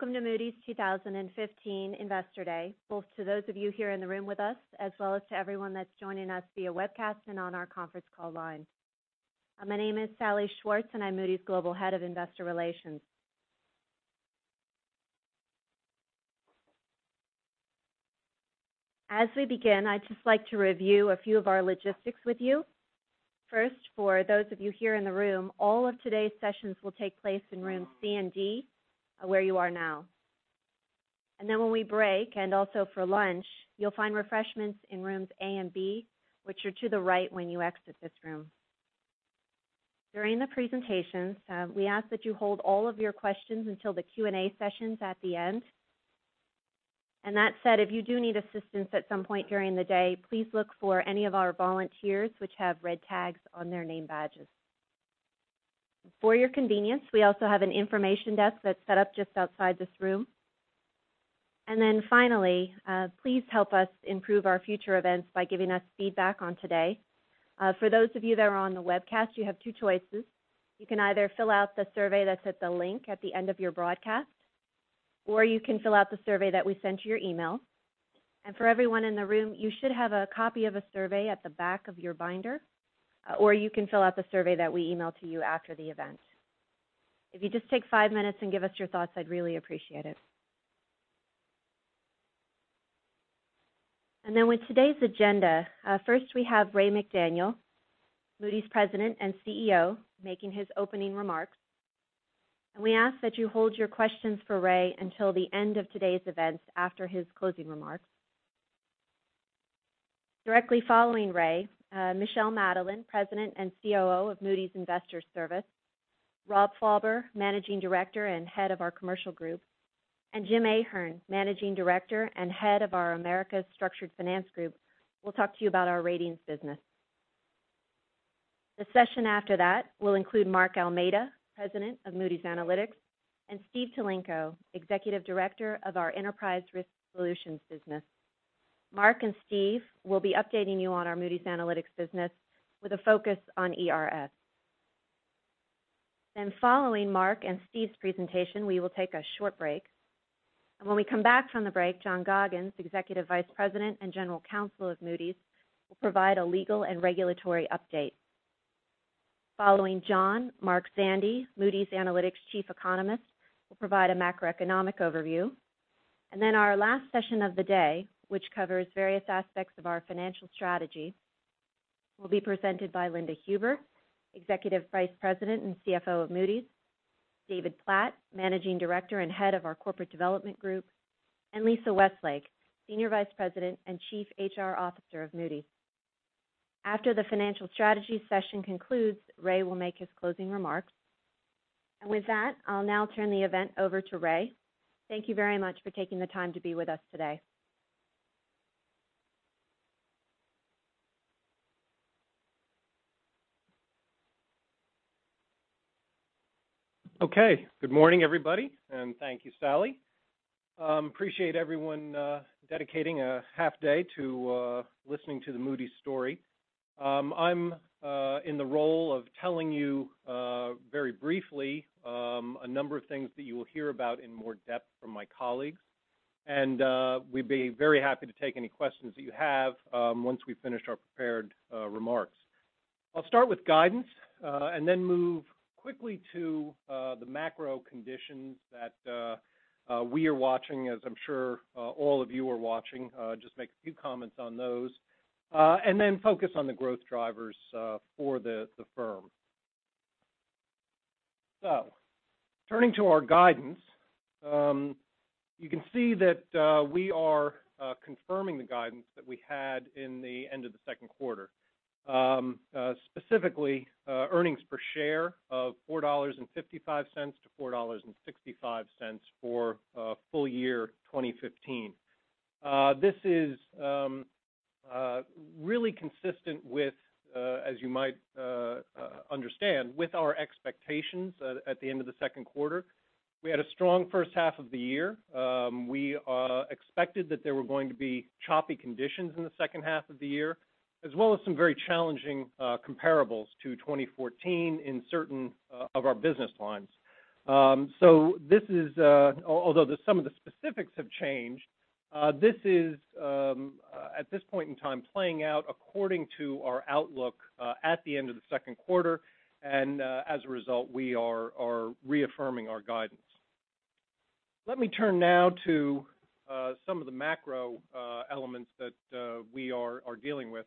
Welcome to Moody’s 2015 Investor Day, both to those of you here in the room with us, as well as to everyone that's joining us via webcast and on our conference call line. My name is Salli Schwartz, I'm Moody's Global Head of Investor Relations. As we begin, I'd just like to review a few of our logistics with you. First, for those of you here in the room, all of today's sessions will take place in rooms C and D, where you are now. When we break and also for lunch, you'll find refreshments in rooms A and B, which are to the right when you exit this room. During the presentations, we ask that you hold all of your questions until the Q&A sessions at the end. That said, if you do need assistance at some point during the day, please look for any of our volunteers, which have red tags on their name badges. For your convenience, we also have an information desk that's set up just outside this room. Finally, please help us improve our future events by giving us feedback on today. For those of you that are on the webcast, you have two choices. You can either fill out the survey that's at the link at the end of your broadcast, or you can fill out the survey that we sent to your email. For everyone in the room, you should have a copy of a survey at the back of your binder, or you can fill out the survey that we email to you after the event. If you just take five minutes and give us your thoughts, I'd really appreciate it. With today's agenda, first we have Ray McDaniel, Moody's President and CEO, making his opening remarks. We ask that you hold your questions for Ray until the end of today's events after his closing remarks. Directly following Ray, Michel Madelain, President and COO of Moody's Investors Service, Rob Fauber, Managing Director and Head of our Commercial Group, and Jim Ahern, Managing Director and Head of our Americas Structured Finance Group, will talk to you about our ratings business. The session after that will include Mark Almeida, President of Moody's Analytics, and Steve Tulenko, Executive Director of our Enterprise Risk Solutions business. Mark and Steve will be updating you on our Moody's Analytics business with a focus on ERS. Following Mark and Steve's presentation, we will take a short break. When we come back from the break, John Goggins, Executive Vice President and General Counsel of Moody's, will provide a legal and regulatory update. Following John, Mark Zandi, Moody's Analytics Chief Economist, will provide a macroeconomic overview. Our last session of the day, which covers various aspects of our financial strategy, will be presented by Linda Huber, Executive Vice President and CFO of Moody's, David Platt, Managing Director and Head of our Corporate Development Group, and Lisa Westlake, Senior Vice President and Chief HR Officer of Moody. After the financial strategy session concludes, Ray will make his closing remarks. With that, I'll now turn the event over to Ray. Thank you very much for taking the time to be with us today. Okay. Good morning, everybody, thank you, Salli. Appreciate everyone dedicating a half day to listening to the Moody's story. I'm in the role of telling you very briefly a number of things that you will hear about in more depth from my colleagues. We'd be very happy to take any questions that you have once we've finished our prepared remarks. I'll start with guidance, move quickly to the macro conditions that we are watching, as I'm sure all of you are watching. Just make a few comments on those. Focus on the growth drivers for the firm. Turning to our guidance, you can see that we are confirming the guidance that we had in the end of the second quarter. Specifically, earnings per share of $4.55 to $4.65 for full year 2015. This is really consistent with, as you might understand, with our expectations at the end of the second quarter. We had a strong first half of the year. We expected that there were going to be choppy conditions in the second half of the year, as well as some very challenging comparables to 2014 in certain of our business lines. Although some of the specifics have changed, this is at this point in time playing out according to our outlook at the end of the second quarter. As a result, we are reaffirming our guidance. Let me turn now to some of the macro elements that we are dealing with.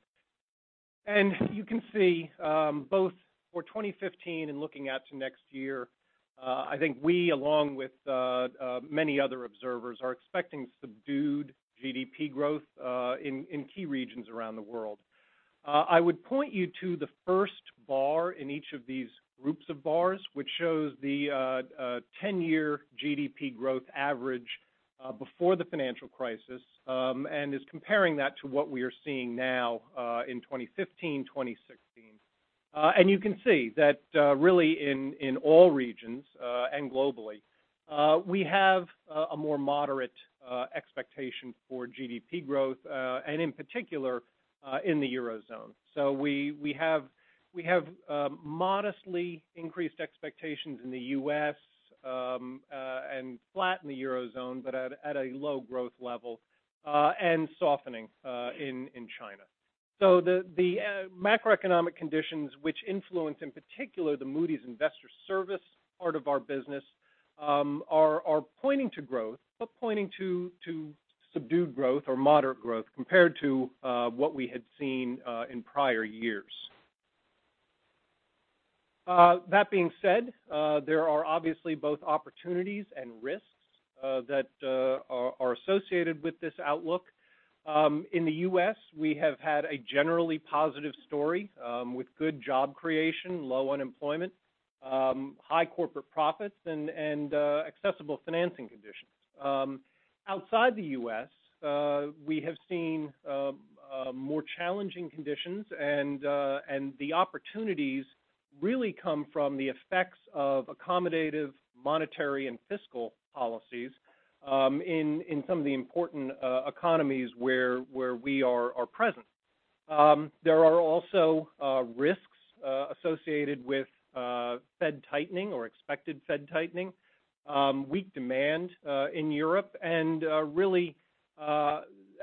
You can see both for 2015 and looking out to next year, I think we, along with many other observers, are expecting subdued GDP growth in key regions around the world. I would point you to the first bar in each of these groups of bars, which shows the 10-year GDP growth average before the financial crisis, is comparing that to what we are seeing now in 2015, 2016. You can see that really in all regions, and globally, we have a more moderate expectation for GDP growth, in particular, in the Eurozone. We have modestly increased expectations in the U.S., flat in the Eurozone, but at a low growth level, softening in China. The macroeconomic conditions which influence, in particular, the Moody's Investors Service part of our business, are pointing to growth, but pointing to subdued growth or moderate growth compared to what we had seen in prior years. That being said, there are obviously both opportunities and risks that are associated with this outlook. In the U.S., we have had a generally positive story with good job creation, low unemployment, high corporate profits, accessible financing conditions. Outside the U.S., we have seen more challenging conditions, the opportunities really come from the effects of accommodative monetary and fiscal policies in some of the important economies where we are present. There are also risks associated with Fed tightening or expected Fed tightening, weak demand in Europe, really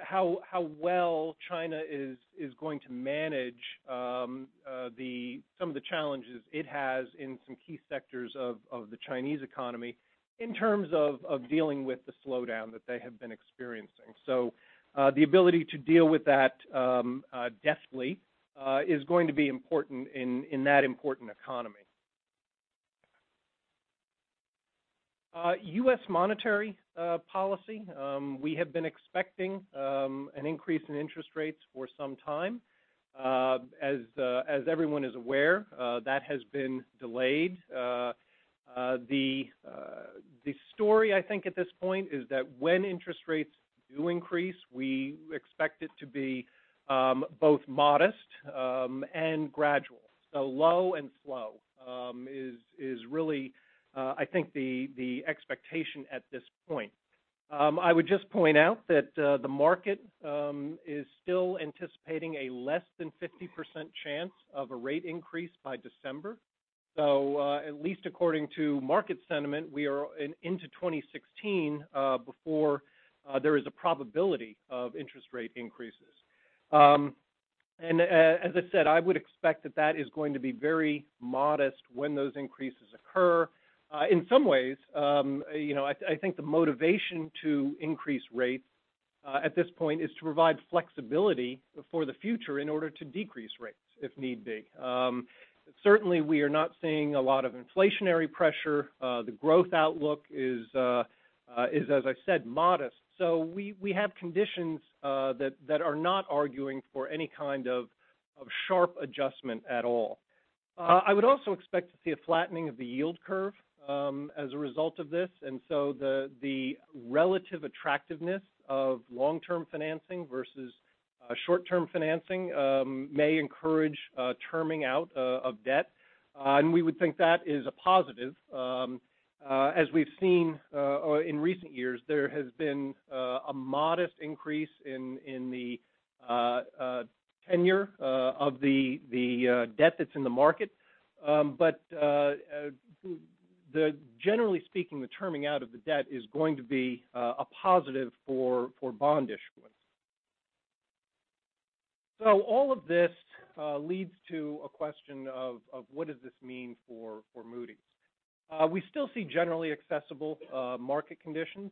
how well China is going to manage some of the challenges it has in some key sectors of the Chinese economy in terms of dealing with the slowdown that they have been experiencing. The ability to deal with that deftly is going to be important in that important economy. U.S. monetary policy. We have been expecting an increase in interest rates for some time. As everyone is aware, that has been delayed. The story I think at this point is that when interest rates do increase, we expect it to be both modest and gradual. Low and slow is really I think the expectation at this point. I would just point out that the market is still anticipating a less than 50% chance of a rate increase by December. At least according to market sentiment, we are into 2016 before there is a probability of interest rate increases. As I said, I would expect that that is going to be very modest when those increases occur. In some ways, I think the motivation to increase rates at this point is to provide flexibility for the future in order to decrease rates if need be. Certainly, we are not seeing a lot of inflationary pressure. The growth outlook is, as I said, modest. We have conditions that are not arguing for any kind of sharp adjustment at all. I would also expect to see a flattening of the yield curve as a result of this, the relative attractiveness of long-term financing versus short-term financing may encourage terming out of debt. We would think that is a positive. As we've seen in recent years, there has been a modest increase in the tenure of the debt that's in the market. Generally speaking, the terming out of the debt is going to be a positive for bond issuance. All of this leads to a question of what does this mean for Moody's? We still see generally accessible market conditions.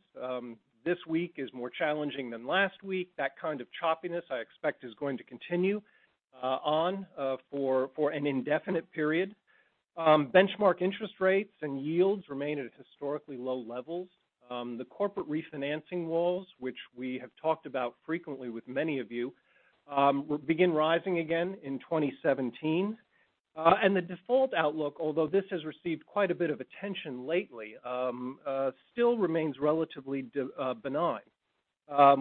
This week is more challenging than last week. That kind of choppiness I expect is going to continue on for an indefinite period. Benchmark interest rates and yields remain at historically low levels. The corporate refinancing walls, which we have talked about frequently with many of you, will begin rising again in 2017. The default outlook, although this has received quite a bit of attention lately, still remains relatively benign.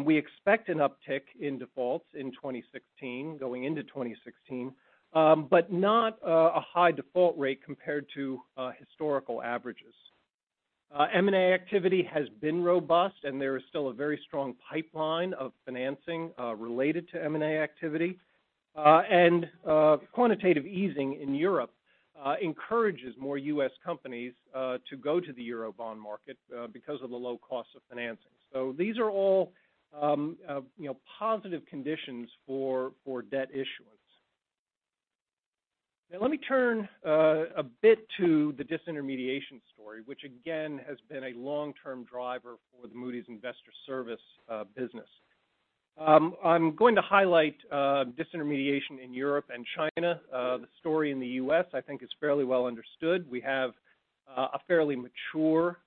We expect an uptick in defaults in 2016, going into 2016, but not a high default rate compared to historical averages. M&A activity has been robust, and there is still a very strong pipeline of financing related to M&A activity. Quantitative easing in Europe encourages more U.S. companies to go to the euro bond market because of the low cost of financing. These are all positive conditions for debt issuance. Now let me turn a bit to the disintermediation story, which again has been a long-term driver for the Moody's Investors Service business. I'm going to highlight disintermediation in Europe and China. The story in the U.S. I think is fairly well understood. We have a fairly mature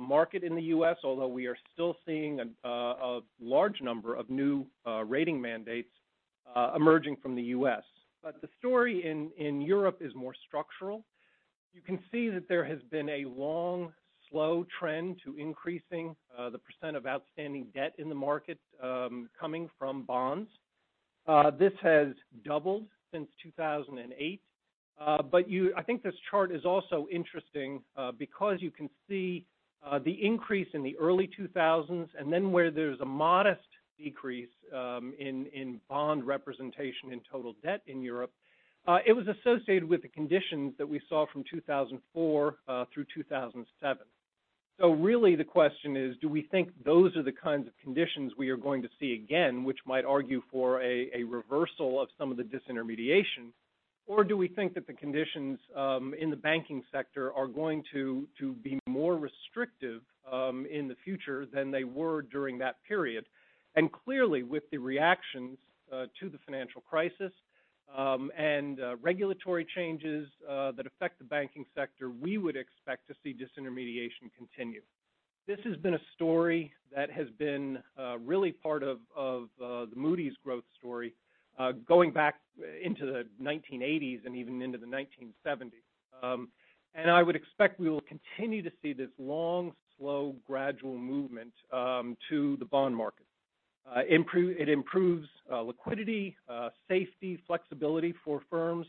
market in the U.S., although we are still seeing a large number of new rating mandates emerging from the U.S. The story in Europe is more structural. You can see that there has been a long, slow trend to increasing the % of outstanding debt in the market coming from bonds. This has doubled since 2008. I think this chart is also interesting because you can see the increase in the early 2000s and then where there's a modest decrease in bond representation in total debt in Europe. It was associated with the conditions that we saw from 2004 through 2007. Really the question is, do we think those are the kinds of conditions we are going to see again, which might argue for a reversal of some of the disintermediation, or do we think that the conditions in the banking sector are going to be more restrictive in the future than they were during that period? Clearly, with the reactions to the financial crisis and regulatory changes that affect the banking sector, we would expect to see disintermediation continue. This has been a story that has been really part of the Moody's growth story going back into the 1980s and even into the 1970s. I would expect we will continue to see this long, slow, gradual movement to the bond market. It improves liquidity, safety, flexibility for firms.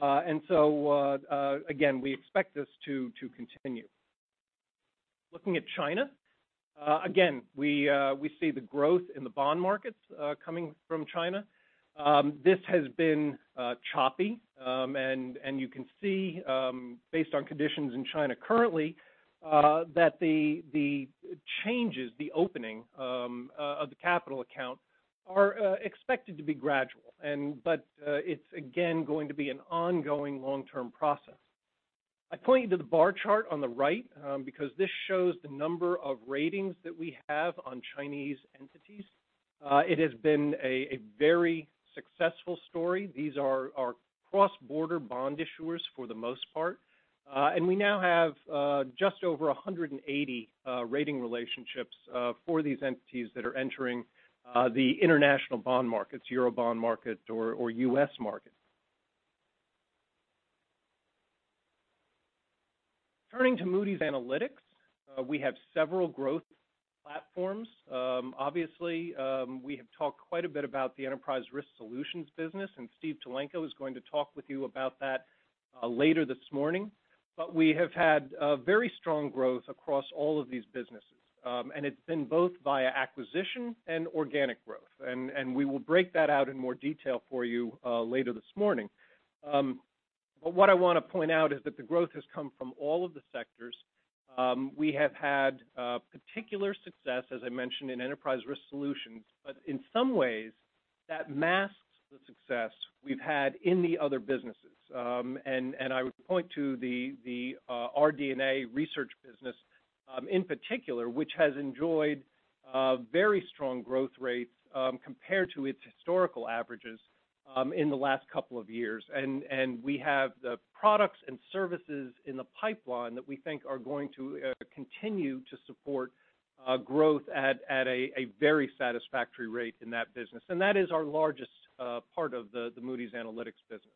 Again, we expect this to continue. Looking at China, again, we see the growth in the bond markets coming from China. This has been choppy and you can see based on conditions in China currently that the changes, the opening of the capital account are expected to be gradual. It's again going to be an ongoing long-term process. I point you to the bar chart on the right because this shows the number of ratings that we have on Chinese entities. It has been a very successful story. These are cross-border bond issuers for the most part. We now have just over 180 rating relationships for these entities that are entering the international bond markets, Euro bond market, or U.S. market. Turning to Moody's Analytics, we have several growth platforms. Obviously we have talked quite a bit about the Enterprise Risk Solutions business, Steve Tulenko is going to talk with you about that later this morning. We have had very strong growth across all of these businesses, and it's been both via acquisition and organic growth. We will break that out in more detail for you later this morning. What I want to point out is that the growth has come from all of the sectors. We have had particular success, as I mentioned, in Enterprise Risk Solutions. In some ways that masks the success we've had in the other businesses. I would point to the RD&A research business in particular, which has enjoyed very strong growth rates compared to its historical averages in the last couple of years. We have the products and services in the pipeline that we think are going to continue to support growth at a very satisfactory rate in that business. That is our largest part of the Moody's Analytics business.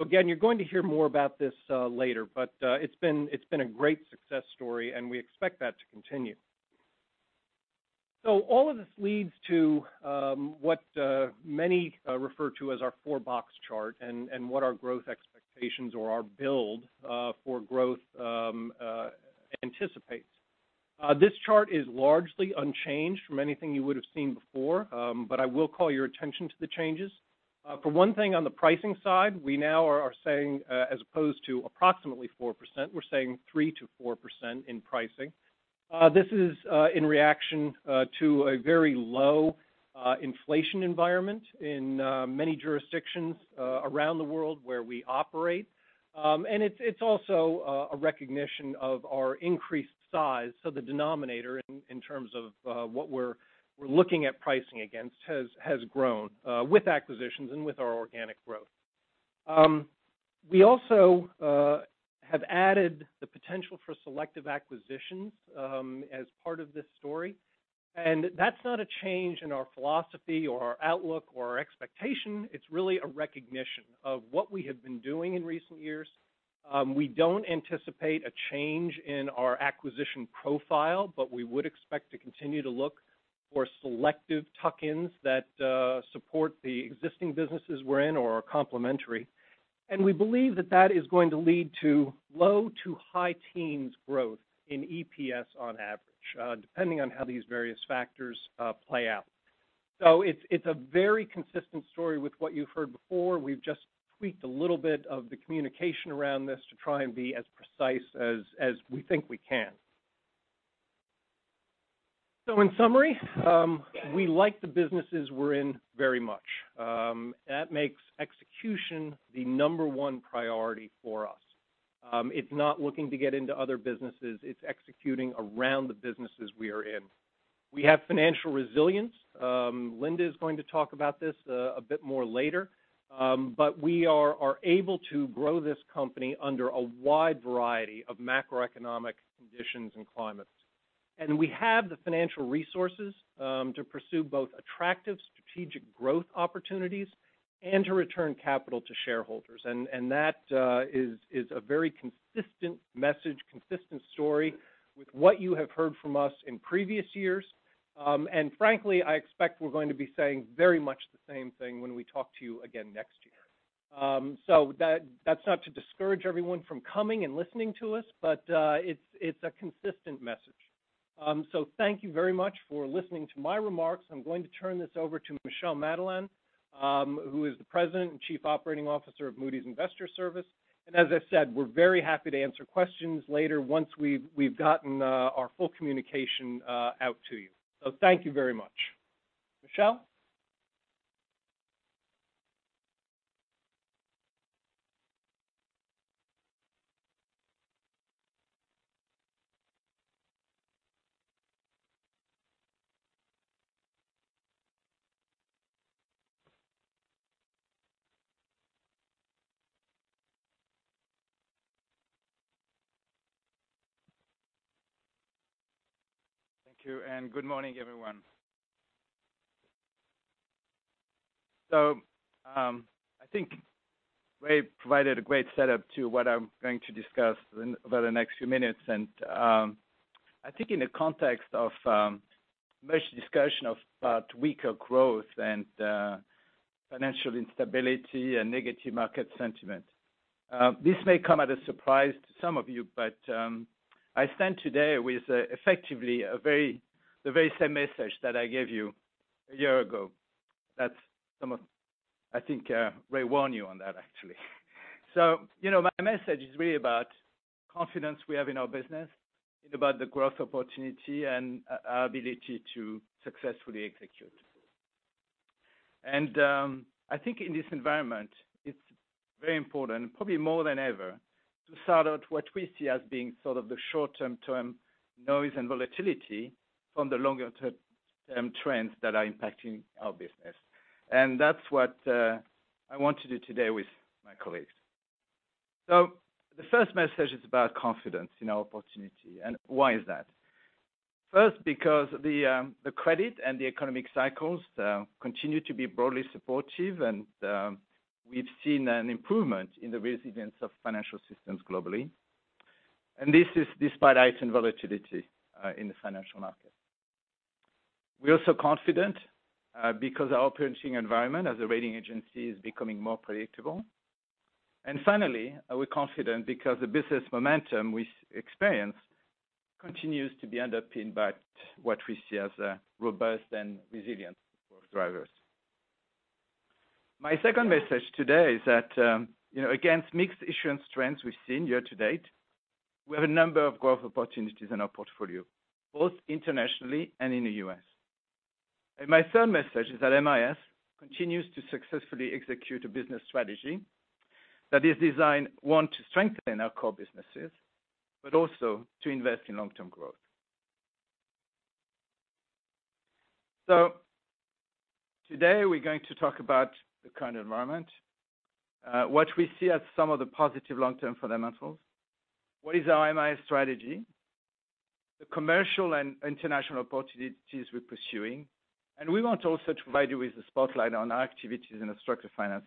Again, you're going to hear more about this later, it's been a great success story. We expect that to continue. All of this leads to what many refer to as our four box chart and what our growth expectations or our build for growth anticipates. This chart is largely unchanged from anything you would have seen before, I will call your attention to the changes. For one thing, on the pricing side, we now are saying as opposed to approximately 4%, we're saying 3%-4% in pricing. This is in reaction to a very low inflation environment in many jurisdictions around the world where we operate. It's also a recognition of our increased size. The denominator in terms of what we're looking at pricing against has grown with acquisitions and with our organic growth. We also have added the potential for selective acquisitions as part of this story, that's not a change in our philosophy or our outlook or our expectation. It's really a recognition of what we have been doing in recent years. We don't anticipate a change in our acquisition profile, but we would expect to continue to look for selective tuck-ins that support the existing businesses we're in or are complementary. We believe that that is going to lead to low- to high teens growth in EPS on average, depending on how these various factors play out. It's a very consistent story with what you've heard before. We've just tweaked a little bit of the communication around this to try and be as precise as we think we can. In summary, we like the businesses we're in very much. That makes execution the number one priority for us. It's not looking to get into other businesses, it's executing around the businesses we are in. We have financial resilience. Linda is going to talk about this a bit more later. We are able to grow this company under a wide variety of macroeconomic conditions and climates. We have the financial resources to pursue both attractive strategic growth opportunities and to return capital to shareholders. That is a very consistent message, consistent story with what you have heard from us in previous years. Frankly, I expect we're going to be saying very much the same thing when we talk to you again next year. That's not to discourage everyone from coming and listening to us, but it's a consistent message. Thank you very much for listening to my remarks. I'm going to turn this over to Michel Madelain, who is the President and Chief Operating Officer of Moody's Investors Service. As I said, we're very happy to answer questions later once we've gotten our full communication out to you. Thank you very much. Michel? Thank you, good morning, everyone. I think Ray provided a great setup to what I'm going to discuss over the next few minutes, I think in the context of much discussion of weaker growth and financial instability and negative market sentiment. This may come as a surprise to some of you, but I stand today with effectively the very same message that I gave you a year ago. I think Ray warned you on that actually. My message is really about confidence we have in our business, about the growth opportunity, and our ability to successfully execute. I think in this environment, it's very important, probably more than ever, to sort out what we see as being sort of the short-term noise and volatility from the longer-term trends that are impacting our business. That's what I want to do today with my colleagues. The first message is about confidence in our opportunity. Why is that? First, because the credit and the economic cycles continue to be broadly supportive, we've seen an improvement in the resilience of financial systems globally. This is despite heightened volatility in the financial markets. We are also confident because our operating environment as a rating agency is becoming more predictable. Finally, we're confident because the business momentum we experience continues to be underpinned by what we see as robust and resilient growth drivers. My second message today is that against mixed issuance trends we've seen year to date, we have a number of growth opportunities in our portfolio, both internationally and in the U.S. My third message is that MIS continues to successfully execute a business strategy that is designed, one, to strengthen our core businesses, but also to invest in long-term growth. Today, we're going to talk about the current environment, what we see as some of the positive long-term fundamentals, what is our MIS strategy, the commercial and international opportunities we're pursuing, and we want to also provide you with a spotlight on our activities in the structured finance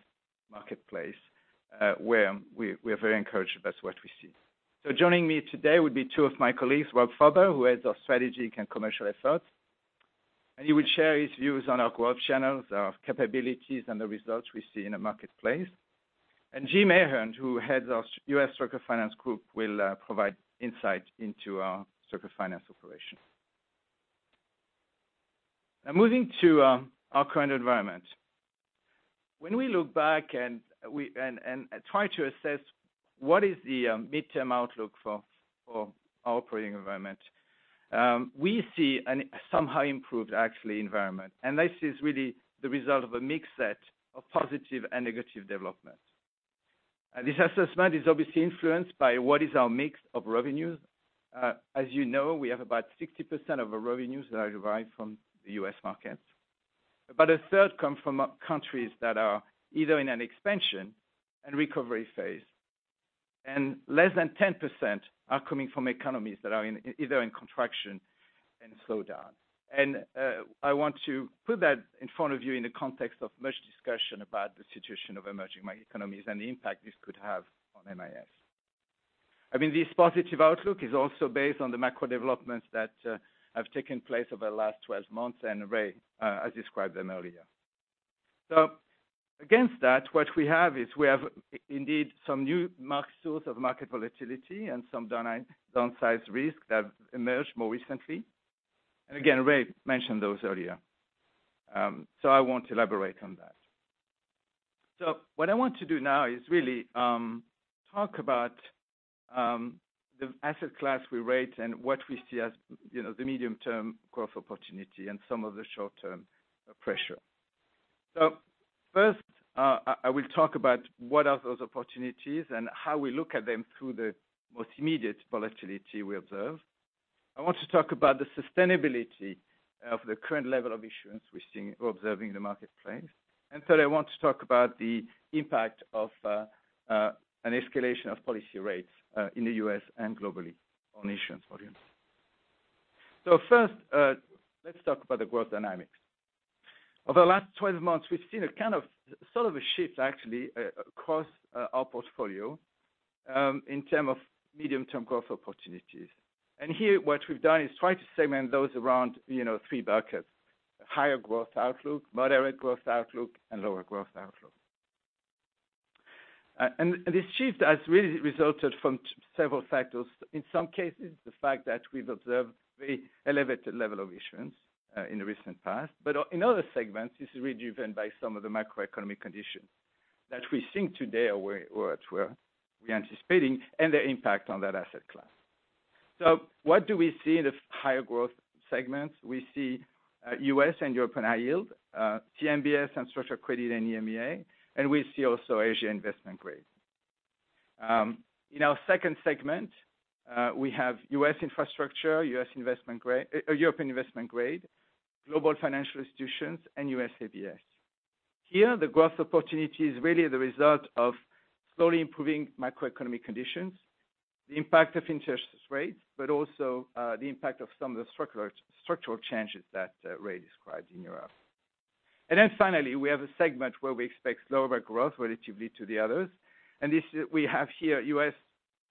marketplace, where we are very encouraged by what we see. Joining me today will be two of my colleagues, Rob Fauber, who heads our strategy and commercial efforts. He will share his views on our growth channels, our capabilities, and the results we see in the marketplace. Jim Ahern, who heads our U.S. Structured Finance Group, will provide insight into our structured finance operation. Moving to our current environment. When we look back and try to assess what is the midterm outlook for our operating environment, we see a somewhat improved, actually, environment. This is really the result of a mixed set of positive and negative developments. This assessment is obviously influenced by what is our mix of revenues. As you know, we have about 60% of our revenues that are derived from the U.S. markets. About a third come from countries that are either in an expansion and recovery phase. Less than 10% are coming from economies that are either in contraction and slowdown. I want to put that in front of you in the context of much discussion about the situation of emerging market economies and the impact this could have on MIS. This positive outlook is also based on the macro developments that have taken place over the last 12 months. Ray has described them earlier. Against that, what we have is we have indeed some new source of market volatility and some downsized risks that have emerged more recently. Again, Ray mentioned those earlier. I won't elaborate on that. What I want to do now is really talk about the asset class we rate and what we see as the medium-term growth opportunity and some of the short-term pressure. First, I will talk about what are those opportunities and how we look at them through the most immediate volatility we observe. I want to talk about the sustainability of the current level of issuance we're observing in the marketplace. Today I want to talk about the impact of an escalation of policy rates in the U.S. and globally on issuance volumes. First, let's talk about the growth dynamics. Over the last 12 months, we've seen sort of a shift actually across our portfolio, in terms of medium-term growth opportunities. Here, what we've done is try to segment those around three buckets: higher growth outlook, moderate growth outlook, and lower growth outlook. This shift has really resulted from several factors. In some cases, the fact that we've observed very elevated level of issuance in the recent past, but in other segments, this is really driven by some of the macroeconomic conditions that we think today or we're anticipating, and their impact on that asset class. What do we see in the higher growth segments? We see U.S. and European High Yield, CMBS and structural credit in EMEA, and we see also Asia Investment-Grade. In our second segment, we have U.S. infrastructure, European Investment-Grade, global financial institutions, and U.S. ABS. Here, the growth opportunity is really the result of slowly improving macroeconomic conditions, the impact of interest rates, but also the impact of some of the structural changes that Ray described in Europe. Finally, we have a segment where we expect slower growth relatively to the others, we have here U.S.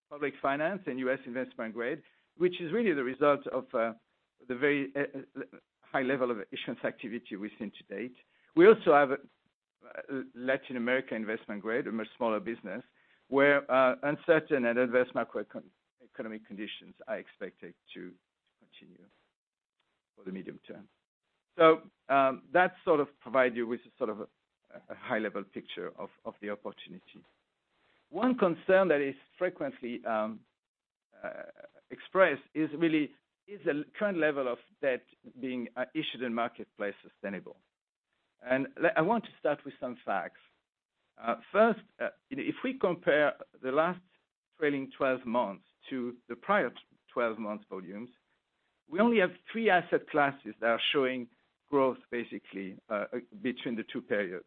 public finance and U.S. Investment-Grade, which is really the result of the very high level of issuance activity we've seen to date. We also have Latin America Investment-Grade, a much smaller business, where uncertain and adverse macroeconomic conditions are expected to continue for the medium term. That sort of provide you with a high-level picture of the opportunity. One concern that is frequently expressed is really, is the current level of debt being issued in marketplace sustainable? I want to start with some facts. First, if we compare the last trailing 12 months to the prior 12 months volumes, we only have three asset classes that are showing growth basically, between the two periods.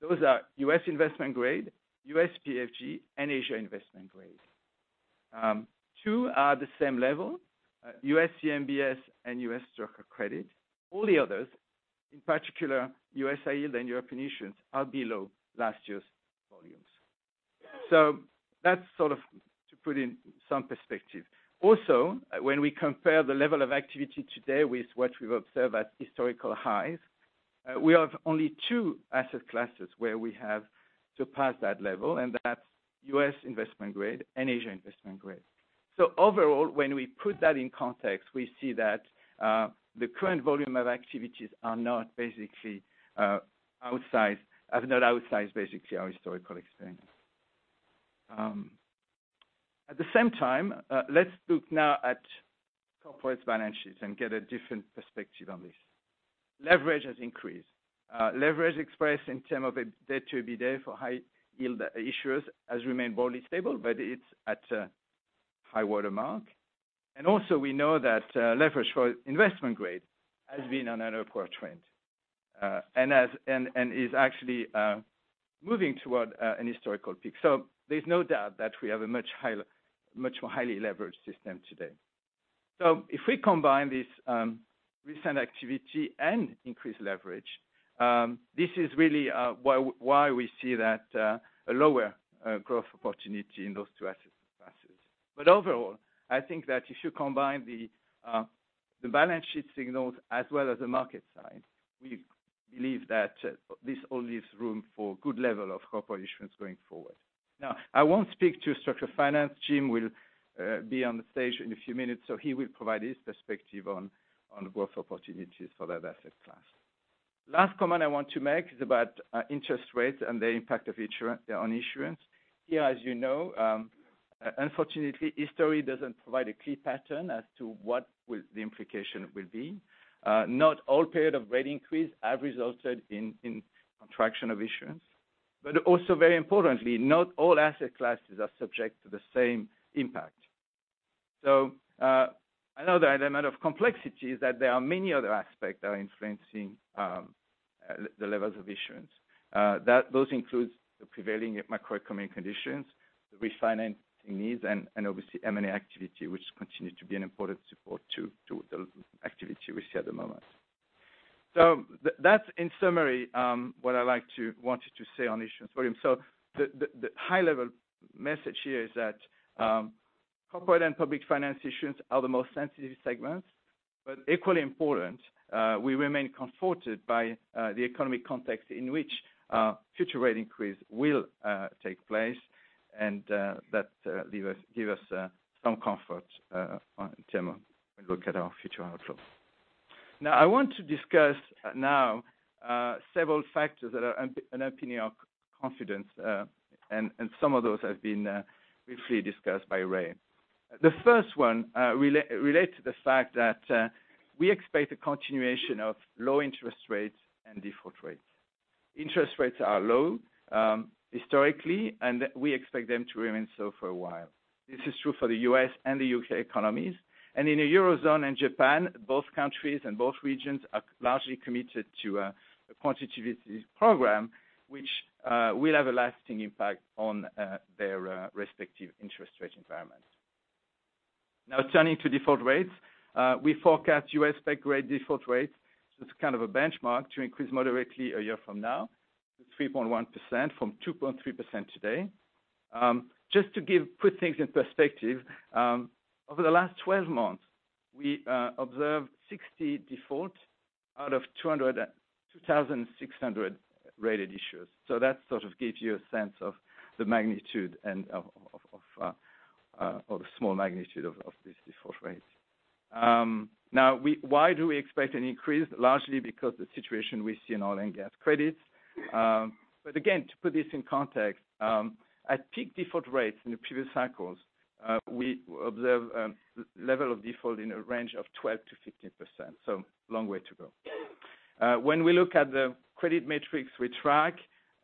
Those are U.S. Investment-Grade, U.S. PFG, and Asia Investment-Grade. Two are the same level, U.S. CMBS and U.S. structural credit. All the others, in particular U.S. HY and European issuance, are below last year's volumes. That's sort of to put in some perspective. Also, when we compare the level of activity today with what we've observed at historical highs, we have only two asset classes where we have surpassed that level, that's U.S. Investment-Grade and Asia Investment-Grade. Overall, when we put that in context, we see that the current volume of activities are not outside basically our historical experience. At the same time, let's look now at corporate's financials and get a different perspective on this. Leverage has increased. Leverage expressed in terms of debt-to-EBITDA for High Yield issuers has remained broadly stable, but it's at a high watermark. We know that leverage for Investment-Grade has been on an upward trend, and is actually moving toward an historical peak. There's no doubt that we have a much more highly leveraged system today. If we combine this recent activity and increased leverage, this is really why we see that lower growth opportunity in those two asset classes. Overall, I think that if you combine the balance sheet signals as well as the market side, we believe that this all leaves room for good level of corporate issuance going forward. I won't speak to structured finance. Jim will be on the stage in a few minutes, he will provide his perspective on growth opportunities for that asset class. Last comment I want to make is about interest rates and the impact on issuance. Here, as you know, unfortunately, history doesn't provide a clear pattern as to what the implication will be. Not all period of rate increase have resulted in contraction of issuance. Also very importantly, not all asset classes are subject to the same impact. Another element of complexity is that there are many other aspects that are influencing the levels of issuance. Those includes the prevailing macroeconomic conditions, the refinancing needs, and obviously M&A activity, which continues to be an important support to the activity we see at the moment. That's in summary what I wanted to say on issuance volume. The high level message here is that corporate and public finance issuance are the most sensitive segments, but equally important, we remain comforted by the economic context in which future rate increase will take place and that give us some comfort in term of when we look at our future outlook. I want to discuss now several factors that underpin our confidence, and some of those have been briefly discussed by Ray. The first one relate to the fact that we expect a continuation of low interest rates and default rates. Interest rates are low historically, and we expect them to remain so for a while. This is true for the U.S. and the U.K. economies. In the Eurozone and Japan, both countries and both regions are largely committed to a quantitative program, which will have a lasting impact on their respective interest rate environments. Turning to default rates. We forecast U.S. spec-grade default rates, so it's kind of a benchmark, to increase moderately a year from now to 3.1% from 2.3% today. Just to put things in perspective, over the last 12 months, we observed 60 defaults out of 2,600 rated issues. That sort of gives you a sense of the magnitude, or the small magnitude of these default rates. Why do we expect an increase? Largely because the situation we see in oil and gas credits. Again, to put this in context, at peak default rates in the previous cycles, we observed level of default in a range of 12%-15%, so long way to go. When we look at the credit metrics we track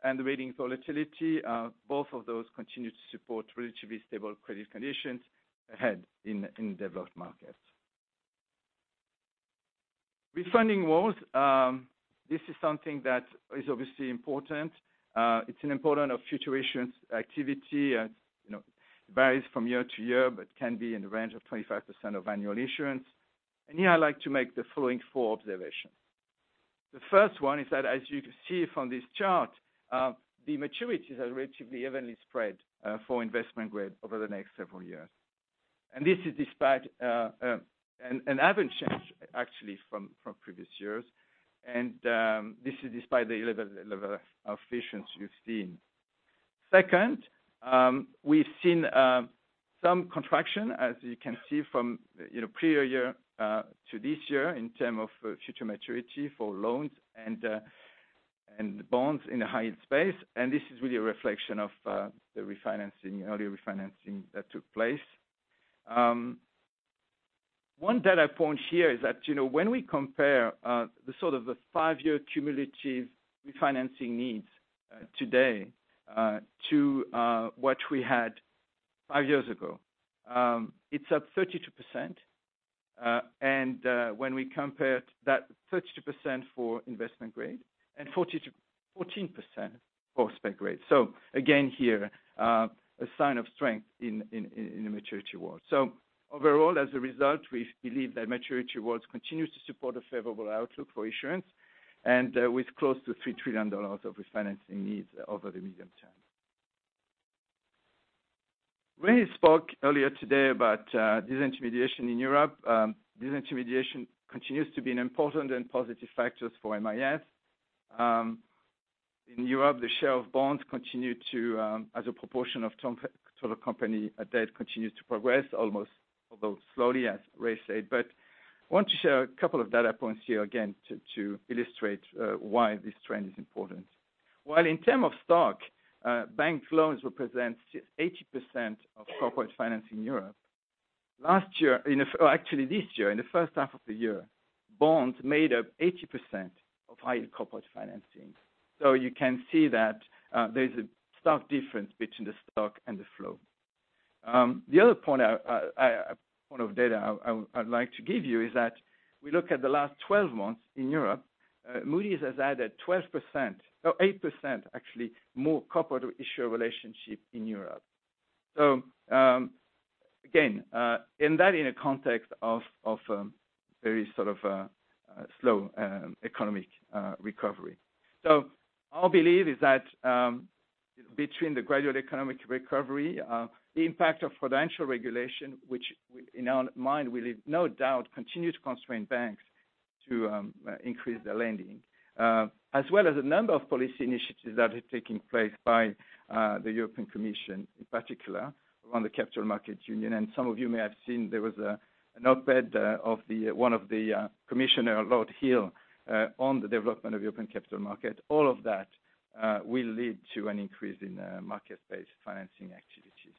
and the rating volatility, both of those continue to support relatively stable credit conditions ahead in developed markets. Refunding walls, this is something that is obviously important. It's an important of futurations activity and varies from year-to-year, but can be in the range of 25% of annual issuance. Here I'd like to make the following four observations. The first one is that, as you can see from this chart, the maturities are relatively evenly spread for investment grade over the next several years. This is despite an average change actually from previous years, and this is despite the level of issuance you've seen. Second, we've seen some contraction, as you can see from the prior year to this year in term of future maturity for loans and bonds in the high-end space, and this is really a reflection of the early refinancing that took place. One data point here is that when we compare the five-year cumulative refinancing needs today to what we had five years ago, it's up 32%. When we compared that 32% for investment grade and 14% for spec-grade. Again here, a sign of strength in the maturity world. Overall, as a result, we believe that maturity worlds continues to support a favorable outlook for issuance and with close to $3 trillion of refinancing needs over the medium term. Ray spoke earlier today about disintermediation in Europe. Disintermediation continues to be an important and positive factors for MIS. In Europe, the share of bonds, as a proportion of total company debt, continues to progress almost, although slowly, as Ray said. Want to share a couple of data points here again to illustrate why this trend is important. While in term of stock, bank loans represent 80% of corporate finance in Europe. Actually this year, in the first half of the year, bonds made up 80% of high corporate financing. You can see that there's a stark difference between the stock and the flow. The other point of data I'd like to give you is that we look at the last 12 months in Europe, Moody's has added 12%, no 8% actually, more corporate issuer relationship in Europe. Again, and that in a context of very sort of slow economic recovery. Our belief is that between the gradual economic recovery, the impact of financial regulation, which in our mind will no doubt continue to constrain banks to increase their lending, as well as a number of policy initiatives that are taking place by the European Commission, in particular around the Capital Markets Union, and some of you may have seen there was an op-ed of one of the commissioner, Lord Hill, on the development of European capital market. All of that will lead to an increase in market-based financing activities.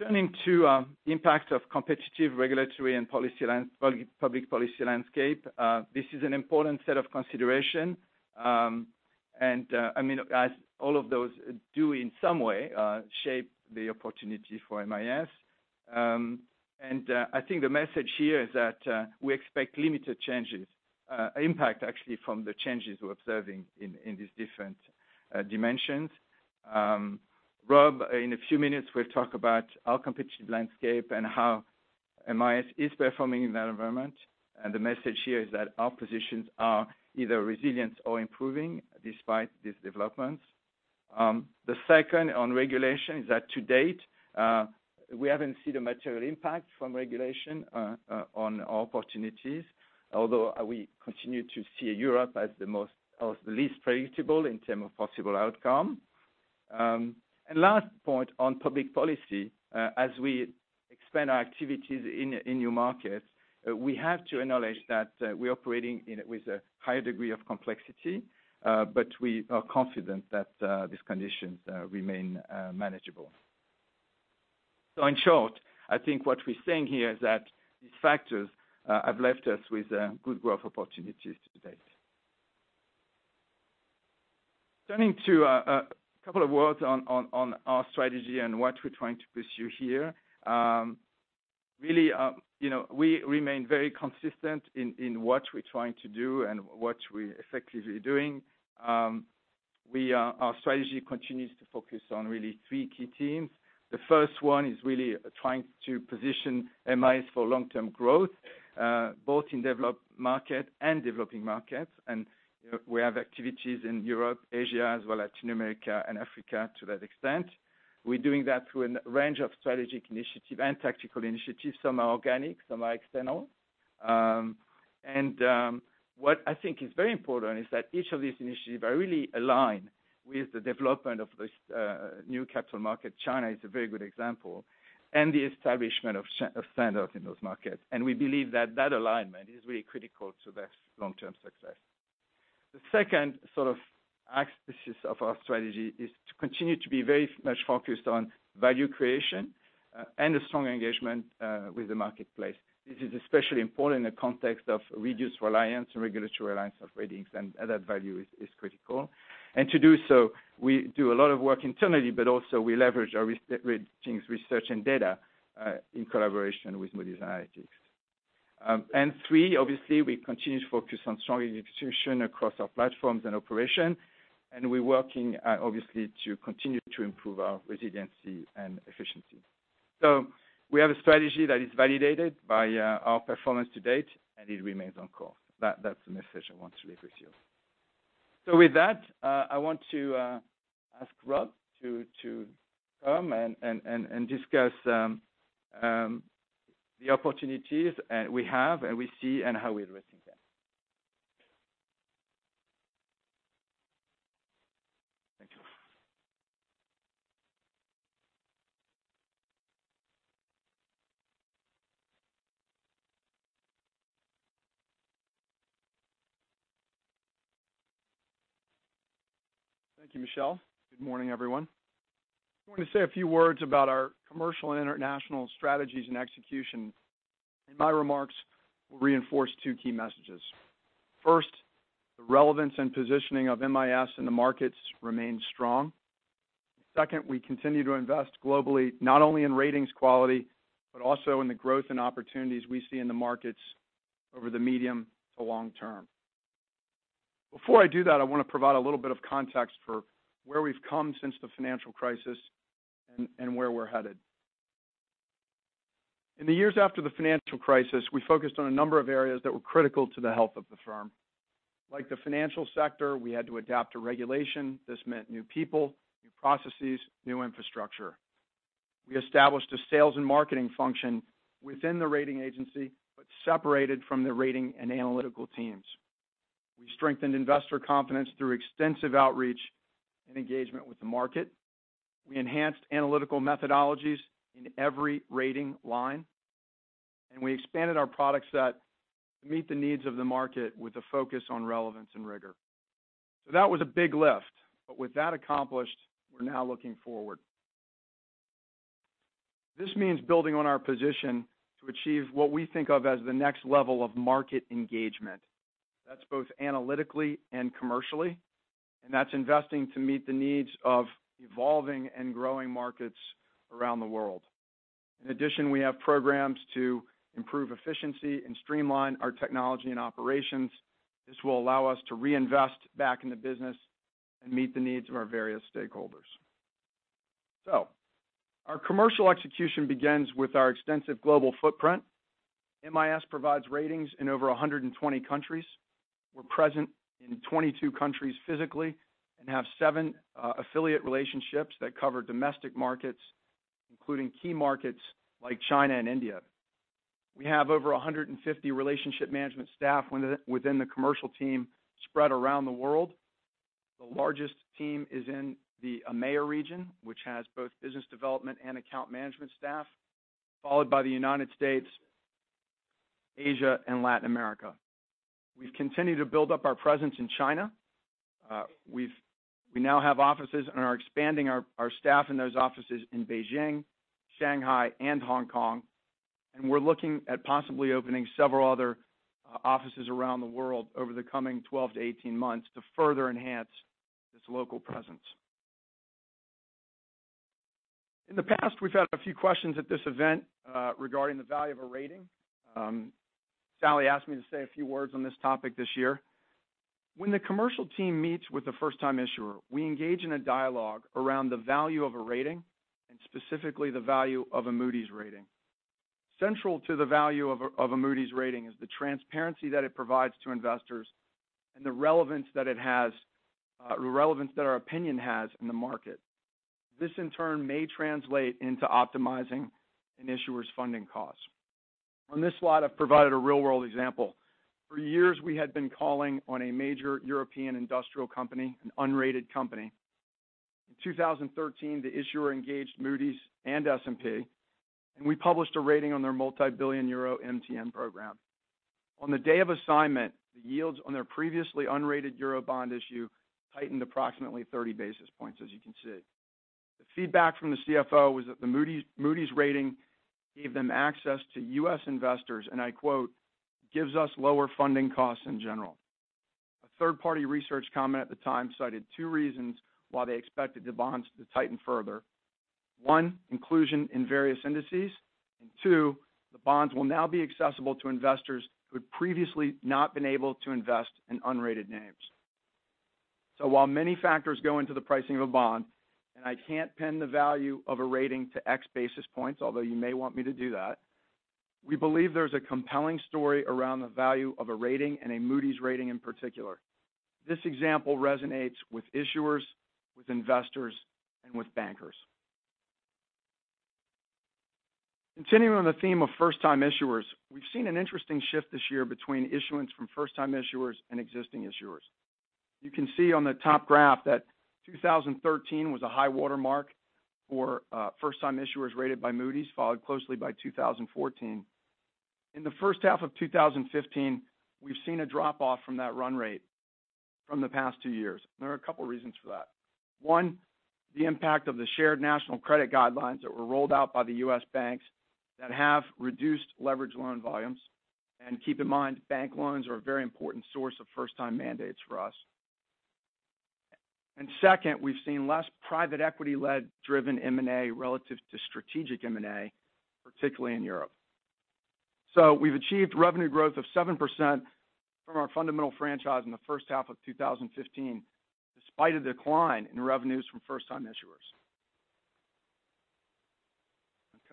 Turning to impact of competitive regulatory and public policy landscape. This is an important set of consideration. As all of those do in some way shape the opportunity for MIS, and I think the message here is that we expect limited changes, impact actually from the changes we're observing in these different dimensions. Rob, in a few minutes, will talk about our competitive landscape and how MIS is performing in that environment, and the message here is that our positions are either resilient or improving despite these developments. The second on regulation is that to date, we haven't seen a material impact from regulation on our opportunities, although we continue to see Europe as the least predictable in term of possible outcome. Last point on public policy, as we expand our activities in new markets, we have to acknowledge that we're operating in it with a higher degree of complexity, but we are confident that these conditions remain manageable. In short, I think what we're saying here is that these factors have left us with good growth opportunities to date. Turning to a couple of words on our strategy and what we're trying to pursue here. We remain very consistent in what we're trying to do and what we're effectively doing. Our strategy continues to focus on really three key themes. The first one is really trying to position MIS for long-term growth, both in developed markets and developing markets. We have activities in Europe, Asia, as well as Latin America and Africa to that extent. We're doing that through a range of strategic initiatives and tactical initiatives. Some are organic, some are external. What I think is very important is that each of these initiatives are really aligned with the development of this new capital market, China is a very good example, and the establishment of standards in those markets. We believe that that alignment is really critical to their long-term success. The second sort of axis of our strategy is to continue to be very much focused on value creation and a strong engagement with the marketplace. This is especially important in the context of reduced reliance and regulatory reliance of ratings, and added value is critical. To do so, we do a lot of work internally, but also we leverage our ratings research and data in collaboration with Moody's Analytics. Three, obviously, we continue to focus on strong execution across our platforms and operation, and we're working obviously to continue to improve our resiliency and efficiency. We have a strategy that is validated by our performance to date, and it remains on course. That's the message I want to leave with you. With that, I want to ask Rob to come and discuss the opportunities we have and we see and how we're addressing them. Thank you. Thank you, Michel. Good morning, everyone. I want to say a few words about our commercial and international strategies and execution, and my remarks will reinforce two key messages. First, the relevance and positioning of MIS in the markets remains strong. Second, we continue to invest globally, not only in ratings quality, but also in the growth and opportunities we see in the markets over the medium to long term. Before I do that, I want to provide a little bit of context for where we've come since the financial crisis and where we're headed. In the years after the financial crisis, we focused on a number of areas that were critical to the health of the firm. Like the financial sector, we had to adapt to regulation. This meant new people, new processes, new infrastructure. We established a sales and marketing function within the rating agency, but separated from the rating and analytical teams. We strengthened investor confidence through extensive outreach and engagement with the market. We enhanced analytical methodologies in every rating line, and we expanded our product set to meet the needs of the market with a focus on relevance and rigor. That was a big lift. With that accomplished, we're now looking forward. This means building on our position to achieve what we think of as the next level of market engagement. That's both analytically and commercially, and that's investing to meet the needs of evolving and growing markets around the world. In addition, we have programs to improve efficiency and streamline our technology and operations. This will allow us to reinvest back in the business and meet the needs of our various stakeholders. Our commercial execution begins with our extensive global footprint. MIS provides ratings in over 120 countries. We're present in 22 countries physically and have seven affiliate relationships that cover domestic markets, including key markets like China and India. We have over 150 relationship management staff within the commercial team spread around the world. The largest team is in the EMEA region, which has both business development and account management staff, followed by the United States, Asia, and Latin America. We've continued to build up our presence in China. We now have offices and are expanding our staff in those offices in Beijing, Shanghai, and Hong Kong. We're looking at possibly opening several other offices around the world over the coming 12 to 18 months to further enhance this local presence. In the past, we've had a few questions at this event regarding the value of a rating. Salli asked me to say a few words on this topic this year. When the commercial team meets with a first-time issuer, we engage in a dialogue around the value of a rating, and specifically the value of a Moody's rating. Central to the value of a Moody's rating is the transparency that it provides to investors and the relevance that our opinion has in the market. This, in turn, may translate into optimizing an issuer's funding costs. On this slide, I've provided a real-world example. For years, we had been calling on a major European industrial company, an unrated company. In 2013, the issuer engaged Moody's and S&P, and we published a rating on their multi-billion EUR MTN program. On the day of assignment, the yields on their previously unrated Eurobond issue tightened approximately 30 basis points, as you can see. The feedback from the CFO was that the Moody's rating gave them access to U.S. investors, and I quote, "Gives us lower funding costs in general." A third-party research comment at the time cited two reasons why they expected the bonds to tighten further. One, inclusion in various indices, and two, the bonds will now be accessible to investors who had previously not been able to invest in unrated names. While many factors go into the pricing of a bond, and I can't pin the value of a rating to X basis points, although you may want me to do that, we believe there's a compelling story around the value of a rating and a Moody's rating in particular. This example resonates with issuers, with investors, and with bankers. Continuing on the theme of first-time issuers, we've seen an interesting shift this year between issuance from first-time issuers and existing issuers. You can see on the top graph that 2013 was a high-water mark for first-time issuers rated by Moody's, followed closely by 2014. In the first half of 2015, we've seen a drop-off from that run rate from the past two years. There are a couple of reasons for that. One, the impact of the Shared National Credit guidelines that were rolled out by the U.S. banks that have reduced leverage loan volumes. Keep in mind, bank loans are a very important source of first-time mandates for us. Second, we've seen less private equity-led driven M&A relative to strategic M&A, particularly in Europe. We've achieved revenue growth of 7% from our fundamental franchise in the first half of 2015, despite a decline in revenues from first-time issuers.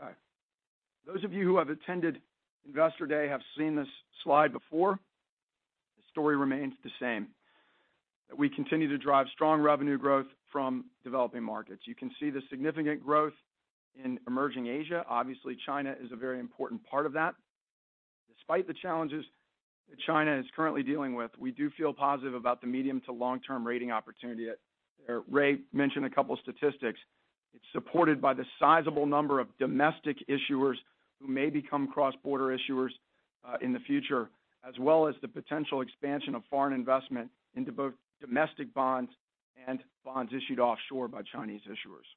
Okay. Those of you who have attended Investor Day have seen this slide before. The story remains the same, that we continue to drive strong revenue growth from developing markets. You can see the significant growth in emerging Asia. Obviously, China is a very important part of that. Despite the challenges that China is currently dealing with, we do feel positive about the medium to long-term rating opportunity. Ray mentioned a couple of statistics. It's supported by the sizable number of domestic issuers who may become cross-border issuers in the future, as well as the potential expansion of foreign investment into both domestic bonds and bonds issued offshore by Chinese issuers.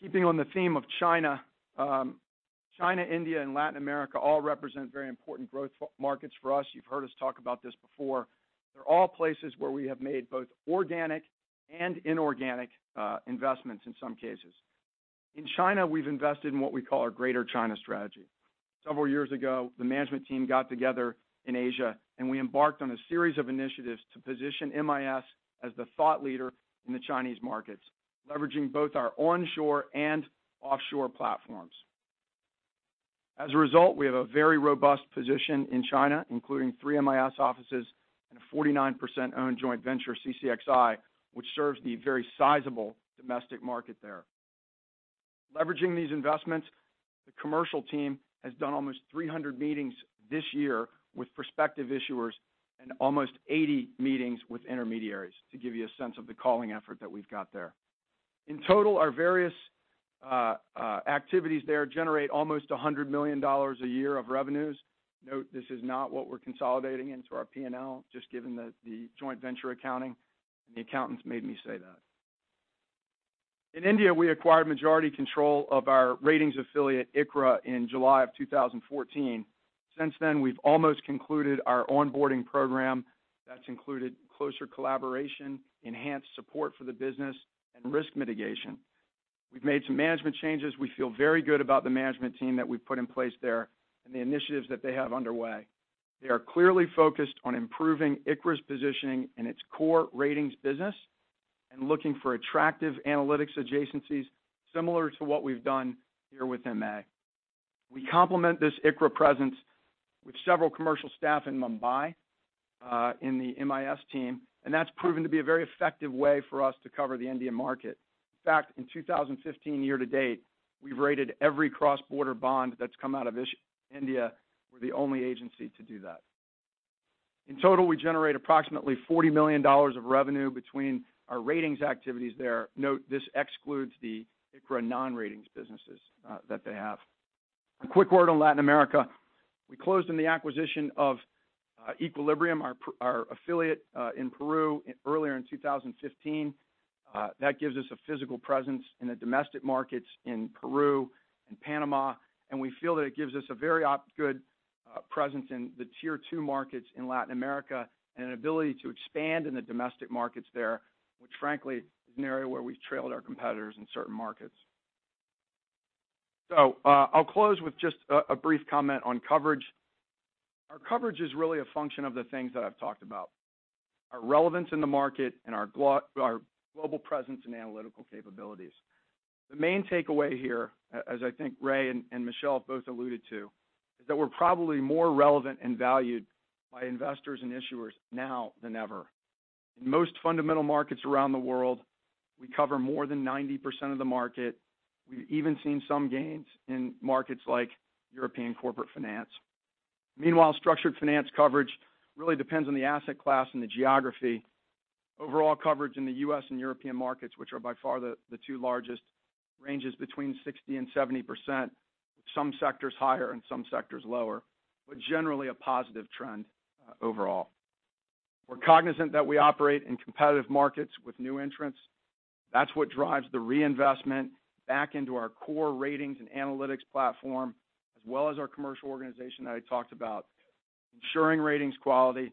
Keeping on the theme of China, India, and Latin America all represent very important growth markets for us. You've heard us talk about this before. They're all places where we have made both organic and inorganic investments in some cases. In China, we've invested in what we call our Greater China strategy. Several years ago, the management team got together in Asia and we embarked on a series of initiatives to position MIS as the thought leader in the Chinese markets, leveraging both our onshore and offshore platforms. As a result, we have a very robust position in China, including three MIS offices and a 49%-owned joint venture, CCXI, which serves the very sizable domestic market there. Leveraging these investments, the commercial team has done almost 300 meetings this year with prospective issuers and almost 80 meetings with intermediaries, to give you a sense of the calling effort that we've got there. In total, our various activities there generate almost $100 million a year of revenues. Note this is not what we're consolidating into our P&L, just given the joint venture accounting. The accountants made me say that. In India, we acquired majority control of our ratings affiliate, ICRA, in July of 2014. Since then, we've almost concluded our onboarding program that's included closer collaboration, enhanced support for the business, and risk mitigation. We've made some management changes. We feel very good about the management team that we've put in place there and the initiatives that they have underway. They are clearly focused on improving ICRA's positioning in its core ratings business and looking for attractive analytics adjacencies similar to what we've done here with MA. We complement this ICRA presence with several commercial staff in Mumbai, in the MIS team, and that's proven to be a very effective way for us to cover the Indian market. In fact, in 2015 year to date, we've rated every cross-border bond that's come out of India. We're the only agency to do that. In total, we generate approximately $40 million of revenue between our ratings activities there. Note this excludes the ICRA non-ratings businesses that they have. A quick word on Latin America. We closed on the acquisition of Equilibrium, our affiliate in Peru earlier in 2015. That gives us a physical presence in the domestic markets in Peru and Panama, and we feel that it gives us a very good presence in the tier 2 markets in Latin America and an ability to expand in the domestic markets there, which frankly, is an area where we've trailed our competitors in certain markets. I'll close with just a brief comment on coverage. Our coverage is really a function of the things that I've talked about, our relevance in the market and our global presence and analytical capabilities. The main takeaway here, as I think Ray and Michel have both alluded to, is that we're probably more relevant and valued by investors and issuers now than ever. In most fundamental markets around the world, we cover more than 90% of the market. We've even seen some gains in markets like European corporate finance. Meanwhile, structured finance coverage really depends on the asset class and the geography. Overall coverage in the U.S. and European markets, which are by far the two largest, ranges between 60% and 70%, some sectors higher and some sectors lower, but generally a positive trend overall. We're cognizant that we operate in competitive markets with new entrants. That's what drives the reinvestment back into our core ratings and analytics platform, as well as our commercial organization that I talked about. Ensuring ratings quality,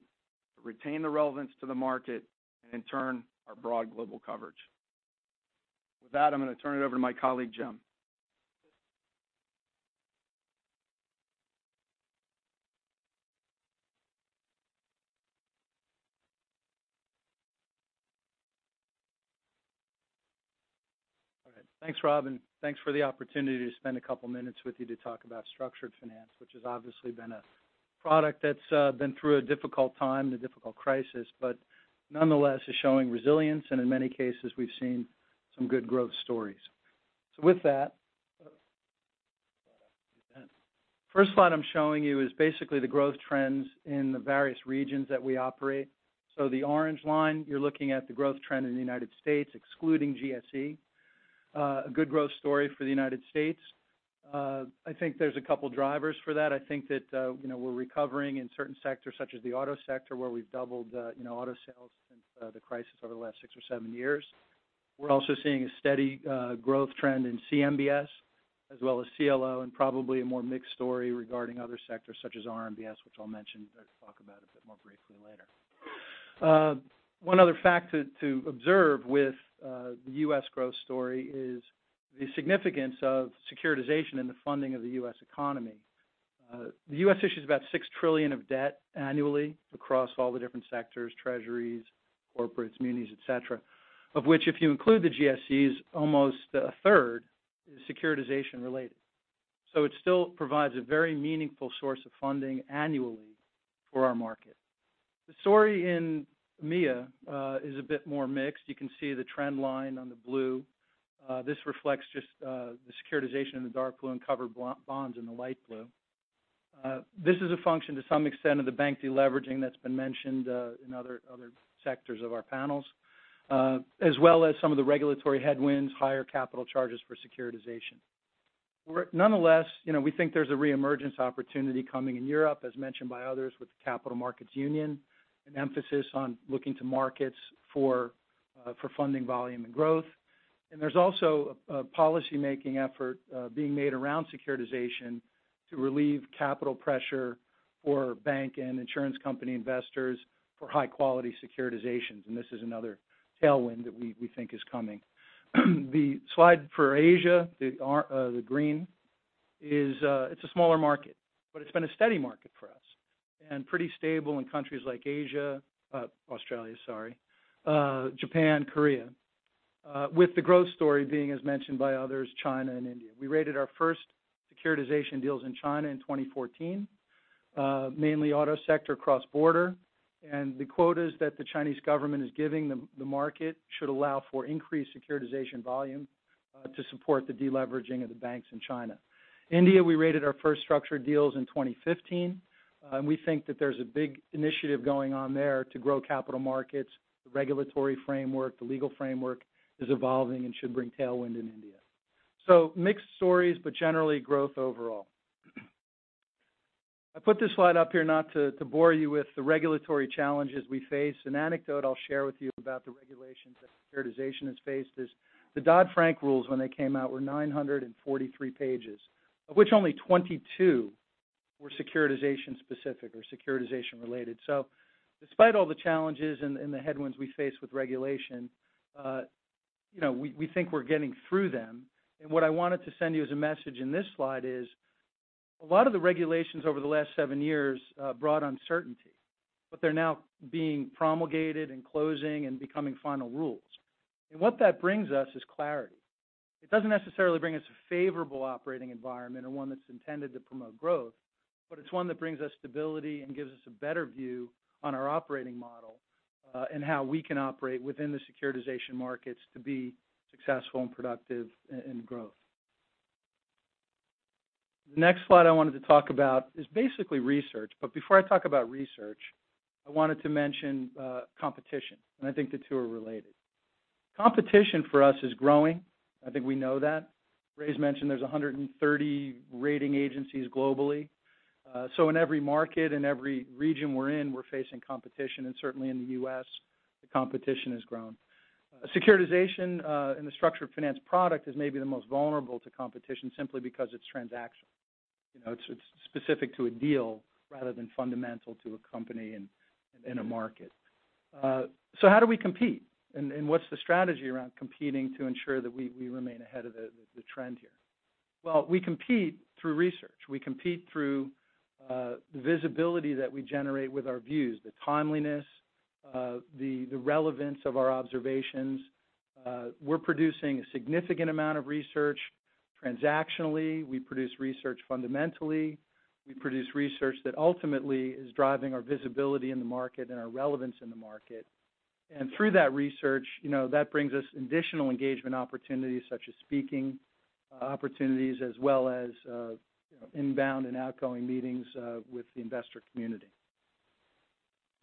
retain the relevance to the market, and in turn, our broad global coverage. With that, I'm going to turn it over to my colleague, Jim. All right. Thanks, Rob, and thanks for the opportunity to spend a couple minutes with you to talk about structured finance, which has obviously been a product that's been through a difficult time and a difficult crisis, but nonetheless, is showing resilience, and in many cases, we've seen some good growth stories. With that, the first slide I'm showing you is basically the growth trends in the various regions that we operate. The orange line, you're looking at the growth trend in the United States, excluding GSE. A good growth story for the United States. I think there's a couple drivers for that. I think that we're recovering in certain sectors such as the auto sector, where we've doubled auto sales since the crisis over the last six or seven years. We're also seeing a steady growth trend in CMBS as well as CLO and probably a more mixed story regarding other sectors such as RMBS, which I'll mention and talk about a bit more briefly later. One other fact to observe with the U.S. growth story is the significance of securitization in the funding of the U.S. economy. The U.S. issues about $6 trillion of debt annually across all the different sectors, treasuries, corporates, munis, et cetera, of which, if you include the GSEs, almost a third is securitization-related. It still provides a very meaningful source of funding annually for our market. The story in EMEA is a bit more mixed. You can see the trend line on the blue. This reflects just the securitization in the dark blue and cover bonds in the light blue. This is a function, to some extent, of the bank de-leveraging that's been mentioned in other sectors of our panels, as well as some of the regulatory headwinds, higher capital charges for securitization. Nonetheless, we think there's a re-emergence opportunity coming in Europe, as mentioned by others with the Capital Markets Union, an emphasis on looking to markets for funding volume and growth. There's also a policymaking effort being made around securitization to relieve capital pressure for bank and insurance company investors for high-quality securitizations, and this is another tailwind that we think is coming. The slide for Asia, the green, it's a smaller market, but it's been a steady market for us and pretty stable in countries like Australia, sorry, Japan, Korea with the growth story being, as mentioned by others, China and India. We rated our first securitization deals in China in 2014, mainly auto sector cross-border. The quotas that the Chinese government is giving the market should allow for increased securitization volume to support the de-leveraging of the banks in China. India, we rated our first structured deals in 2015. We think that there's a big initiative going on there to grow capital markets. The regulatory framework, the legal framework is evolving and should bring tailwind in India. Mixed stories, but generally growth overall. I put this slide up here not to bore you with the regulatory challenges we face. An anecdote I'll share with you about the regulations that securitization has faced is the Dodd-Frank rules when they came out were 943 pages, of which only 22 were securitization specific or securitization related. Despite all the challenges and the headwinds we face with regulation, we think we're getting through them. What I wanted to send you as a message in this slide is a lot of the regulations over the last seven years brought uncertainty, but they're now being promulgated and closing and becoming final rules. What that brings us is clarity. It doesn't necessarily bring us a favorable operating environment or one that's intended to promote growth, but it's one that brings us stability and gives us a better view on our operating model and how we can operate within the securitization markets to be successful and productive in growth. The next slide I wanted to talk about is basically research. Before I talk about research, I wanted to mention competition, and I think the two are related. Competition for us is growing. I think we know that. Ray's mentioned there's 130 rating agencies globally. In every market and every region we're in, we're facing competition, and certainly in the U.S., the competition has grown. Securitization in the structured finance product is maybe the most vulnerable to competition simply because it's transactional. It's specific to a deal rather than fundamental to a company in a market. How do we compete? What's the strategy around competing to ensure that we remain ahead of the trend here? Well, we compete through research. We compete through the visibility that we generate with our views, the timeliness, the relevance of our observations. We're producing a significant amount of research transactionally. We produce research fundamentally. We produce research that ultimately is driving our visibility in the market and our relevance in the market. Through that research, that brings us additional engagement opportunities such as speaking opportunities as well as inbound and outgoing meetings with the investor community.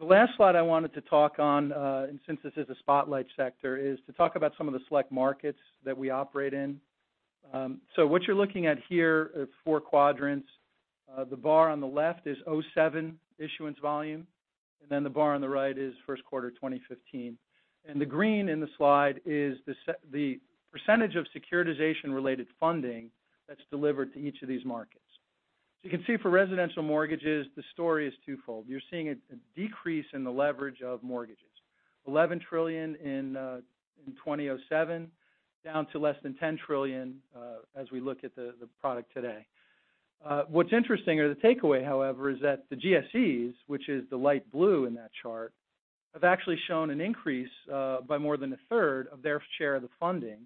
The last slide I wanted to talk on, since this is a spotlight sector, is to talk about some of the select markets that we operate in. What you're looking at here is four quadrants. The bar on the left is 2007 issuance volume, the bar on the right is first quarter 2015. The green in the slide is the % of securitization-related funding that's delivered to each of these markets. You can see for residential mortgages, the story is twofold. You're seeing a decrease in the leverage of mortgages. $11 trillion in 2007, down to less than $10 trillion as we look at the product today. What's interesting or the takeaway, however, is that the GSEs, which is the light blue in that chart, have actually shown an increase by more than a third of their share of the funding.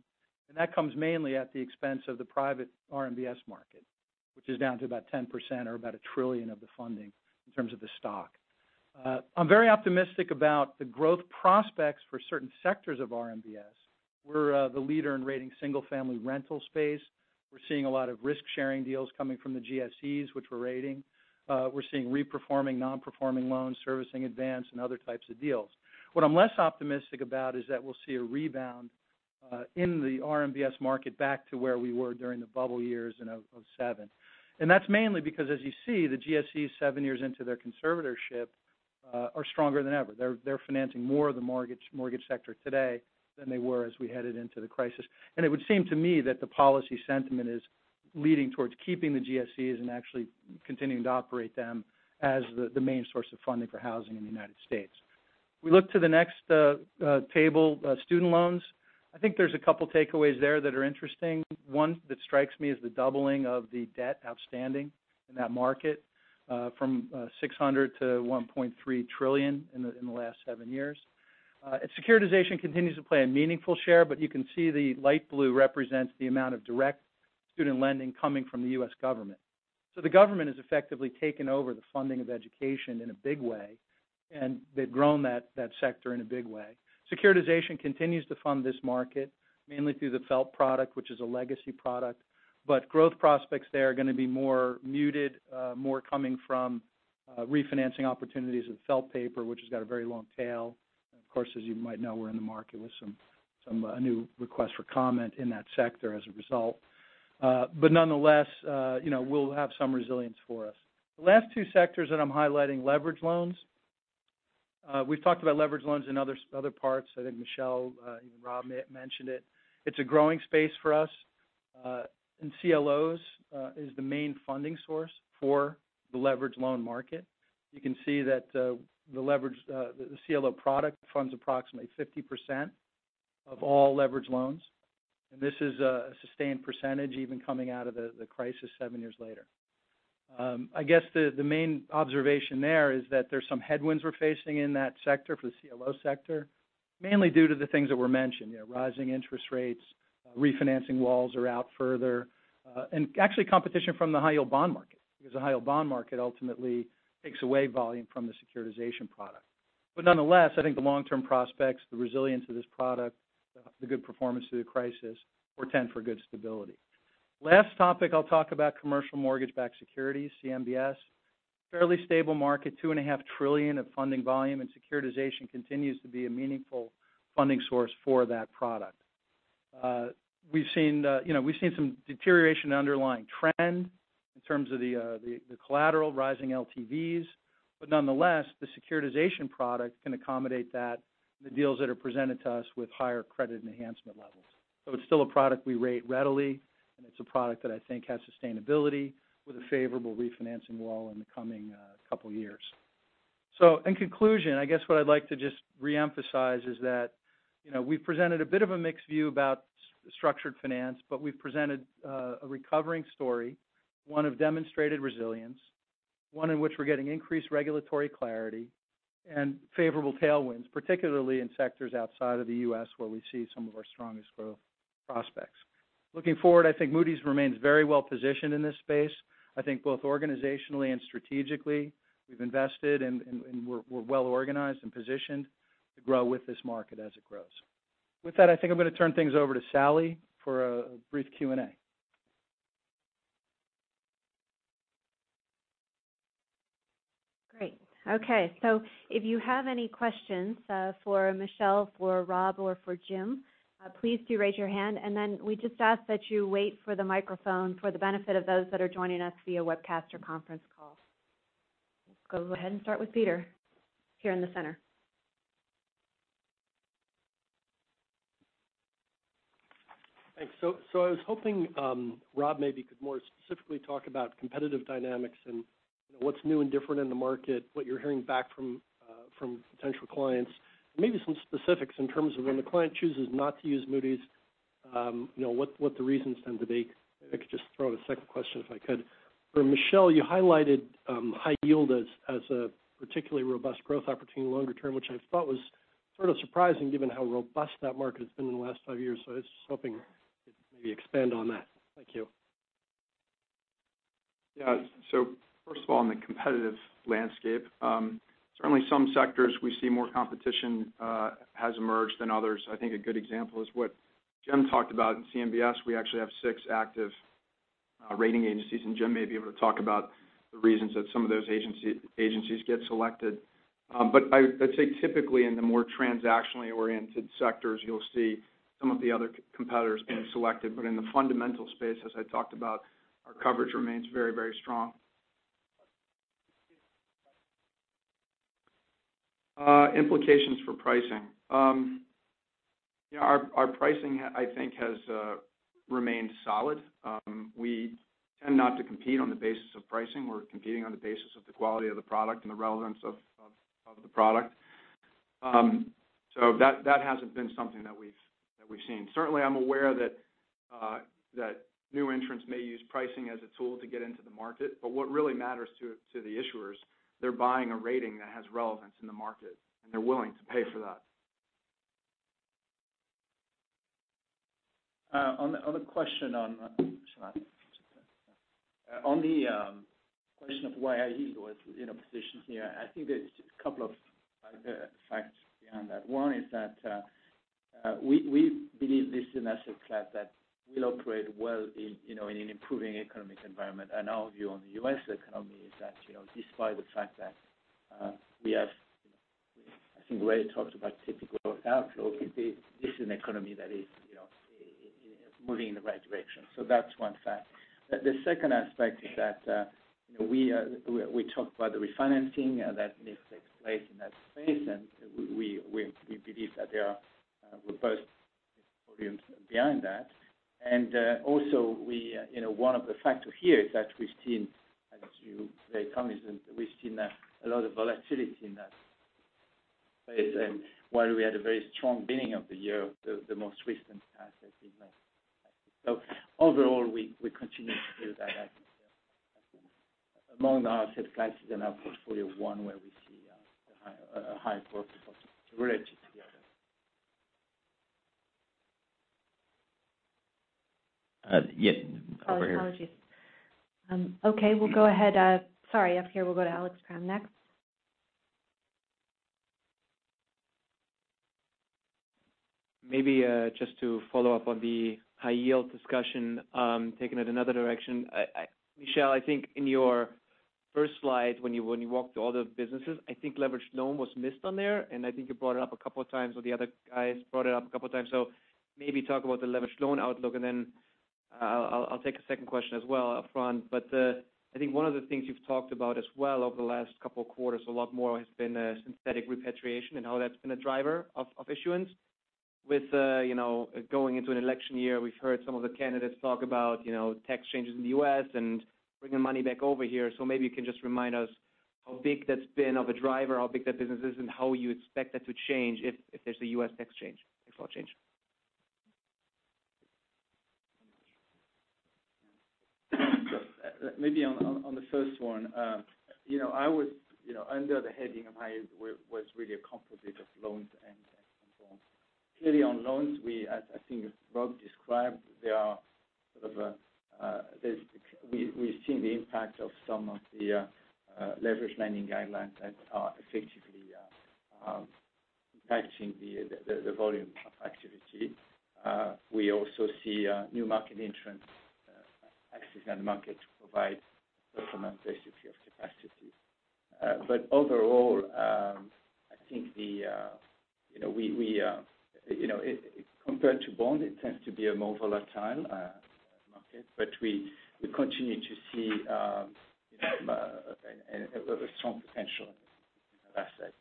That comes mainly at the expense of the private RMBS market, which is down to about 10% or about $1 trillion of the funding in terms of the stock. I'm very optimistic about the growth prospects for certain sectors of RMBS. We're the leader in rating single-family rental space. We're seeing a lot of risk-sharing deals coming from the GSEs, which we're rating. We're seeing reperforming non-performing loans, servicing advance, and other types of deals. What I'm less optimistic about is that we'll see a rebound in the RMBS market back to where we were during the bubble years in 2007. That's mainly because, as you see, the GSEs seven years into their conservatorship are stronger than ever. They're financing more of the mortgage sector today than they were as we headed into the crisis. It would seem to me that the policy sentiment is leading towards keeping the GSEs and actually continuing to operate them as the main source of funding for housing in the United States. We look to the next table, student loans. I think there's a couple of takeaways there that are interesting. One that strikes me is the doubling of the debt outstanding in that market from $600 to $1.3 trillion in the last seven years. Securitization continues to play a meaningful share, you can see the light blue represents the amount of direct student lending coming from the U.S. government. The government has effectively taken over the funding of education in a big way, and they've grown that sector in a big way. Securitization continues to fund this market, mainly through the FFELP product, which is a legacy product, but growth prospects there are going to be more muted, more coming from refinancing opportunities with FFELP paper, which has got a very long tail. Of course, as you might know, we're in the market with a new request for comment in that sector as a result. Nonetheless we'll have some resilience for us. The last two sectors that I'm highlighting, leverage loans. We've talked about leverage loans in other parts. I think Michel and Rob mentioned it. It's a growing space for us. CLOs is the main funding source for the leverage loan market. You can see that the CLO product funds approximately 50% of all leverage loans. This is a sustained percentage, even coming out of the crisis seven years later. I guess the main observation there is that there's some headwinds we're facing in that sector for the CLO sector, mainly due to the things that were mentioned. Rising interest rates, refinancing walls are out further, and actually competition from the High Yield bond market, because the High Yield bond market ultimately takes away volume from the securitization product. Nonetheless, I think the long-term prospects, the resilience of this product, the good performance through the crisis, portend for good stability. Last topic I'll talk about, commercial mortgage-backed securities, CMBS. Fairly stable market, $2.5 trillion of funding volume, securitization continues to be a meaningful funding source for that product. We've seen some deterioration in underlying trend in terms of the collateral, rising LTVs, nonetheless, the securitization product can accommodate that and the deals that are presented to us with higher credit enhancement levels. It's still a product we rate readily, and it's a product that I think has sustainability with a favorable refinancing wall in the coming couple of years. In conclusion, I guess what I'd like to just reemphasize is that we've presented a bit of a mixed view about structured finance, we've presented a recovering story, one of demonstrated resilience, one in which we're getting increased regulatory clarity, and favorable tailwinds, particularly in sectors outside of the U.S. where we see some of our strongest growth prospects. Looking forward, I think Moody's remains very well-positioned in this space. I think both organizationally and strategically, we've invested and we're well-organized and positioned to grow with this market as it grows. With that, I think I'm going to turn things over to Salli for a brief Q&A. Great. Okay. If you have any questions for Michel, for Rob, or for Jim, please do raise your hand. We just ask that you wait for the microphone for the benefit of those that are joining us via webcast or conference call. Let's go ahead and start with Peter here in the center. Thanks. I was hoping Rob maybe could more specifically talk about competitive dynamics and what's new and different in the market, what you're hearing back from potential clients, and maybe some specifics in terms of when the client chooses not to use Moody's, what the reasons tend to be. If I could just throw out a second question if I could. For Michel, you highlighted high yield as a particularly robust growth opportunity longer term, which I thought was sort of surprising given how robust that market has been in the last five years. I was just hoping maybe expand on that. Thank you. First of all, on the competitive landscape, certainly some sectors we see more competition has emerged than others. I think a good example is what Jim talked about in CMBS. We actually have six active rating agencies, and Jim may be able to talk about the reasons that some of those agencies get selected. I'd say typically in the more transactionally oriented sectors, you'll see some of the other competitors being selected. In the fundamental space, as I talked about, our coverage remains very strong. Implications for pricing. Our pricing, I think, has remained solid. We tend not to compete on the basis of pricing. We're competing on the basis of the quality of the product and the relevance of the product. That hasn't been something that we've seen. Certainly, I'm aware that new entrants may use pricing as a tool to get into the market, what really matters to the issuers, they're buying a rating that has relevance in the market, and they're willing to pay for that. On the question of why high yield was in a position here, I think there's a couple of facts behind that. One is that we believe this is an asset class that will operate well in an improving economic environment. Our view on the U.S. economy is that despite the fact that we have, I think Ray talked about typical outflow could be this is an economy that is moving in the right direction. That's one fact. The second aspect is that we talked about the refinancing that needs to take place in that space, we believe that there are robust volumes behind that. Also, one of the factors here is that we've seen, as you very cognizant, we've seen a lot of volatility in that space. While we had a very strong beginning of the year, the most recent past has been less. Overall, we continue to view that as among our asset classes and our portfolio one where we see a high growth potential relative to the others. Yes, over here. Apologies. Okay, we'll go ahead. Sorry, up here. We'll go to Alex Kramm next. Just to follow up on the high yield discussion, taking it another direction. Michel, I think in your first slide when you walked through all the businesses, I think leveraged loan was missed on there, and I think you brought it up a couple of times, or the other guys brought it up a couple of times. Maybe talk about the leveraged loan outlook, and then I'll take a second question as well upfront. I think one of the things you've talked about as well over the last couple of quarters a lot more has been synthetic repatriation and how that's been a driver of issuance. With going into an election year, we've heard some of the candidates talk about tax changes in the U.S. and bringing money back over here. Maybe you can just remind us how big that's been of a driver, how big that business is, and how you expect that to change if there's a U.S. tax change. Thanks a lot. On the first one. Under the heading of high yield was really a composite of loans and bonds. Clearly on loans, I think as Rob described, we've seen the impact of some of the leverage lending guidelines that are effectively impacting the volume of activity. We also see new market entrants accessing that market to provide replacement capacity. Overall, I think compared to bond it tends to be a more volatile market. We continue to see a strong potential in that asset.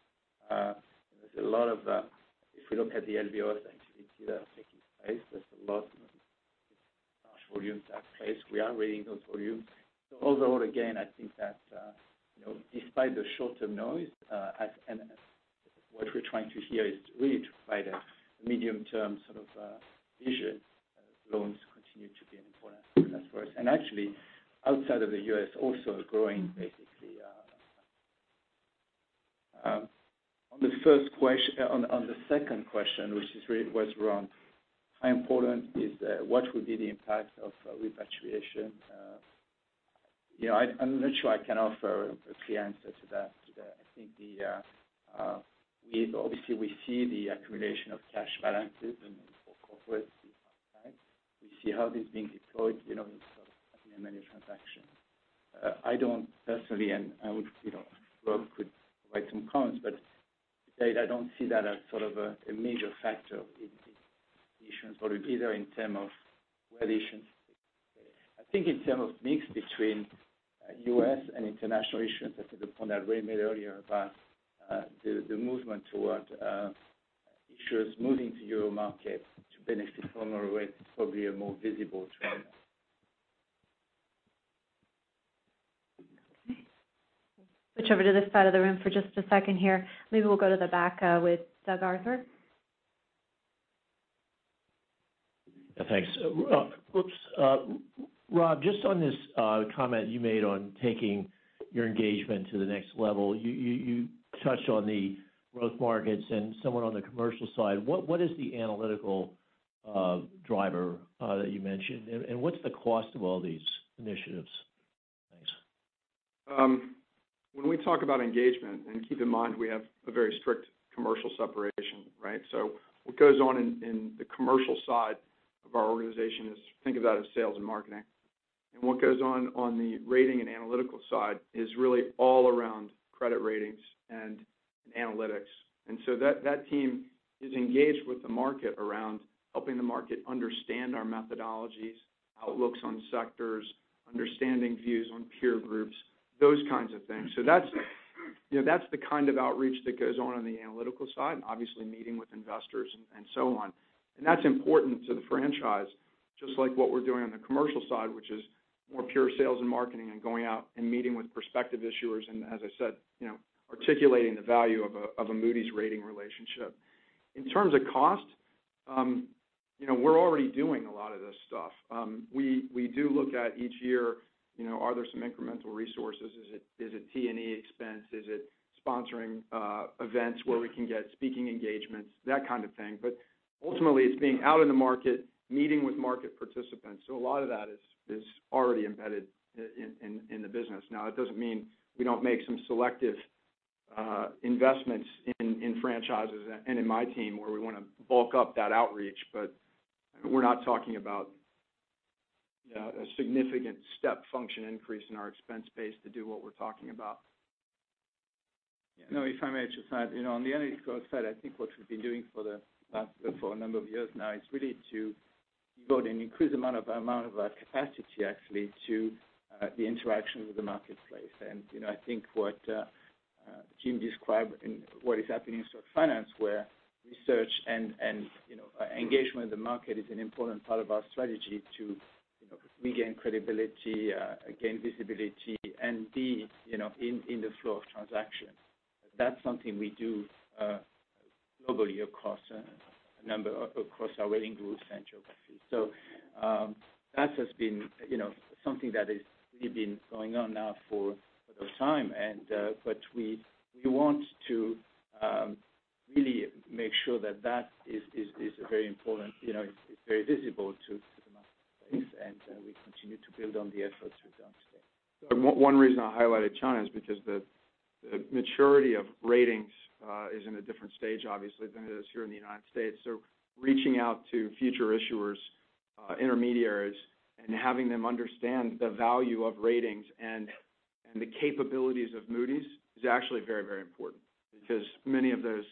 If we look at the LBOs activity that are taking place, there's a lot of large volumes at place. We are rating those volumes. Overall, again, I think that despite the short-term noise, what we're trying to hear is really to provide a medium-term sort of vision. Loans continue to be an important asset for us. Actually outside of the U.S. also growing basically. On the second question, which was around how important is, what would be the impact of repatriation? I'm not sure I can offer a clear answer to that. I think obviously we see the accumulation of cash balances for corporates and banks. We see how this is being deployed in many transactions. I don't personally, and I would Rob could provide some comments, but to date I don't see that as sort of a major factor in issuance volume either in term of where the issuance is. I think in term of mix between U.S. and international issuance to the point that Ray made earlier about the movement towards issuers moving to euro market to benefit from a rate is probably a more visible trend. Okay. Switch over to this side of the room for just a second here. Maybe we'll go to the back with Doug Arthur. Thanks. Rob, just on this comment you made on taking your engagement to the next level. You touched on the growth markets and somewhat on the commercial side. What is the analytical driver that you mentioned. What's the cost of all these initiatives? Thanks. When we talk about engagement, and keep in mind, we have a very strict commercial separation, right? What goes on in the commercial side of our organization is, think about it as sales and marketing. What goes on the rating and analytical side is really all around credit ratings and analytics. That team is engaged with the market around helping the market understand our methodologies, outlooks on sectors, understanding views on peer groups, those kinds of things. That's the kind of outreach that goes on on the analytical side, and obviously meeting with investors and so on. That's important to the franchise, just like what we're doing on the commercial side, which is more pure sales and marketing, and going out and meeting with prospective issuers. As I said, articulating the value of a Moody's rating relationship. In terms of cost, we're already doing a lot of this stuff. We do look at each year, are there some incremental resources? Is it T&E expense? Is it sponsoring events where we can get speaking engagements? That kind of thing. Ultimately, it's being out in the market, meeting with market participants. A lot of that is already embedded in the business. That doesn't mean we don't make some selective investments in franchises and in my team where we want to bulk up that outreach. We're not talking about a significant step function increase in our expense base to do what we're talking about. No, if I may just add. On the analytical side, I think what we've been doing for a number of years now is really to build an increased amount of our capacity actually to the interaction with the marketplace. I think what Jim described in what is happening in structured finance where research and engagement with the market is an important part of our strategy to regain credibility, gain visibility, and be in the flow of transactions. That's something we do globally across our rating groups and geographies. That has been something that has really been going on now for some time. We want to really make sure that is very important. It's very visible to the marketplace, and we continue to build on the efforts we've done to date. One reason I highlighted China is because the maturity of ratings is in a different stage, obviously, than it is here in the U.S. Reaching out to future issuers, intermediaries, and having them understand the value of ratings and the capabilities of Moody's is actually very important. Many of those,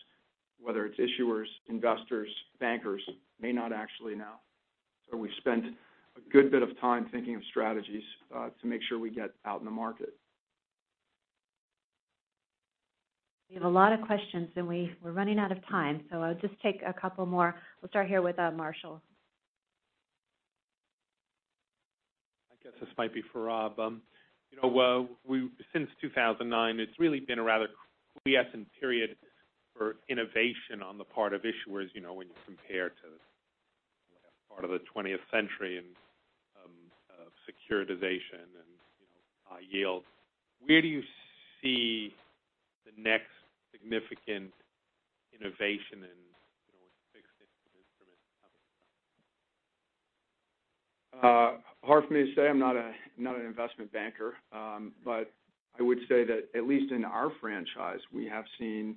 whether it's issuers, investors, bankers, may not actually know. We spent a good bit of time thinking of strategies to make sure we get out in the market. We have a lot of questions, and we're running out of time, I'll just take a couple more. We'll start here with Marshall. I guess this might be for Rob. Since 2009, it's really been a rather quiescent period for innovation on the part of issuers when you compare to part of the 20th century and securitization and yields. Where do you see the next significant innovation in fixed income instruments coming from? Hard for me to say. I'm not an investment banker. I would say that at least in our franchise, we have seen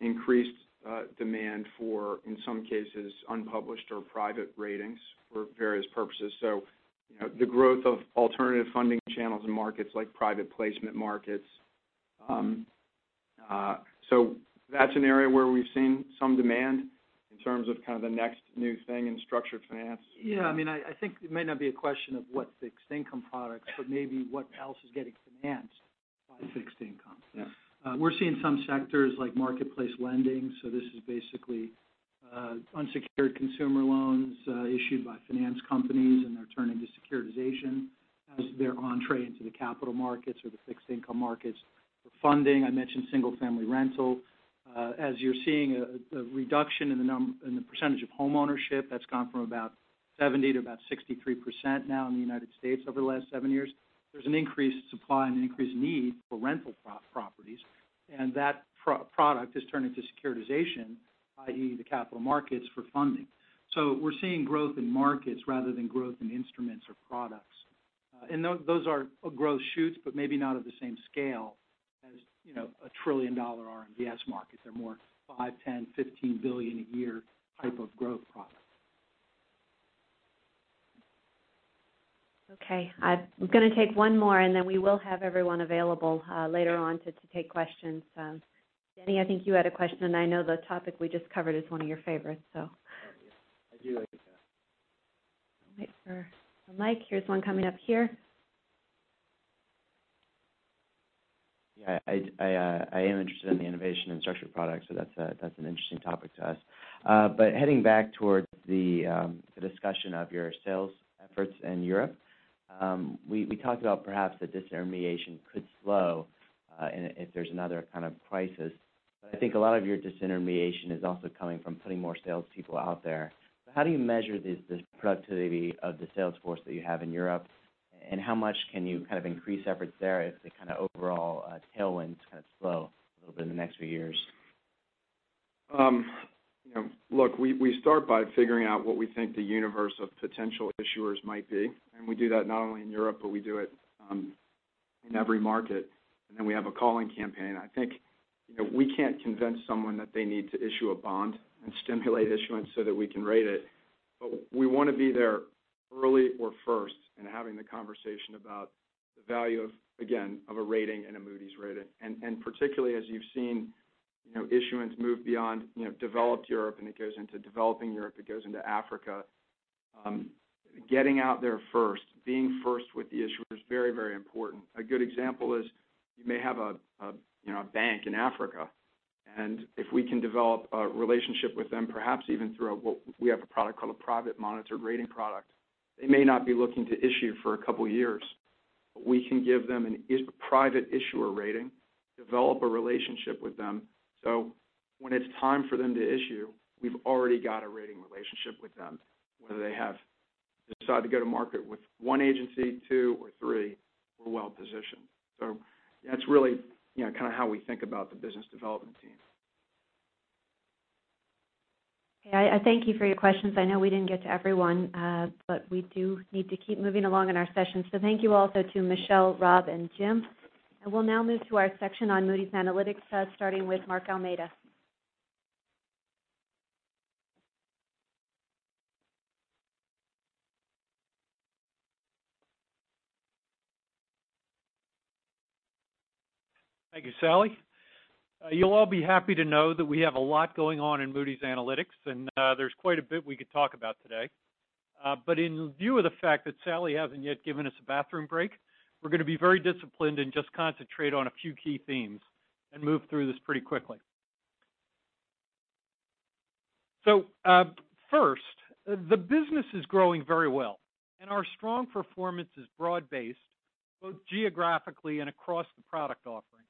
increased demand for, in some cases, unpublished or private ratings for various purposes. The growth of alternative funding channels and markets like private placement markets. That's an area where we've seen some demand in terms of kind of the next new thing in structured finance. Yeah. I think it may not be a question of what fixed income products, but maybe what else is getting financed by fixed income. Yeah. We're seeing some sectors like marketplace lending. This is basically unsecured consumer loans issued by finance companies, and they're turning to securitization as their entrée into the capital markets or the fixed-income markets for funding. I mentioned single-family rental. As you're seeing a reduction in the percentage of homeownership, that's gone from about 70 to about 63% now in the United States over the last seven years. There's an increased supply and an increased need for rental properties. That product is turning to securitization, i.e., the capital markets for funding. We're seeing growth in markets rather than growth in instruments or products. Those are growth shoots, but maybe not at the same scale as a trillion-dollar RMBS market. They're more $5 billion, $10 billion, $15 billion a year type of growth product. Okay. I'm going to take one more, and then we will have everyone available later on to take questions. Denny, I think you had a question. I know the topic we just covered is one of your favorites. Oh, yeah. I do like that. Wait for the mic. Here's one coming up here. Yeah, I am interested in the innovation and structured products, so that's an interesting topic to ask. Heading back towards the discussion of your sales efforts in Europe. We talked about perhaps the disintermediation could slow if there's another kind of crisis. I think a lot of your disintermediation is also coming from putting more salespeople out there. How do you measure the productivity of the sales force that you have in Europe? How much can you kind of increase efforts there if the kind of overall tailwinds kind of slow a little bit in the next few years? Look, we start by figuring out what we think the universe of potential issuers might be, we do that not only in Europe, but we do it in every market. Then we have a calling campaign. I think we can't convince someone that they need to issue a bond and stimulate issuance so that we can rate it. We want to be there early or first in having the conversation about the value of, again, of a rating and a Moody's rating. Particularly as you've seen issuance move beyond developed Europe and it goes into developing Europe, it goes into Africa, getting out there first, being first with the issuer is very important. A good example is you may have a bank in Africa, and if we can develop a relationship with them, perhaps even through a product we have called a private monitored rating product. They may not be looking to issue for a couple of years. We can give them a private issuer rating, develop a relationship with them, so when it's time for them to issue, we've already got a rating relationship with them. Whether they have decided to go to market with one agency, two, or three, we're well positioned. That's really kind of how we think about the business development team. I thank you for your questions. I know we didn't get to everyone, but we do need to keep moving along in our session. Thank you also to Michel, Rob, and Jim. We'll now move to our section on Moody's Analytics starting with Mark Almeida. Thank you, Salli. You'll all be happy to know that we have a lot going on in Moody's Analytics, there's quite a bit we could talk about today. In view of the fact that Salli hasn't yet given us a bathroom break, we're going to be very disciplined and just concentrate on a few key themes and move through this pretty quickly. First, the business is growing very well, our strong performance is broad-based both geographically and across the product offerings.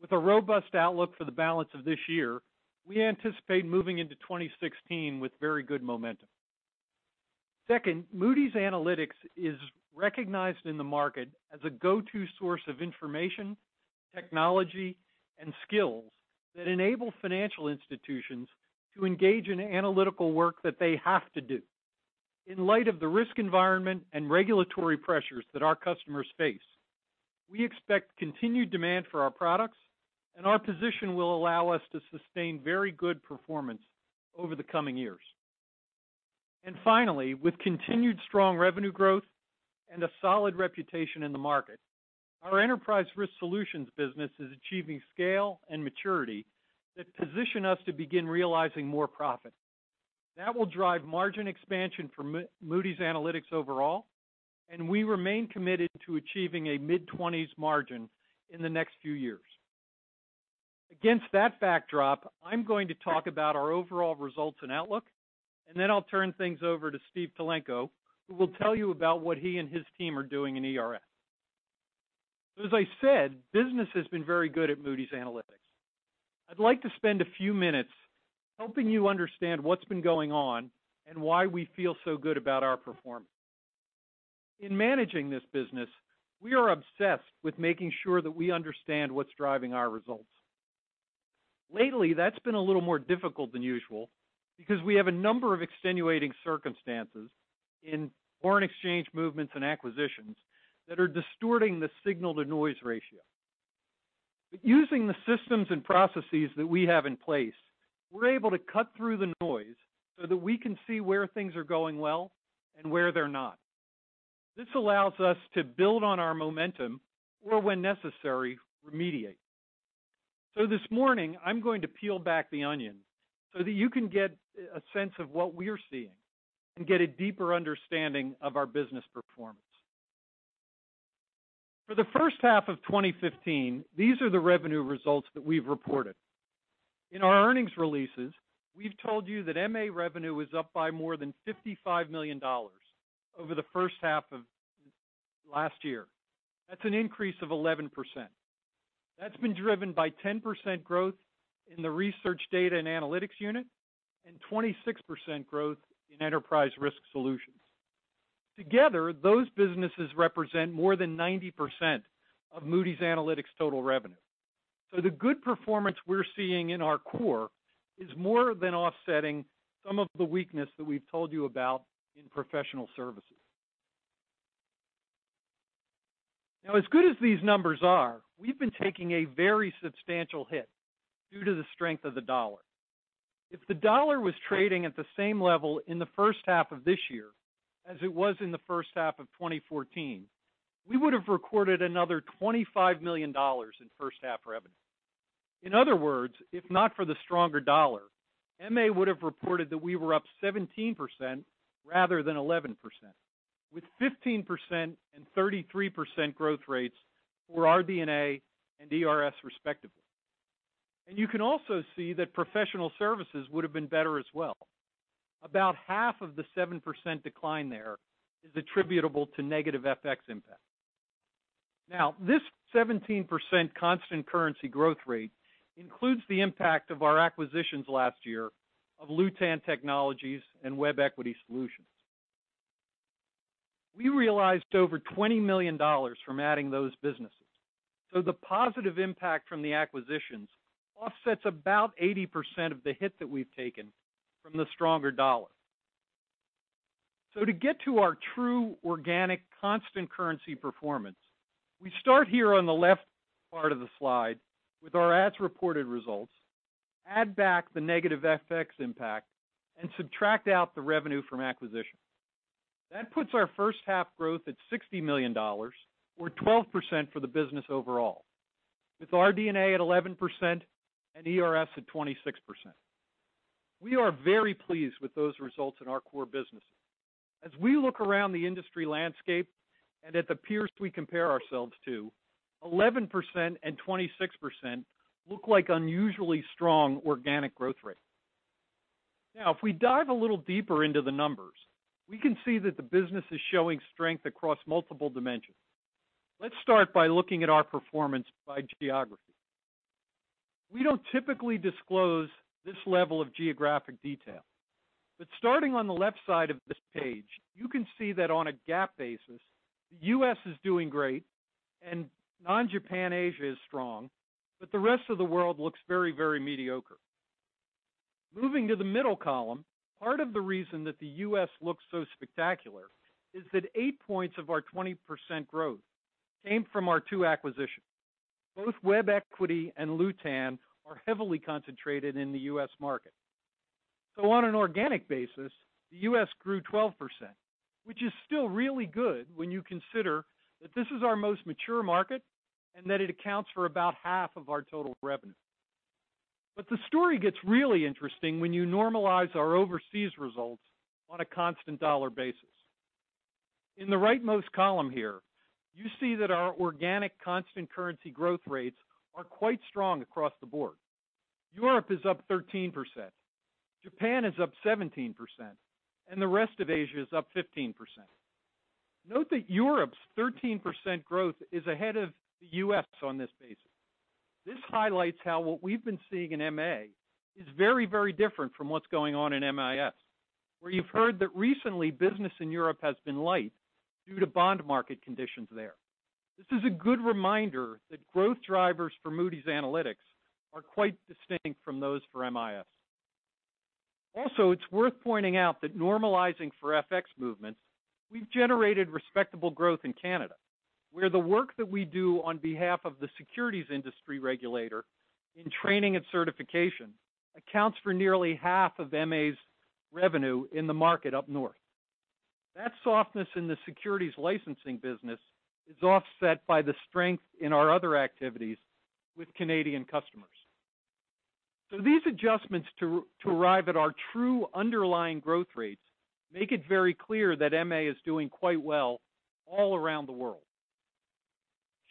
With a robust outlook for the balance of this year, we anticipate moving into 2016 with very good momentum. Second, Moody's Analytics is recognized in the market as a go-to source of information, technology, and skills that enable financial institutions to engage in analytical work that they have to do. In light of the risk environment and regulatory pressures that our customers face, we expect continued demand for our products, our position will allow us to sustain very good performance over the coming years. Finally, with continued strong revenue growth and a solid reputation in the market, our Enterprise Risk Solutions business is achieving scale and maturity that position us to begin realizing more profit. That will drive margin expansion for Moody's Analytics overall, and we remain committed to achieving a mid-20s margin in the next few years. Against that backdrop, I'm going to talk about our overall results and outlook, then I'll turn things over to Steve Tulenko, who will tell you about what he and his team are doing in ERS. As I said, business has been very good at Moody's Analytics. I'd like to spend a few minutes helping you understand what's been going on and why we feel so good about our performance. In managing this business, we are obsessed with making sure that we understand what's driving our results. Lately, that's been a little more difficult than usual because we have a number of extenuating circumstances in foreign exchange movements and acquisitions that are distorting the signal-to-noise ratio. Using the systems and processes that we have in place, we're able to cut through the noise so that we can see where things are going well and where they're not. This allows us to build on our momentum or, when necessary, remediate. This morning, I'm going to peel back the onion so that you can get a sense of what we're seeing and get a deeper understanding of our business performance. For the first half of 2015, these are the revenue results that we've reported. In our earnings releases, we've told you that MA revenue was up by more than $55 million over the first half of last year. That's an increase of 11%. That's been driven by 10% growth in the Research, Data and Analytics unit and 26% growth in Enterprise Risk Solutions. Together, those businesses represent more than 90% of Moody's Analytics total revenue. The good performance we're seeing in our core is more than offsetting some of the weakness that we've told you about in professional services. As good as these numbers are, we've been taking a very substantial hit due to the strength of the dollar. If the dollar was trading at the same level in the first half of this year as it was in the first half of 2014, we would have recorded another $25 million in first half revenue. In other words, if not for the stronger dollar, MA would have reported that we were up 17% rather than 11%, with 15% and 33% growth rates for RD&A and ERS respectively. You can also see that professional services would have been better as well. About half of the 7% decline there is attributable to negative FX impact. This 17% constant currency growth rate includes the impact of our acquisitions last year of Lewtan Technologies and WebEquity Solutions. We realized over $20 million from adding those businesses. The positive impact from the acquisitions offsets about 80% of the hit that we've taken from the stronger dollar. To get to our true organic constant currency performance, we start here on the left part of the slide with our as-reported results, add back the negative FX impact, and subtract out the revenue from acquisition. That puts our first-half growth at $60 million, or 12% for the business overall, with RD&A at 11% and ERS at 26%. We are very pleased with those results in our core businesses. As we look around the industry landscape, and at the peers we compare ourselves to, 11% and 26% look like unusually strong organic growth rates. If we dive a little deeper into the numbers, we can see that the business is showing strength across multiple dimensions. Let's start by looking at our performance by geography. We don't typically disclose this level of geographic detail, starting on the left side of this page, you can see that on a GAAP basis, the U.S. is doing great, and non-Japan Asia is strong, but the rest of the world looks very mediocre. Moving to the middle column, part of the reason that the U.S. looks so spectacular is that eight points of our 20% growth came from our two acquisitions. Both WebEquity and Lewtan are heavily concentrated in the U.S. market. On an organic basis, the U.S. grew 12%, which is still really good when you consider that this is our most mature market, and that it accounts for about half of our total revenue. The story gets really interesting when you normalize our overseas results on a constant dollar basis. In the right-most column here, you see that our organic constant currency growth rates are quite strong across the board. Europe is up 13%, Japan is up 17%, and the rest of Asia is up 15%. Note that Europe's 13% growth is ahead of the U.S. on this basis. This highlights how what we've been seeing in MA is very different from what's going on in MIS, where you've heard that recently business in Europe has been light due to bond market conditions there. This is a good reminder that growth drivers for Moody's Analytics are quite distinct from those for MIS. It's worth pointing out that normalizing for FX movements, we've generated respectable growth in Canada, where the work that we do on behalf of the securities industry regulator in training and certification accounts for nearly half of MA's revenue in the market up north. That softness in the securities licensing business is offset by the strength in our other activities with Canadian customers. These adjustments to arrive at our true underlying growth rates make it very clear that MA is doing quite well all around the world.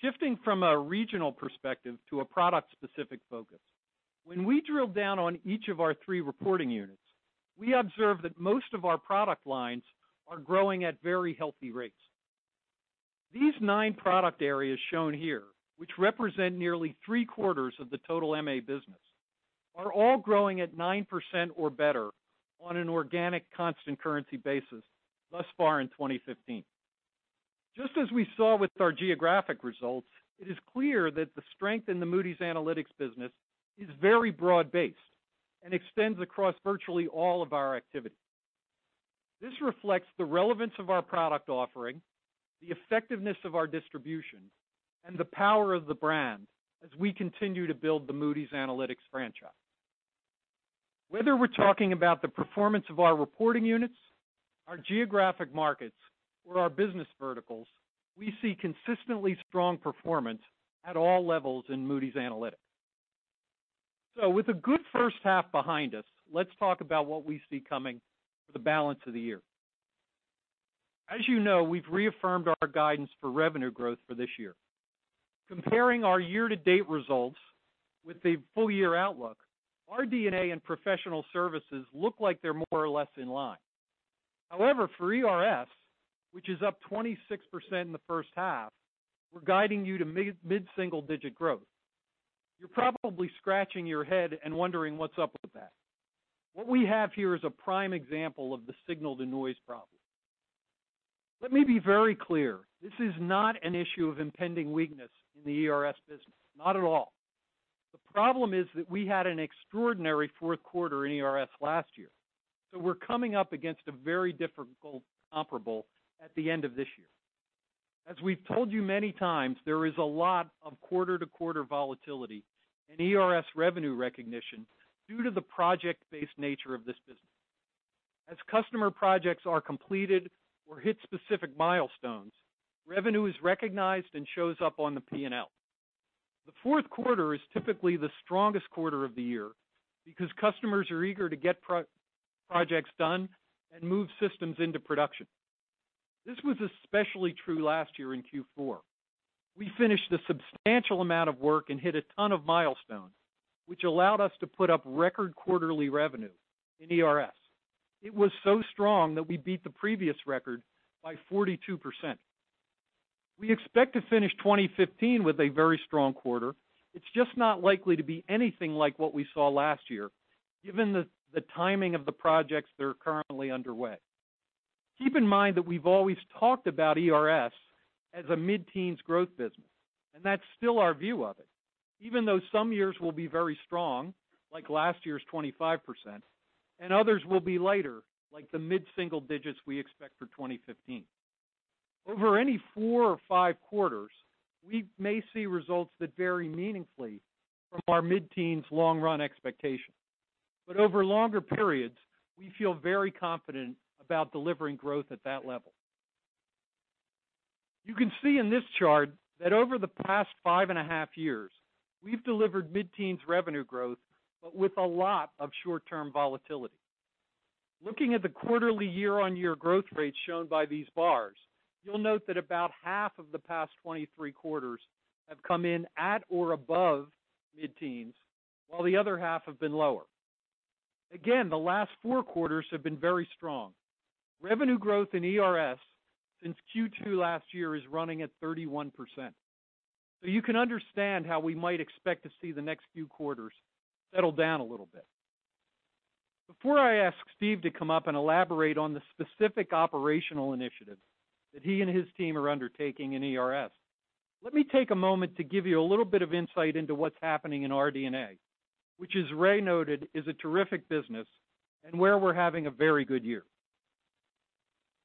Shifting from a regional perspective to a product-specific focus, when we drill down on each of our three reporting units, we observe that most of our product lines are growing at very healthy rates. These nine product areas shown here, which represent nearly three-quarters of the total MA business, are all growing at 9% or better on an organic constant currency basis thus far in 2015. Just as we saw with our geographic results, it is clear that the strength in the Moody's Analytics business is very broad-based and extends across virtually all of our activities. This reflects the relevance of our product offering, the effectiveness of our distribution, and the power of the brand as we continue to build the Moody's Analytics franchise. Whether we're talking about the performance of our reporting units, our geographic markets, or our business verticals, we see consistently strong performance at all levels in Moody's Analytics. With a good first half behind us, let's talk about what we see coming for the balance of the year. As you know, we've reaffirmed our guidance for revenue growth for this year. Comparing our year-to-date results with the full-year outlook, RD&A and professional services look like they're more or less in line. However, for ERS, which is up 26% in the first half, we're guiding you to mid-single digit growth. You're probably scratching your head and wondering what's up with that. What we have here is a prime example of the signal-to-noise problem. Let me be very clear. This is not an issue of impending weakness in the ERS business. Not at all. The problem is that we had an extraordinary fourth quarter in ERS last year. We're coming up against a very difficult comparable at the end of this year. As we've told you many times, there is a lot of quarter-to-quarter volatility in ERS revenue recognition due to the project-based nature of this business. As customer projects are completed or hit specific milestones, revenue is recognized and shows up on the P&L. The fourth quarter is typically the strongest quarter of the year because customers are eager to get projects done and move systems into production. This was especially true last year in Q4. We finished a substantial amount of work and hit a ton of milestones, which allowed us to put up record quarterly revenue in ERS. It was so strong that we beat the previous record by 42%. We expect to finish 2015 with a very strong quarter. It's just not likely to be anything like what we saw last year, given the timing of the projects that are currently underway. Keep in mind that we've always talked about ERS as a mid-teens growth business, and that's still our view of it. Even though some years will be very strong, like last year's 25%, and others will be lighter, like the mid-single digits we expect for 2015. Over any four or five quarters, we may see results that vary meaningfully from our mid-teens long run expectation. Over longer periods, we feel very confident about delivering growth at that level. You can see in this chart that over the past five and a half years, we've delivered mid-teens revenue growth, with a lot of short-term volatility. Looking at the quarterly year-on-year growth rates shown by these bars, you'll note that about half of the past 23 quarters have come in at or above mid-teens, while the other half have been lower. Again, the last four quarters have been very strong. Revenue growth in ERS since Q2 last year is running at 31%. You can understand how we might expect to see the next few quarters settle down a little bit. Before I ask Steve to come up and elaborate on the specific operational initiatives that he and his team are undertaking in ERS, let me take a moment to give you a little bit of insight into what's happening in RD&A. As Ray noted, is a terrific business and where we're having a very good year.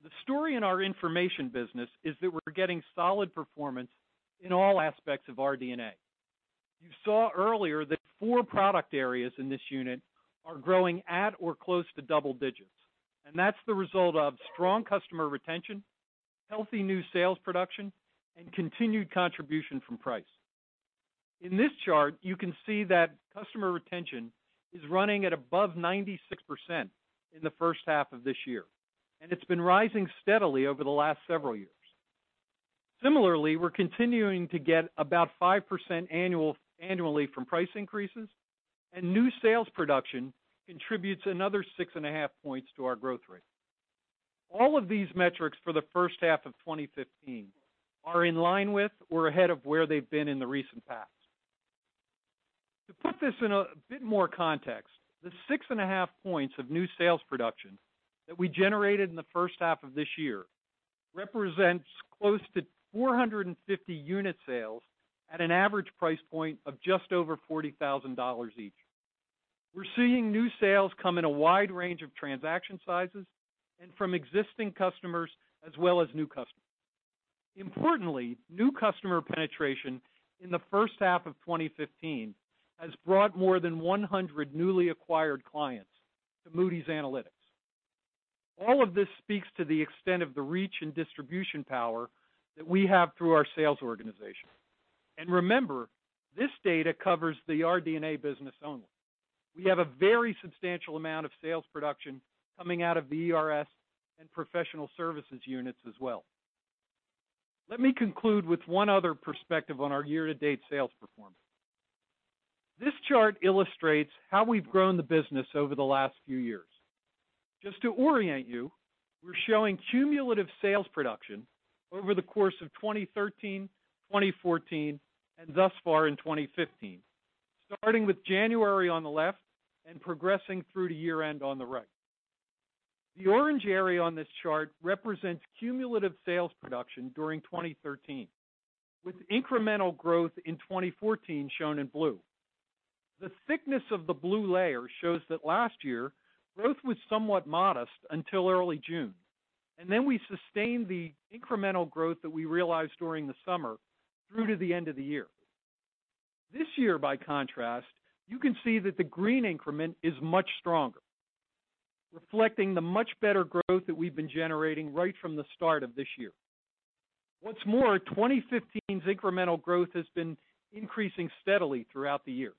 The story in our information business is that we're getting solid performance in all aspects of RD&A. You saw earlier that four product areas in this unit are growing at or close to double digits, and that's the result of strong customer retention, healthy new sales production, and continued contribution from price. In this chart, you can see that customer retention is running at above 96% in the first half of this year, and it's been rising steadily over the last several years. Similarly, we're continuing to get about 5% annually from price increases, and new sales production contributes another 6.5 points to our growth rate. All of these metrics for the first half of 2015 are in line with or ahead of where they've been in the recent past. To put this in a bit more context, the 6.5 points of new sales production that we generated in the first half of this year represents close to 450 unit sales at an average price point of just over $40,000 each. We're seeing new sales come in a wide range of transaction sizes and from existing customers as well as new customers. Importantly, new customer penetration in the first half of 2015 has brought more than 100 newly acquired clients to Moody's Analytics. All of this speaks to the extent of the reach and distribution power that we have through our sales organization. Remember, this data covers the RD&A business only. We have a very substantial amount of sales production coming out of the ERS and professional services units as well. Let me conclude with one other perspective on our year-to-date sales performance. This chart illustrates how we've grown the business over the last few years. Just to orient you, we're showing cumulative sales production over the course of 2013, 2014, and thus far in 2015, starting with January on the left and progressing through to year-end on the right. The orange area on this chart represents cumulative sales production during 2013, with incremental growth in 2014 shown in blue. The thickness of the blue layer shows that last year, growth was somewhat modest until early June, and then we sustained the incremental growth that we realized during the summer through to the end of the year. This year, by contrast, you can see that the green increment is much stronger, reflecting the much better growth that we've been generating right from the start of this year. What's more, 2015's incremental growth has been increasing steadily throughout the year.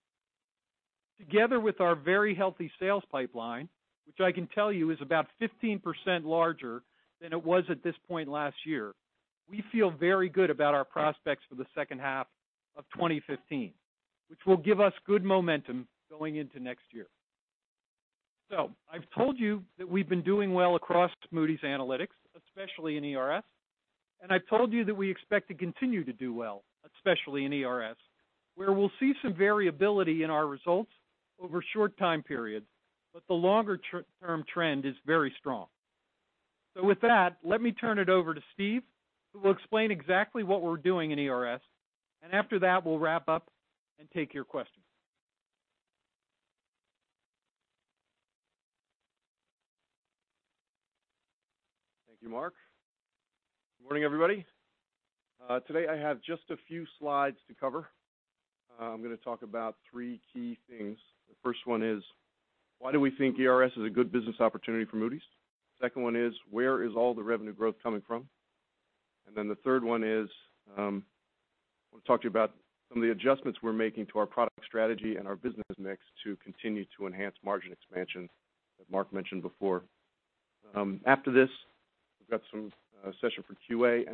Together with our very healthy sales pipeline, which I can tell you is about 15% larger than it was at this point last year, we feel very good about our prospects for the second half of 2015, which will give us good momentum going into next year. I've told you that we've been doing well across Moody's Analytics, especially in ERS, and I've told you that we expect to continue to do well, especially in ERS, where we'll see some variability in our results over short time periods, but the longer-term trend is very strong. With that, let me turn it over to Steve, who will explain exactly what we're doing in ERS, and after that, we'll wrap up and take your questions. Thank you, Mark. Good morning, everybody. Today, I have just a few slides to cover. I am going to talk about three key things. The first one is why do we think ERS is a good business opportunity for Moody's? The second one is where is all the revenue growth coming from? The third one is I want to talk to you about some of the adjustments we are making to our product strategy and our business mix to continue to enhance margin expansion that Mark mentioned before. After this, we have got some session for QA.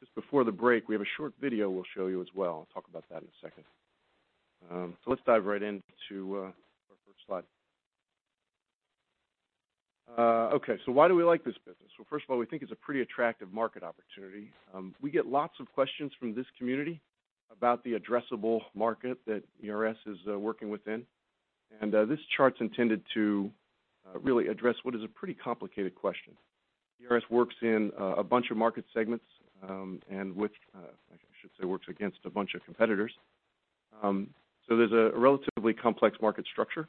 Just before the break, we have a short video we will show you as well. I will talk about that in a second. Let's dive right into our first slide. Why do we like this business? Well, first of all, we think it is a pretty attractive market opportunity. We get lots of questions from this community about the addressable market that ERS is working within. This chart is intended to really address what is a pretty complicated question. ERS works in a bunch of market segments, which I should say, works against a bunch of competitors. There is a relatively complex market structure.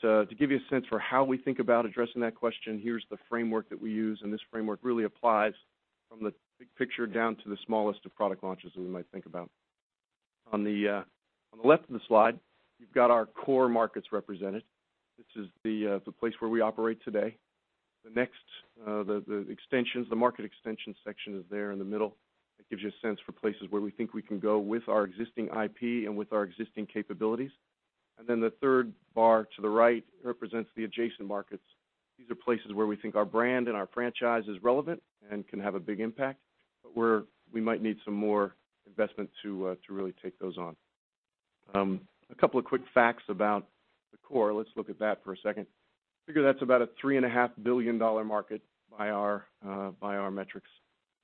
To give you a sense for how we think about addressing that question, here is the framework that we use, and this framework really applies from the big picture down to the smallest of product launches that we might think about. On the left of the slide, you have got our core markets represented. This is the place where we operate today. The next, the extensions, the market extension section is there in the middle. That gives you a sense for places where we think we can go with our existing IP and with our existing capabilities. The third bar to the right represents the adjacent markets. These are places where we think our brand and our franchise is relevant and can have a big impact, but where we might need some more investment to really take those on. A couple of quick facts about the core. Let's look at that for a second. Figure that is about a $3.5 billion market by our metrics.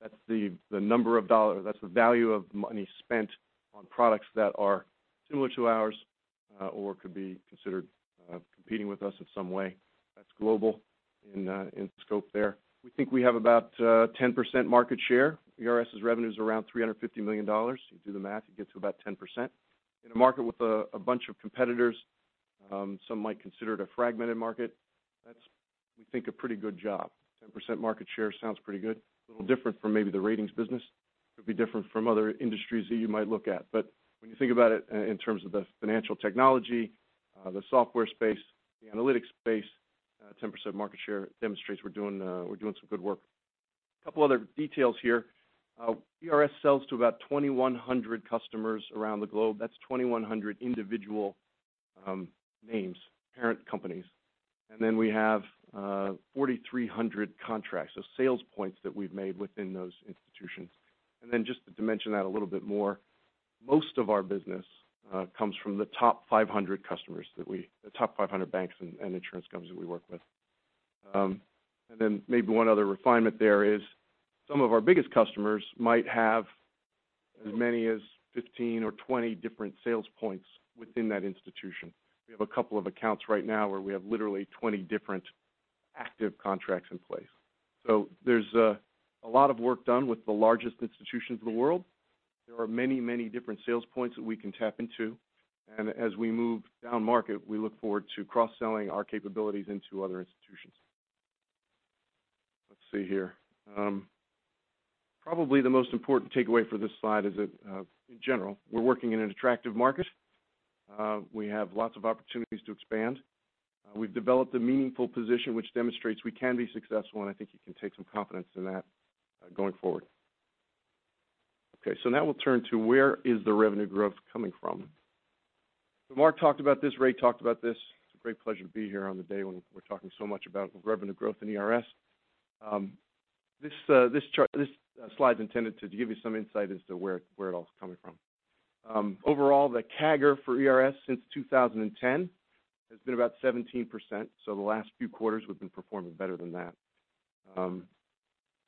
That is the number of That is the value of money spent on products that are similar to ours, or could be considered competing with us in some way. That is global in scope there. We think we have about 10% market share. ERS' revenue is around $350 million. You do the math, it gets you about 10%. In a market with a bunch of competitors, some might consider it a fragmented market. That is, we think, a pretty good job. 10% market share sounds pretty good. A little different from maybe the ratings business. Could be different from other industries that you might look at. When you think about it in terms of the financial technology, the software space, the analytics space, 10% market share demonstrates we are doing some good work. A couple other details here. ERS sells to about 2,100 customers around the globe. That is 2,100 individual names, parent companies. We have 4,300 contracts, so sales points that we have made within those institutions. Just to dimension that a little bit more, most of our business comes from the top 500 customers, the top 500 banks and insurance companies that we work with. Maybe one other refinement there is some of our biggest customers might have as many as 15 or 20 different sales points within that institution. We have a couple of accounts right now where we have literally 20 different active contracts in place. There's a lot of work done with the largest institutions in the world. There are many, many different sales points that we can tap into. As we move down market, we look forward to cross-selling our capabilities into other institutions. Let's see here. Probably the most important takeaway for this slide is that in general, we're working in an attractive market. We have lots of opportunities to expand. We've developed a meaningful position which demonstrates we can be successful, and I think you can take some confidence in that going forward. Now we'll turn to where is the revenue growth coming from? Mark talked about this, Ray talked about this. It's a great pleasure to be here on the day when we're talking so much about revenue growth in ERS. This slide's intended to give you some insight as to where it all is coming from. Overall, the CAGR for ERS since 2010 has been about 17%, the last few quarters we've been performing better than that.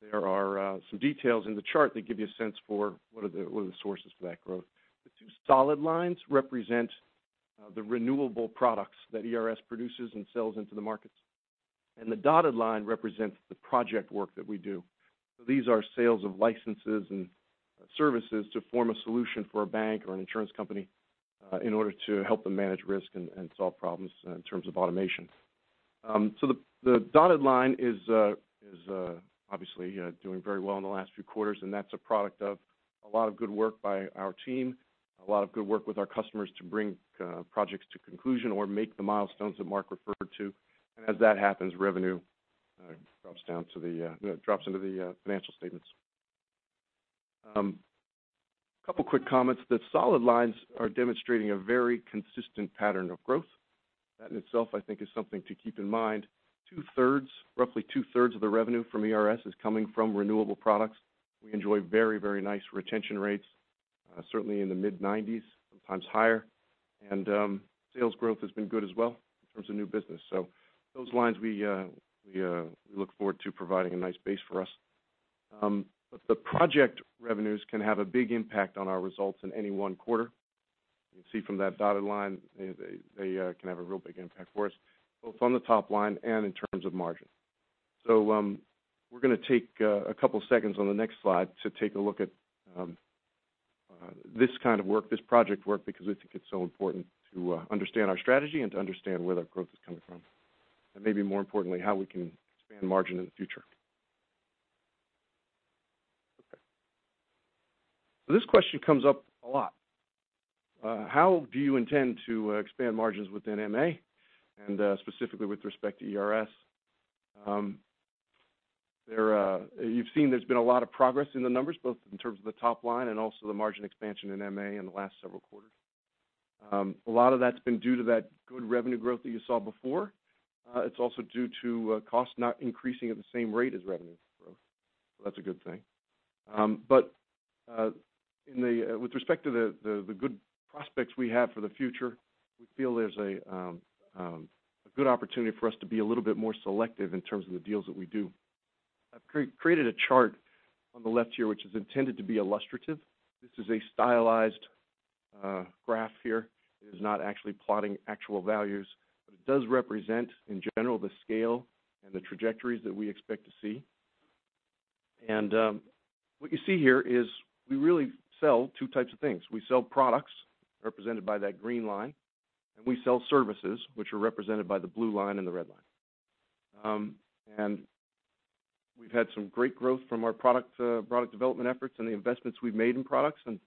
There are some details in the chart that give you a sense for what are the sources for that growth. The two solid lines represent the renewable products that ERS produces and sells into the markets. The dotted line represents the project work that we do. These are sales of licenses and services to form a solution for a bank or an insurance company in order to help them manage risk and solve problems in terms of automation. The dotted line is obviously doing very well in the last few quarters, and that's a product of a lot of good work by our team, a lot of good work with our customers to bring projects to conclusion or make the milestones that Mark referred to. As that happens, revenue drops into the financial statements. Couple quick comments. The solid lines are demonstrating a very consistent pattern of growth. That in itself, I think, is something to keep in mind. Two-thirds, roughly two-thirds of the revenue from ERS is coming from renewable products. We enjoy very, very nice retention rates, certainly in the mid-90s, sometimes higher. Sales growth has been good as well in terms of new business. Those lines we look forward to providing a nice base for us. The project revenues can have a big impact on our results in any one quarter. You can see from that dotted line, they can have a real big impact for us, both on the top line and in terms of margin. We're going to take a couple seconds on the next slide to take a look at this kind of work, this project work, because we think it's so important to understand our strategy and to understand where that growth is coming from. Maybe more importantly, how we can expand margin in the future. This question comes up a lot. How do you intend to expand margins within MA, and specifically with respect to ERS? You've seen there's been a lot of progress in the numbers, both in terms of the top line and also the margin expansion in MA in the last several quarters. A lot of that's been due to that good revenue growth that you saw before. It's also due to cost not increasing at the same rate as revenue. That's a good thing. With respect to the good prospects we have for the future, we feel there's a good opportunity for us to be a little bit more selective in terms of the deals that we do. I've created a chart on the left here, which is intended to be illustrative. This is a stylized graph here. It is not actually plotting actual values, but it does represent, in general, the scale and the trajectories that we expect to see. What you see here is we really sell 2 types of things. We sell products, represented by that green line, and we sell services, which are represented by the blue line and the red line. We've had some great growth from our product development efforts and the investments we've made in products. And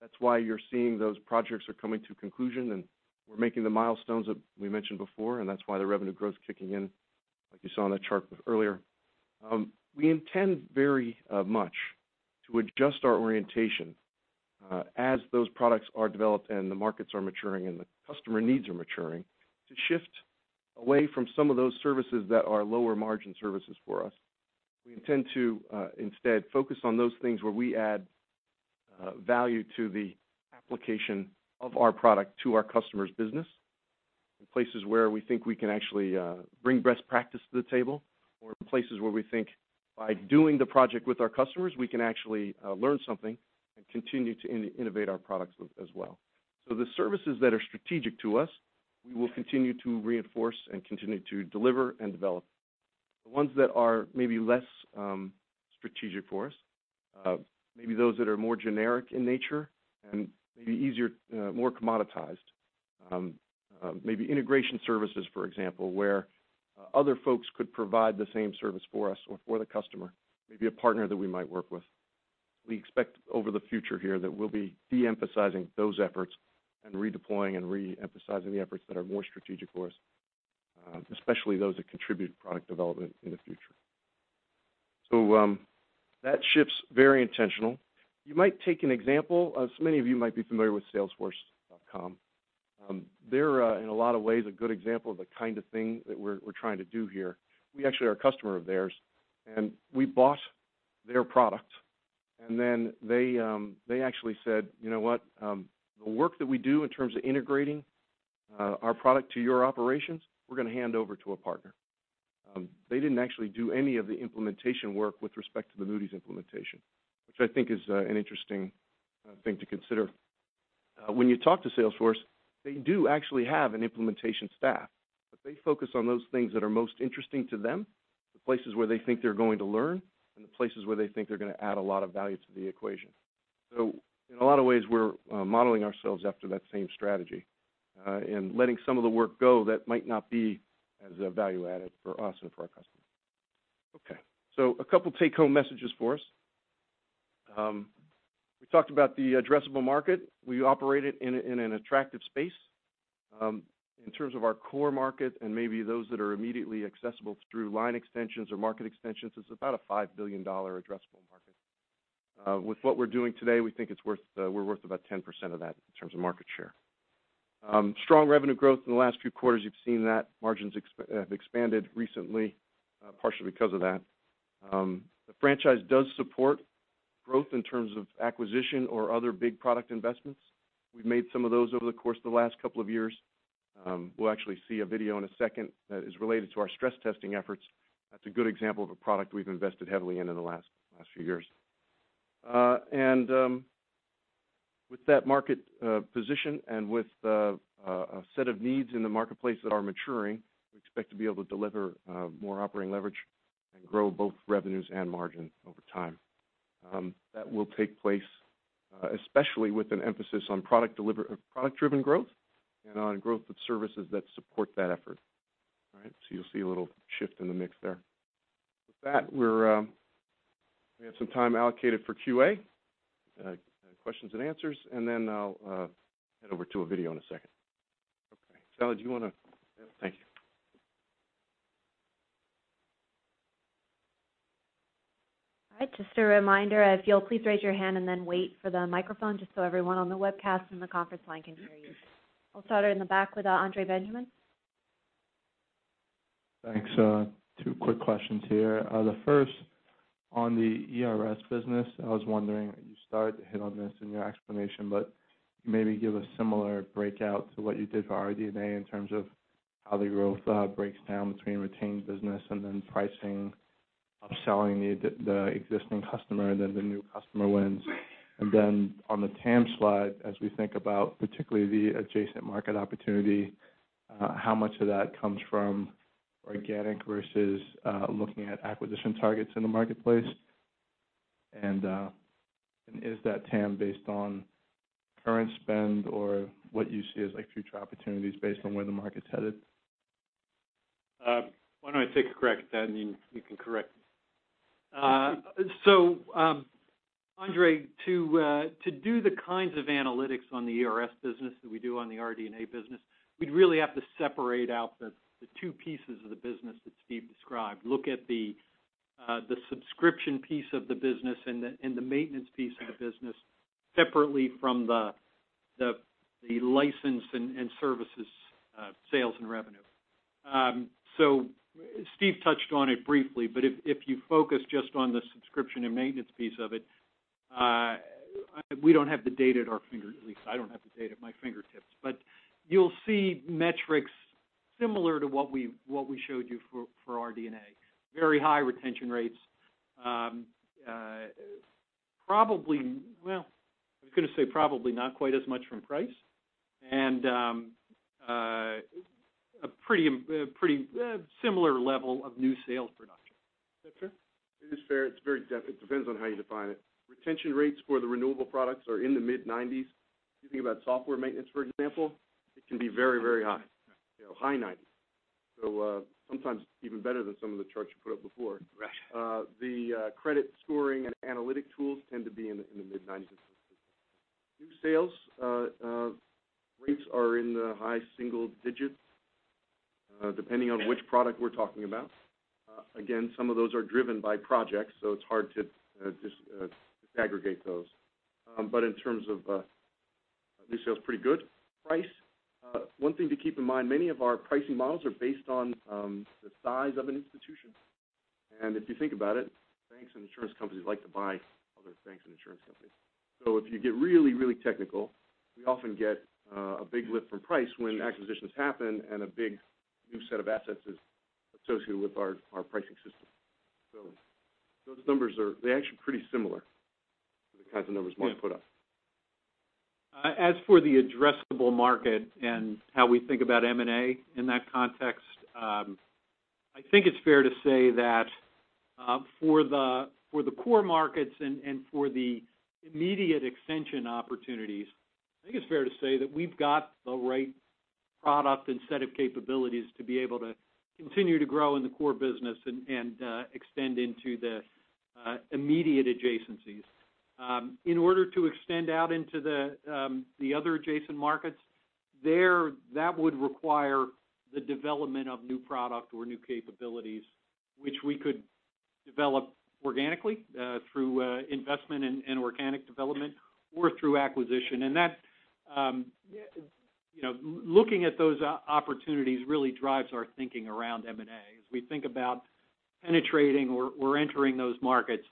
that's why you're seeing those projects are coming to conclusion, and we're making the milestones that we mentioned before, and that's why the revenue growth's kicking in, like you saw on that chart earlier. We intend very much to adjust our orientation as those products are developed and the markets are maturing, and the customer needs are maturing, to shift away from some of those services that are lower-margin services for us. We intend to, instead, focus on those things where we add value to the application of our product to our customers' business, in places where we think we can actually bring best practice to the table, or in places where we think by doing the project with our customers, we can actually learn something and continue to innovate our products as well. The services that are strategic to us, we will continue to reinforce and continue to deliver and develop. The ones that are maybe less strategic for us, maybe those that are more generic in nature and maybe more commoditized. Maybe integration services, for example, where other folks could provide the same service for us or for the customer, maybe a partner that we might work with. We expect over the future here that we'll be de-emphasizing those efforts and redeploying and re-emphasizing the efforts that are more strategic for us, especially those that contribute product development in the future. That shift's very intentional. You might take an example, as many of you might be familiar with salesforce.com. They're, in a lot of ways, a good example of the kind of thing that we're trying to do here. We actually are a customer of theirs, and we bought their product. Then they actually said, "You know what? The work that we do in terms of integrating our product to your operations, we're going to hand over to a partner." They didn't actually do any of the implementation work with respect to the Moody's implementation, which I think is an interesting thing to consider. When you talk to Salesforce, they do actually have an implementation staff, but they focus on those things that are most interesting to them, the places where they think they're going to learn, and the places where they think they're going to add a lot of value to the equation. In a lot of ways, we're modeling ourselves after that same strategy and letting some of the work go that might not be as value-added for us and for our customers. Okay. A couple take-home messages for us. We talked about the addressable market. We operate it in an attractive space. In terms of our core market and maybe those that are immediately accessible through line extensions or market extensions, it's about a $5 billion addressable market. With what we're doing today, we think we're worth about 10% of that in terms of market share. Strong revenue growth in the last few quarters. You've seen that margins have expanded recently, partially because of that. The franchise does support growth in terms of acquisition or other big product investments. We've made some of those over the course of the last couple of years. We'll actually see a video in a second that is related to our stress testing efforts. That's a good example of a product we've invested heavily in in the last few years. With that market position and with a set of needs in the marketplace that are maturing, we expect to be able to deliver more operating leverage and grow both revenues and margin over time. That will take place especially with an emphasis on product-driven growth and on growth of services that support that effort. All right? You'll see a little shift in the mix there. With that, we have some time allocated for QA, questions and answers, and then I'll head over to a video in a second. Okay. Salli, do you want to-- Thank you. All right. Just a reminder, if you'll please raise your hand and then wait for the microphone just so everyone on the webcast and the conference line can hear you. We'll start in the back with Andre Benjamin. Thanks. Two quick questions here. The first, on the ERS business, I was wondering, you started to hit on this in your explanation, but can you maybe give a similar breakout to what you did for RD&A in terms of how the growth breaks down between retained business and then pricing, upselling the existing customer, and then the new customer wins? Then on the TAM slide, as we think about particularly the adjacent market opportunity, how much of that comes from organic versus looking at acquisition targets in the marketplace? Is that TAM based on current spend or what you see as future opportunities based on where the market's headed? Why don't I take a crack at that, and you can correct me. Andre, to do the kinds of analytics on the ERS business that we do on the RD&A business, we'd really have to separate out the two pieces of the business that Steve described. Look at the subscription piece of the business and the maintenance piece of the business separately from the license and services sales and revenue. Steve touched on it briefly, but if you focus just on the subscription and maintenance piece of it, we don't have the data at our fingertips. You'll see metrics similar to what we showed you for RD&A. Very high retention rates. I was going to say probably not quite as much from price, and a pretty similar level of new sales production. Is that fair? It is fair. It depends on how you define it. Retention rates for the renewable products are in the mid-90s. If you think about software maintenance, for example, it can be very high. High 90s. Sometimes even better than some of the charts you put up before. Right. The credit scoring and analytic tools tend to be in the mid-90s as well. New sales rates are in the high single digits, depending on which product we're talking about. Again, some of those are driven by projects, so it's hard to disaggregate those. In terms of new sales, pretty good. Price, one thing to keep in mind, many of our pricing models are based on the size of an institution. If you think about it, banks and insurance companies like to buy other banks and insurance companies. If you get really technical, we often get a big lift from price when acquisitions happen and a big new set of assets is associated with our pricing system. Those numbers are actually pretty similar to the kinds of numbers Mark put up. As for the addressable market and how we think about M&A in that context, I think it's fair to say that for the core markets and for the immediate extension opportunities, I think it's fair to say that we've got the right product and set of capabilities to be able to continue to grow in the core business and extend into the immediate adjacencies. In order to extend out into the other adjacent markets, that would require the development of new product or new capabilities, which we could develop organically through investment and organic development or through acquisition. Looking at those opportunities really drives our thinking around M&A. As we think about penetrating or entering those markets,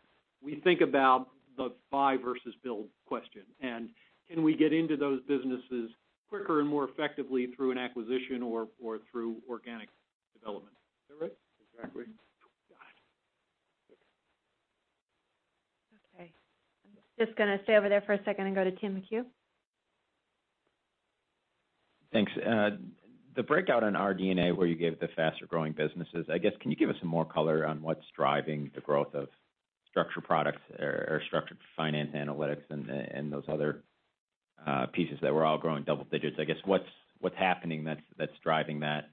we think about the buy versus build question. Can we get into those businesses quicker and more effectively through an acquisition or through organic development? Is that right? Exactly. Got it. I'm just going to stay over there for a second and go to Timothy McHugh. Thanks. The breakout on RD&A where you gave the faster-growing businesses, I guess, can you give us some more color on what's driving the growth of structured products or structured finance analytics and those other pieces that were all growing double digits? I guess, what's happening that's driving that?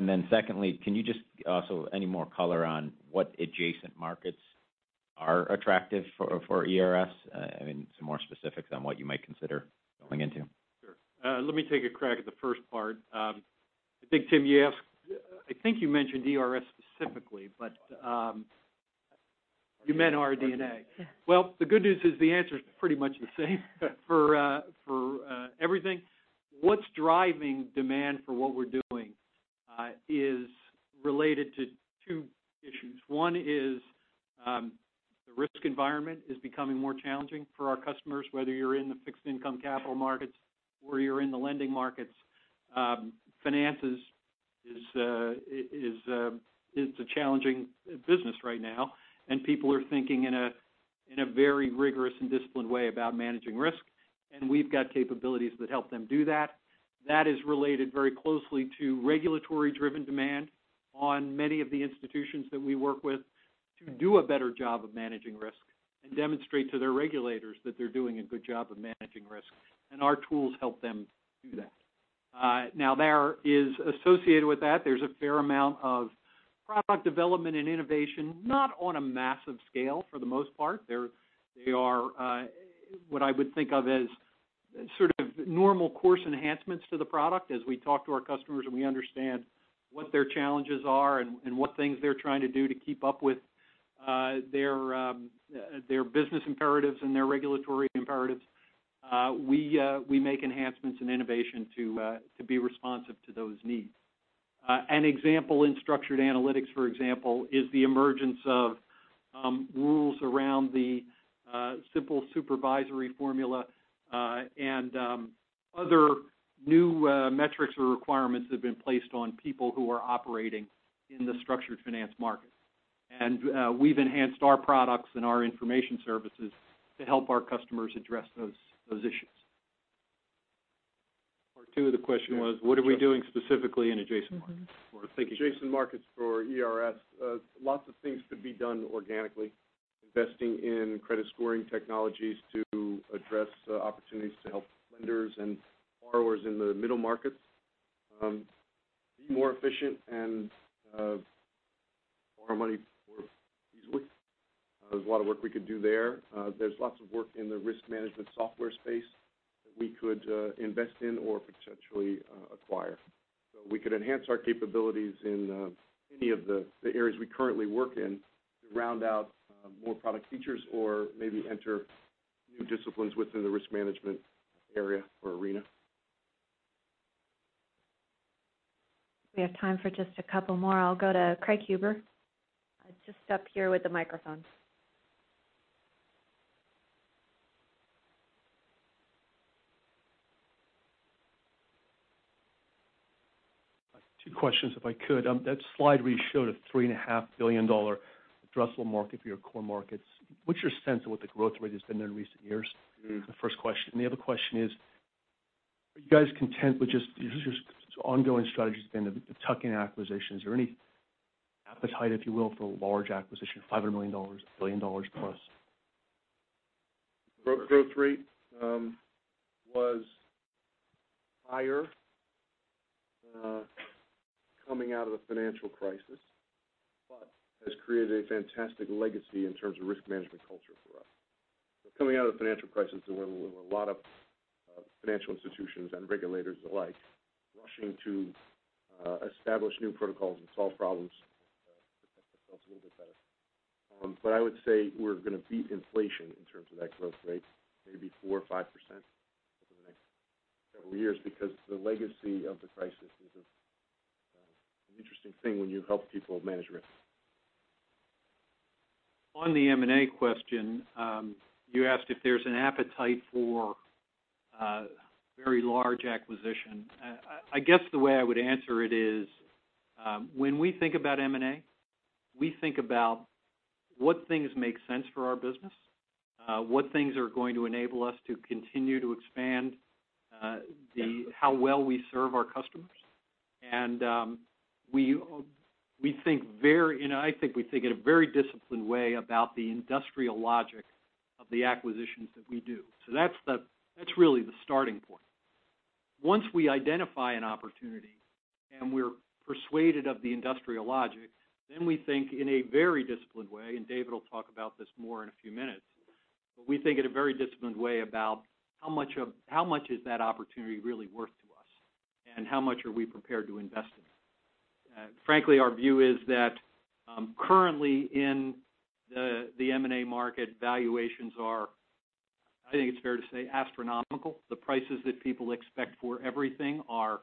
Then secondly, any more color on what adjacent markets are attractive for ERS? Some more specifics on what you might consider going into. Sure. Let me take a crack at the first part. I think, Tim, I think you mentioned ERS specifically, but you meant RD&A. The good news is the answer's pretty much the same for everything. What's driving demand for what we're doing is related to two issues. One is the risk environment is becoming more challenging for our customers, whether you're in the fixed income capital markets or you're in the lending markets. Finance is a challenging business right now, and people are thinking in a very rigorous and disciplined way about managing risk, and we've got capabilities that help them do that. That is related very closely to regulatory-driven demand on many of the institutions that we work with to do a better job of managing risk and demonstrate to their regulators that they're doing a good job of managing risk. Our tools help them do that. Associated with that, there's a fair amount of product development and innovation, not on a massive scale, for the most part. They are what I would think of as sort of normal course enhancements to the product. As we talk to our customers and we understand what their challenges are and what things they're trying to do to keep up with their business imperatives and their regulatory imperatives, we make enhancements and innovation to be responsive to those needs. An example in structured analytics, for example, is the emergence of rules around the Simple Supervisory Formula, and other new metrics or requirements that have been placed on people who are operating in the structured finance market. We've enhanced our products and our information services to help our customers address those issues. Part two of the question was what are we doing specifically in adjacent markets? Adjacent markets for ERS. Lots of things could be done organically. Investing in credit scoring technologies to address opportunities to help lenders and borrowers in the middle markets be more efficient and borrow money more easily. There's a lot of work we could do there. There's lots of work in the risk management software space that we could invest in or potentially acquire. We could enhance our capabilities in any of the areas we currently work in to round out more product features or maybe enter new disciplines within the risk management area or arena. We have time for just a couple more. I'll go to Craig Huber. Just up here with the microphone. Two questions if I could. That slide where you showed a $3.5 billion addressable market for your core markets, what's your sense of what the growth rate has been there in recent years? The first question. The other question is, are you guys content with just ongoing strategy has been the tuck-in acquisitions. Are there any appetite, if you will, for a large acquisition, $500 million, $1 billion-plus? Growth rate was higher coming out of the financial crisis, has created a fantastic legacy in terms of risk management culture for us. Coming out of the financial crisis where a lot of financial institutions and regulators alike rushing to establish new protocols and solve problems and protect themselves a little bit better. I would say we're going to beat inflation in terms of that growth rate, maybe 4% or 5% over the next several years because the legacy of the crisis is an interesting thing when you help people manage risk. On the M&A question, you asked if there's an appetite for a very large acquisition. I guess the way I would answer it is, when we think about M&A, we think about what things make sense for our business, what things are going to enable us to continue to expand how well we serve our customers. I think we think in a very disciplined way about the industrial logic of the acquisitions that we do. That's really the starting point. Once we identify an opportunity, we're persuaded of the industrial logic, we think in a very disciplined way, David will talk about this more in a few minutes. We think in a very disciplined way about how much is that opportunity really worth to us, how much are we prepared to invest in it. Frankly, our view is that currently in the M&A market, valuations are, I think it's fair to say, astronomical. The prices that people expect for everything are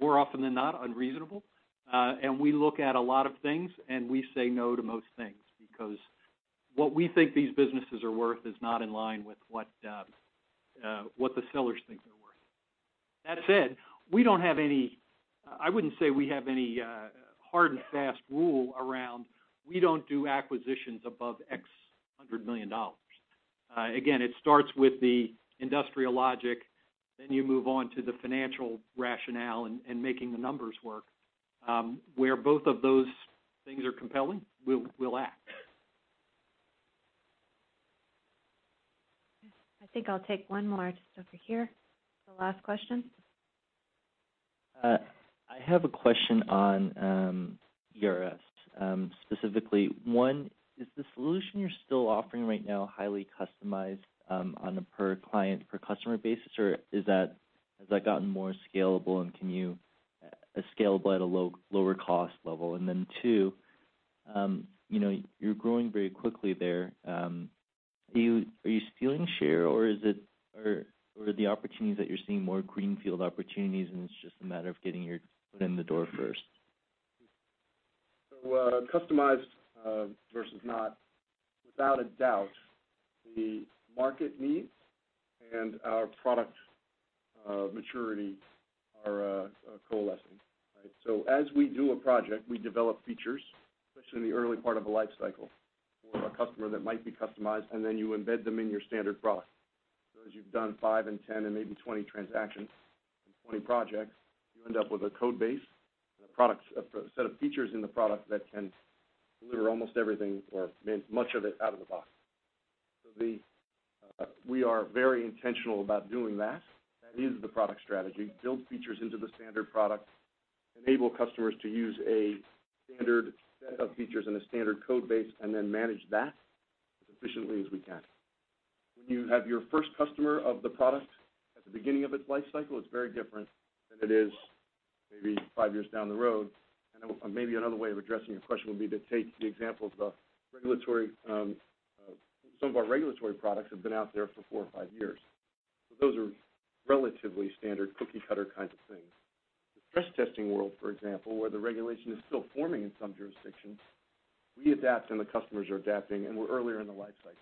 more often than not unreasonable. We look at a lot of things, we say no to most things because what we think these businesses are worth is not in line with what the sellers think they're worth. That said, I wouldn't say we have any hard and fast rule around, we don't do acquisitions above X hundred million dollars. Again, it starts with the industrial logic, you move on to the financial rationale making the numbers work. Where both of those things are compelling, we'll act. I think I'll take one more just over here. The last question. I have a question on ERS. Specifically, one, is the solution you're still offering right now highly customized on a per-client, per-customer basis, or has that gotten more scalable, and scalable at a lower cost level? Then two, you're growing very quickly there. Are you stealing share or are the opportunities that you're seeing more greenfield opportunities, and it's just a matter of getting your foot in the door first? Customized versus not. Without a doubt, the market needs and our product maturity are coalescing. As we do a project, we develop features, especially in the early part of a life cycle for a customer that might be customized, and then you embed them in your standard product. As you've done five and 10 and maybe 20 transactions and 20 projects, you end up with a code base and a set of features in the product that can deliver almost everything or much of it out of the box. We are very intentional about doing that. That is the product strategy. Build features into the standard product, enable customers to use a standard set of features and a standard code base, and then manage that as efficiently as we can. When you have your first customer of the product at the beginning of its life cycle, it's very different than it is maybe five years down the road. Maybe another way of addressing your question would be to take the example of some of our regulatory products have been out there for four or five years. Those are relatively standard cookie-cutter kinds of things. The stress testing world, for example, where the regulation is still forming in some jurisdictions, we adapt and the customers are adapting, and we're earlier in the life cycle.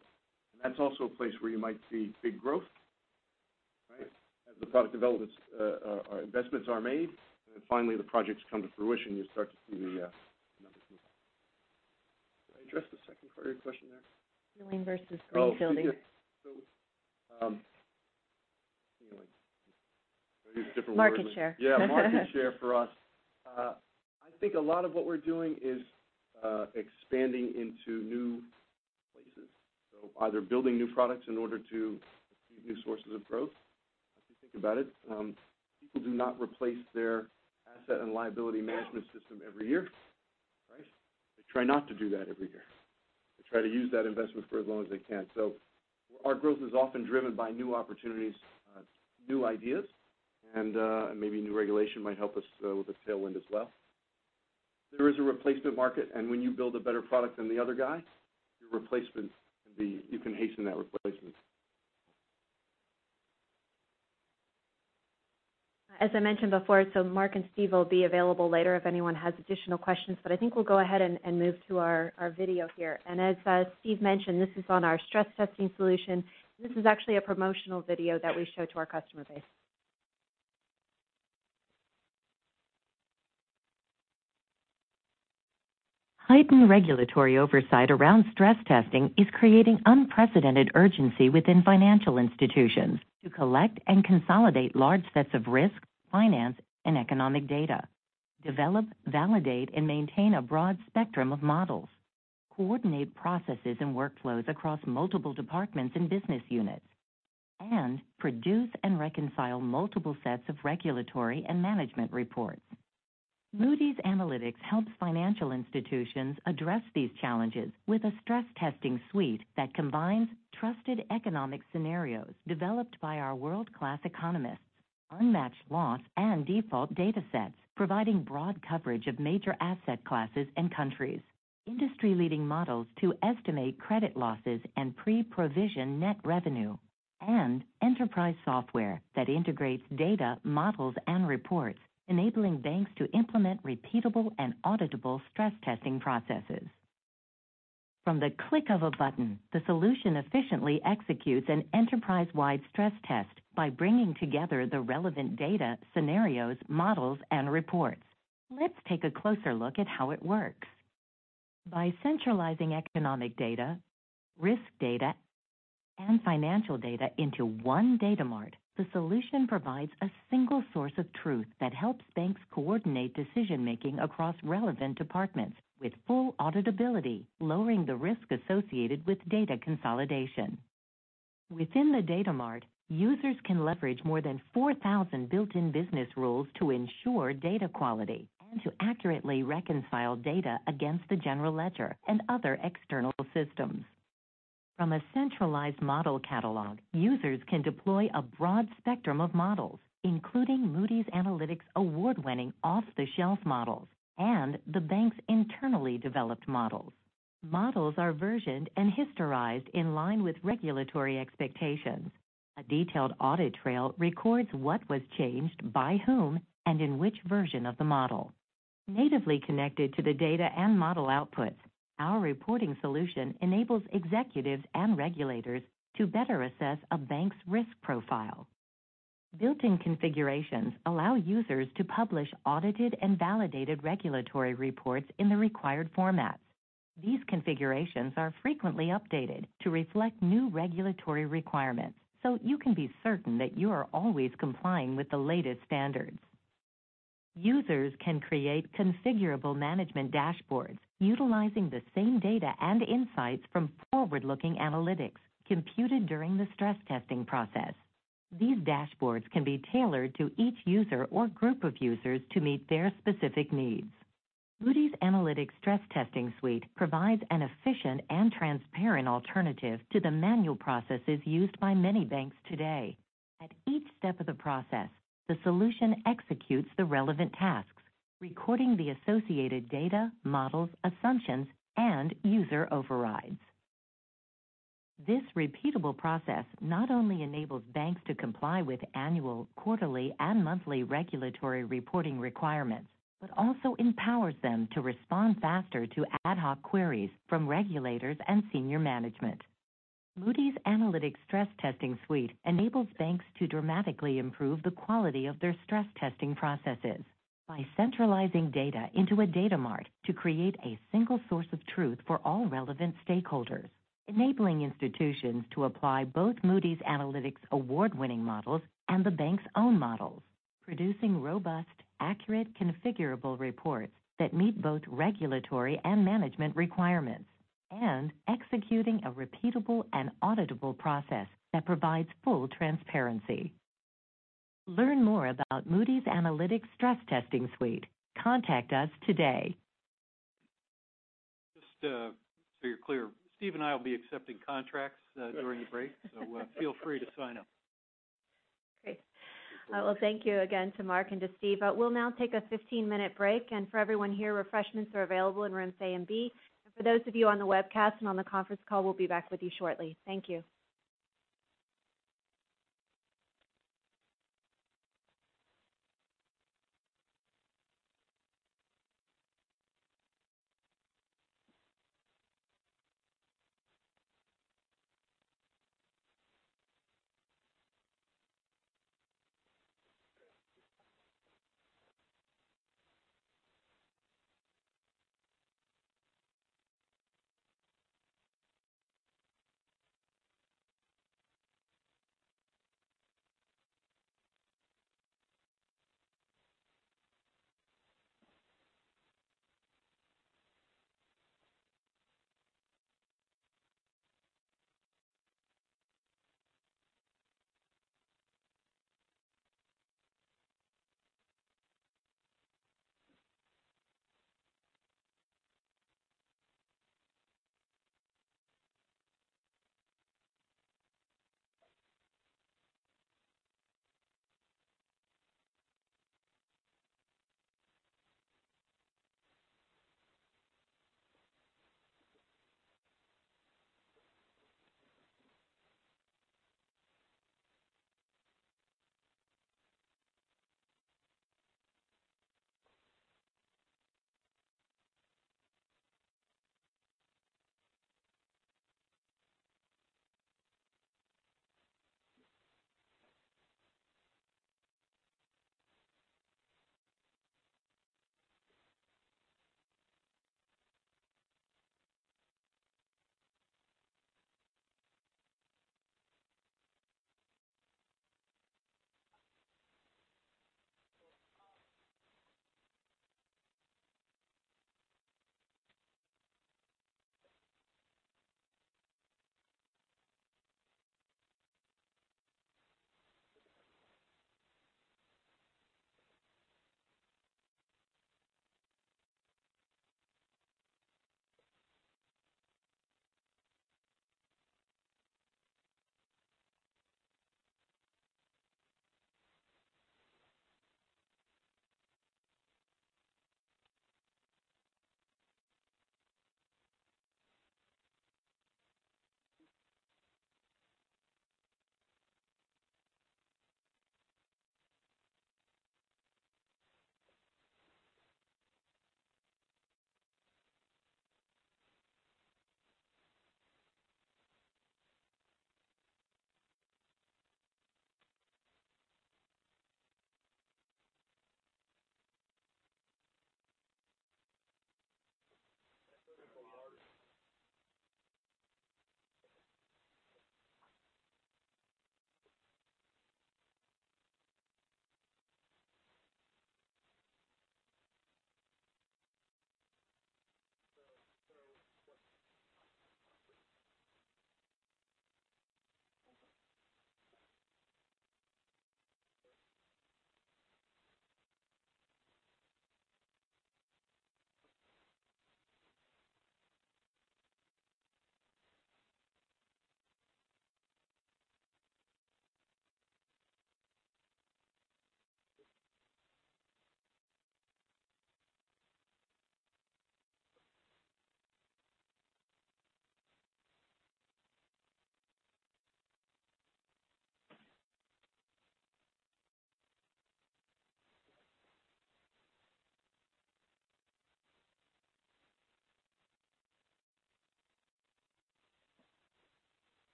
That's also a place where you might see big growth. As the product developments or investments are made, and finally the projects come to fruition, you start to see the numbers move up. Did I address the second part of your question there? Stealing versus greenfielding. Oh, yes. Different way of- Market share. Yeah, market share for us. I think a lot of what we're doing is expanding into new places. Either building new products in order to achieve new sources of growth. If you think about it, people do not replace their asset and liability management system every year. They try not to do that every year. They try to use that investment for as long as they can. Our growth is often driven by new opportunities, new ideas, and maybe new regulation might help us with a tailwind as well. There is a replacement market, and when you build a better product than the other guy, you can hasten that replacement. As I mentioned before, so Mark and Steve will be available later if anyone has additional questions, but I think we'll go ahead and move to our video here. As Steve mentioned, this is on our stress testing solution. This is actually a promotional video that we show to our customer base. Heightened regulatory oversight around stress testing is creating unprecedented urgency within financial institutions to collect and consolidate large sets of risk, finance, and economic data, develop, validate, and maintain a broad spectrum of models, coordinate processes and workflows across multiple departments and business units, and produce and reconcile multiple sets of regulatory and management reports. Moody's Analytics helps financial institutions address these challenges with a stress testing suite that combines trusted economic scenarios developed by our world-class economists, unmatched loss and default data sets providing broad coverage of major asset classes and countries, industry-leading models to estimate credit losses and pre-provision net revenue, and enterprise software that integrates data, models, and reports, enabling banks to implement repeatable and auditable stress testing processes. From the click of a button, the solution efficiently executes an enterprise-wide stress test by bringing together the relevant data, scenarios, models, and reports. Let's take a closer look at how it works. By centralizing economic data, risk data, and financial data into one data mart, the solution provides a single source of truth that helps banks coordinate decision-making across relevant departments with full auditability, lowering the risk associated with data consolidation. Within the data mart, users can leverage more than 4,000 built-in business rules to ensure data quality and to accurately reconcile data against the general ledger and other external systems. From a centralized model catalog, users can deploy a broad spectrum of models, including Moody's Analytics award-winning off-the-shelf models and the bank's internally developed models. Models are versioned and historized in line with regulatory expectations. A detailed audit trail records what was changed, by whom, and in which version of the model. Natively connected to the data and model outputs, our reporting solution enables executives and regulators to better assess a bank's risk profile. Built-in configurations allow users to publish audited and validated regulatory reports in the required formats. These configurations are frequently updated to reflect new regulatory requirements, so you can be certain that you are always complying with the latest standards. Users can create configurable management dashboards utilizing the same data and insights from forward-looking analytics computed during the stress testing process. These dashboards can be tailored to each user or group of users to meet their specific needs. Moody's Analytics' stress testing suite provides an efficient and transparent alternative to the manual processes used by many banks today. At each step of the process, the solution executes the relevant tasks, recording the associated data, models, assumptions, and user overrides. This repeatable process not only enables banks to comply with annual, quarterly, and monthly regulatory reporting requirements, but also empowers them to respond faster to ad hoc queries from regulators and senior management. Moody's Analytics' stress testing suite enables banks to dramatically improve the quality of their stress testing processes by centralizing data into a data mart to create a single source of truth for all relevant stakeholders, enabling institutions to apply both Moody's Analytics' award-winning models and the bank's own models, producing robust, accurate, configurable reports that meet both regulatory and management requirements, and executing a repeatable and auditable process that provides full transparency. Learn more about Moody's Analytics' stress testing suite. Contact us today. Just so you're clear, Steve and I will be accepting contracts during the break, so feel free to sign up. Well, thank you again to Mark and to Steve. We'll now take a 15-minute break, and for everyone here, refreshments are available in rooms A and B. For those of you on the webcast and on the conference call, we'll be back with you shortly. Thank you.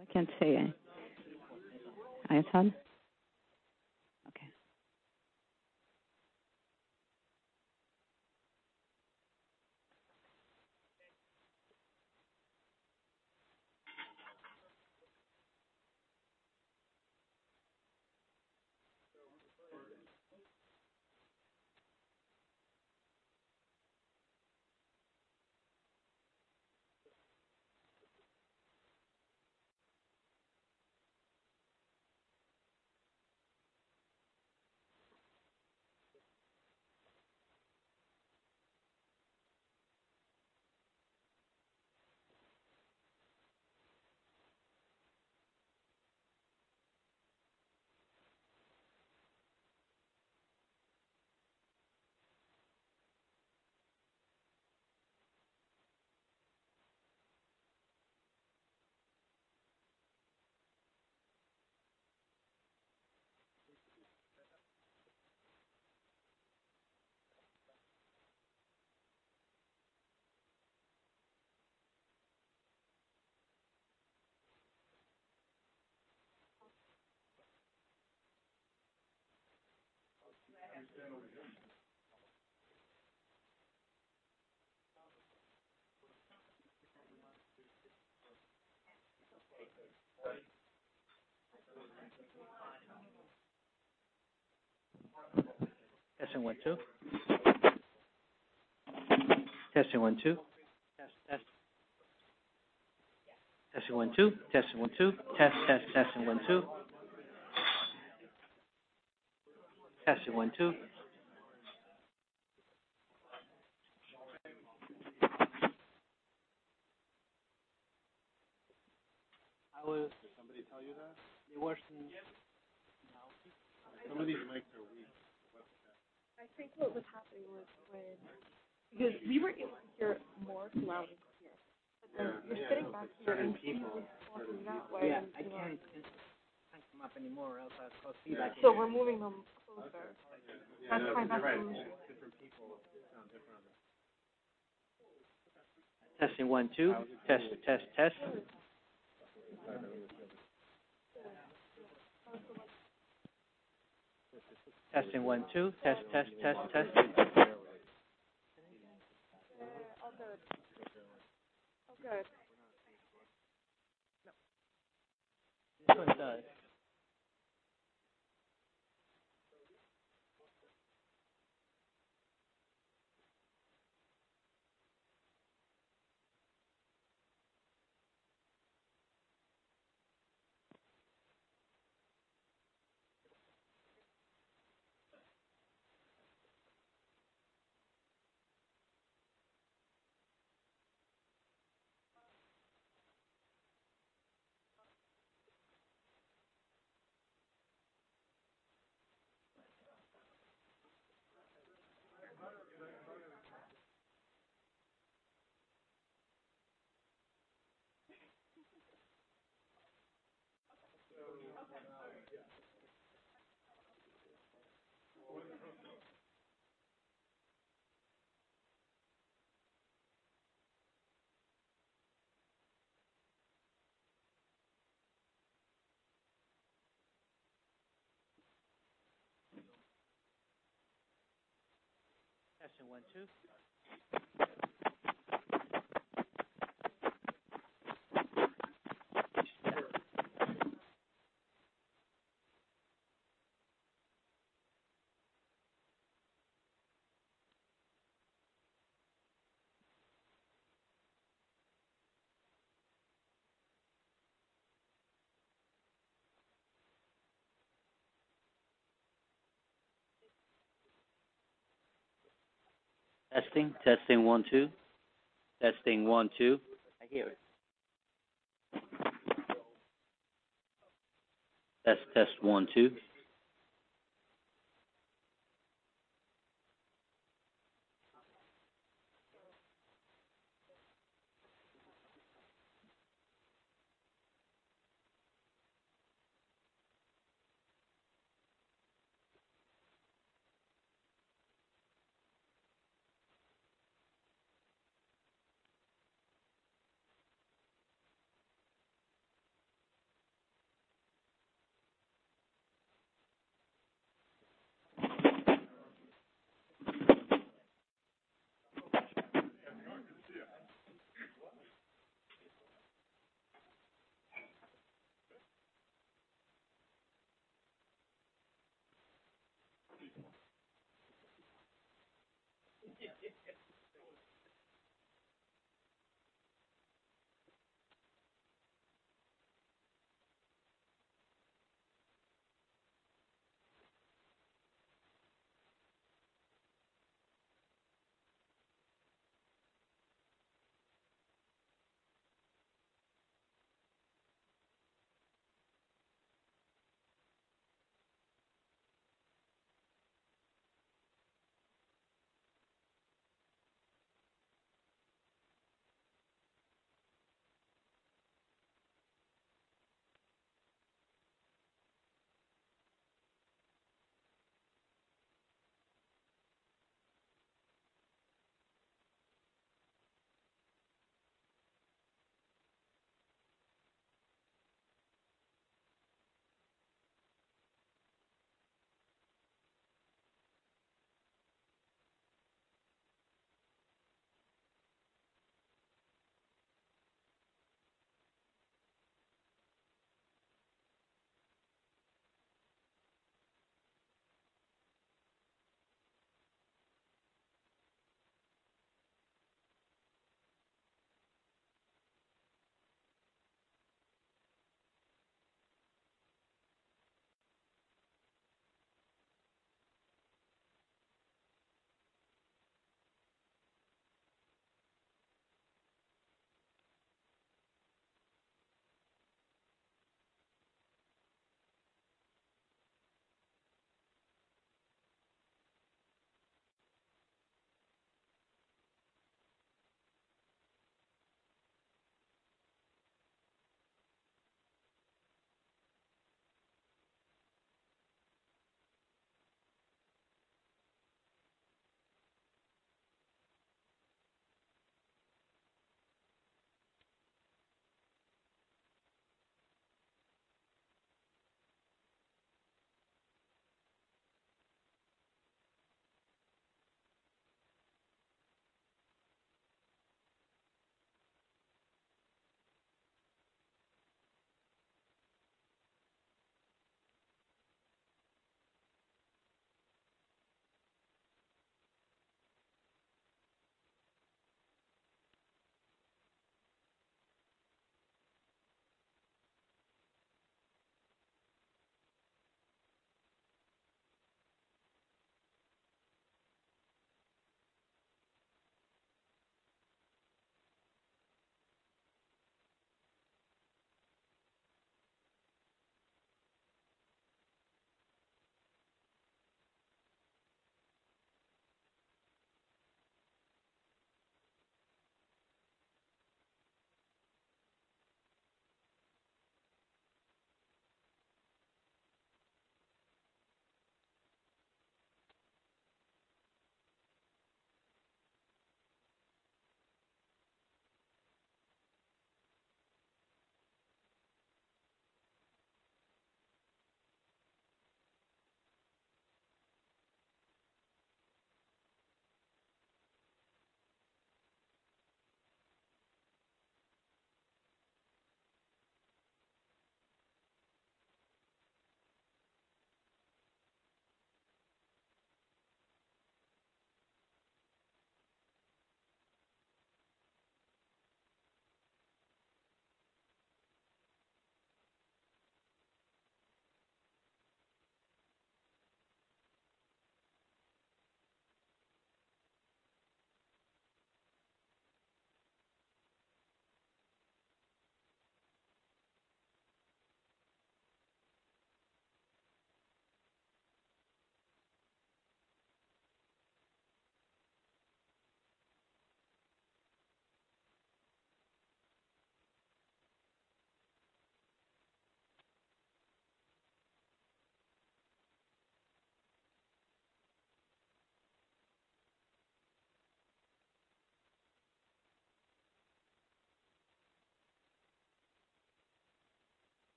I can't say it. iPhone? Okay. Testing one, two. Testing one, two. Test, test. Testing one, two. Testing one, two. Test, test, testing one, two. Testing one, two. Did somebody tell you that? It wasn't Some of these mics are weak. I think what was happening was we were able to hear more loudly here. We're sitting back here. Certain people. It's almost like that way. Yeah. I can't come up anymore or else I'll see that. We're moving them closer. Okay. Yeah. You're right. Different people sound different on there. Testing one, two. Test, test. Testing one, two. Test, test, test. All good. All good. This one's done. Testing, one, two. Testing, one, two. I hear it. Test, one, two.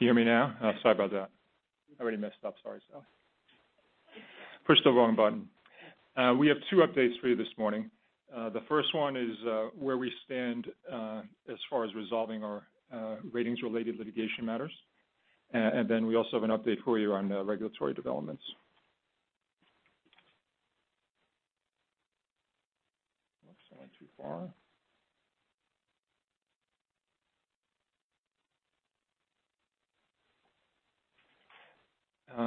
Can you hear me now? Sorry about that. I already messed up. Sorry. I pushed the wrong button. We have two updates for you this morning. The first one is where we stand as far as resolving our ratings-related litigation matters. We also have an update for you on regulatory developments. Oops, I went too far.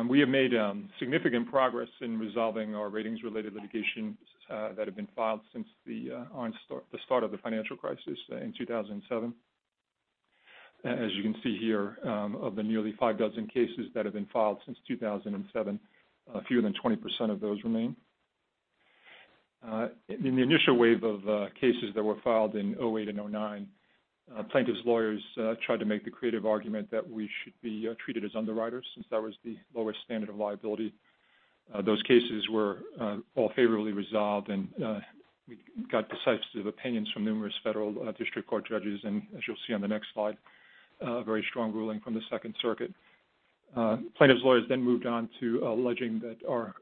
We have made significant progress in resolving our ratings-related litigations that have been filed since the start of the financial crisis in 2007. As you can see here, of the nearly five dozen cases that have been filed since 2007, fewer than 20% of those remain. In the initial wave of cases that were filed in 2008 and 2009, plaintiffs' lawyers tried to make the creative argument that we should be treated as underwriters since that was the lowest standard of liability. Those cases were all favorably resolved, and we got decisive opinions from numerous federal district court judges and, as you'll see on the next slide, a very strong ruling from the Second Circuit. Plaintiffs' lawyers moved on to alleging that our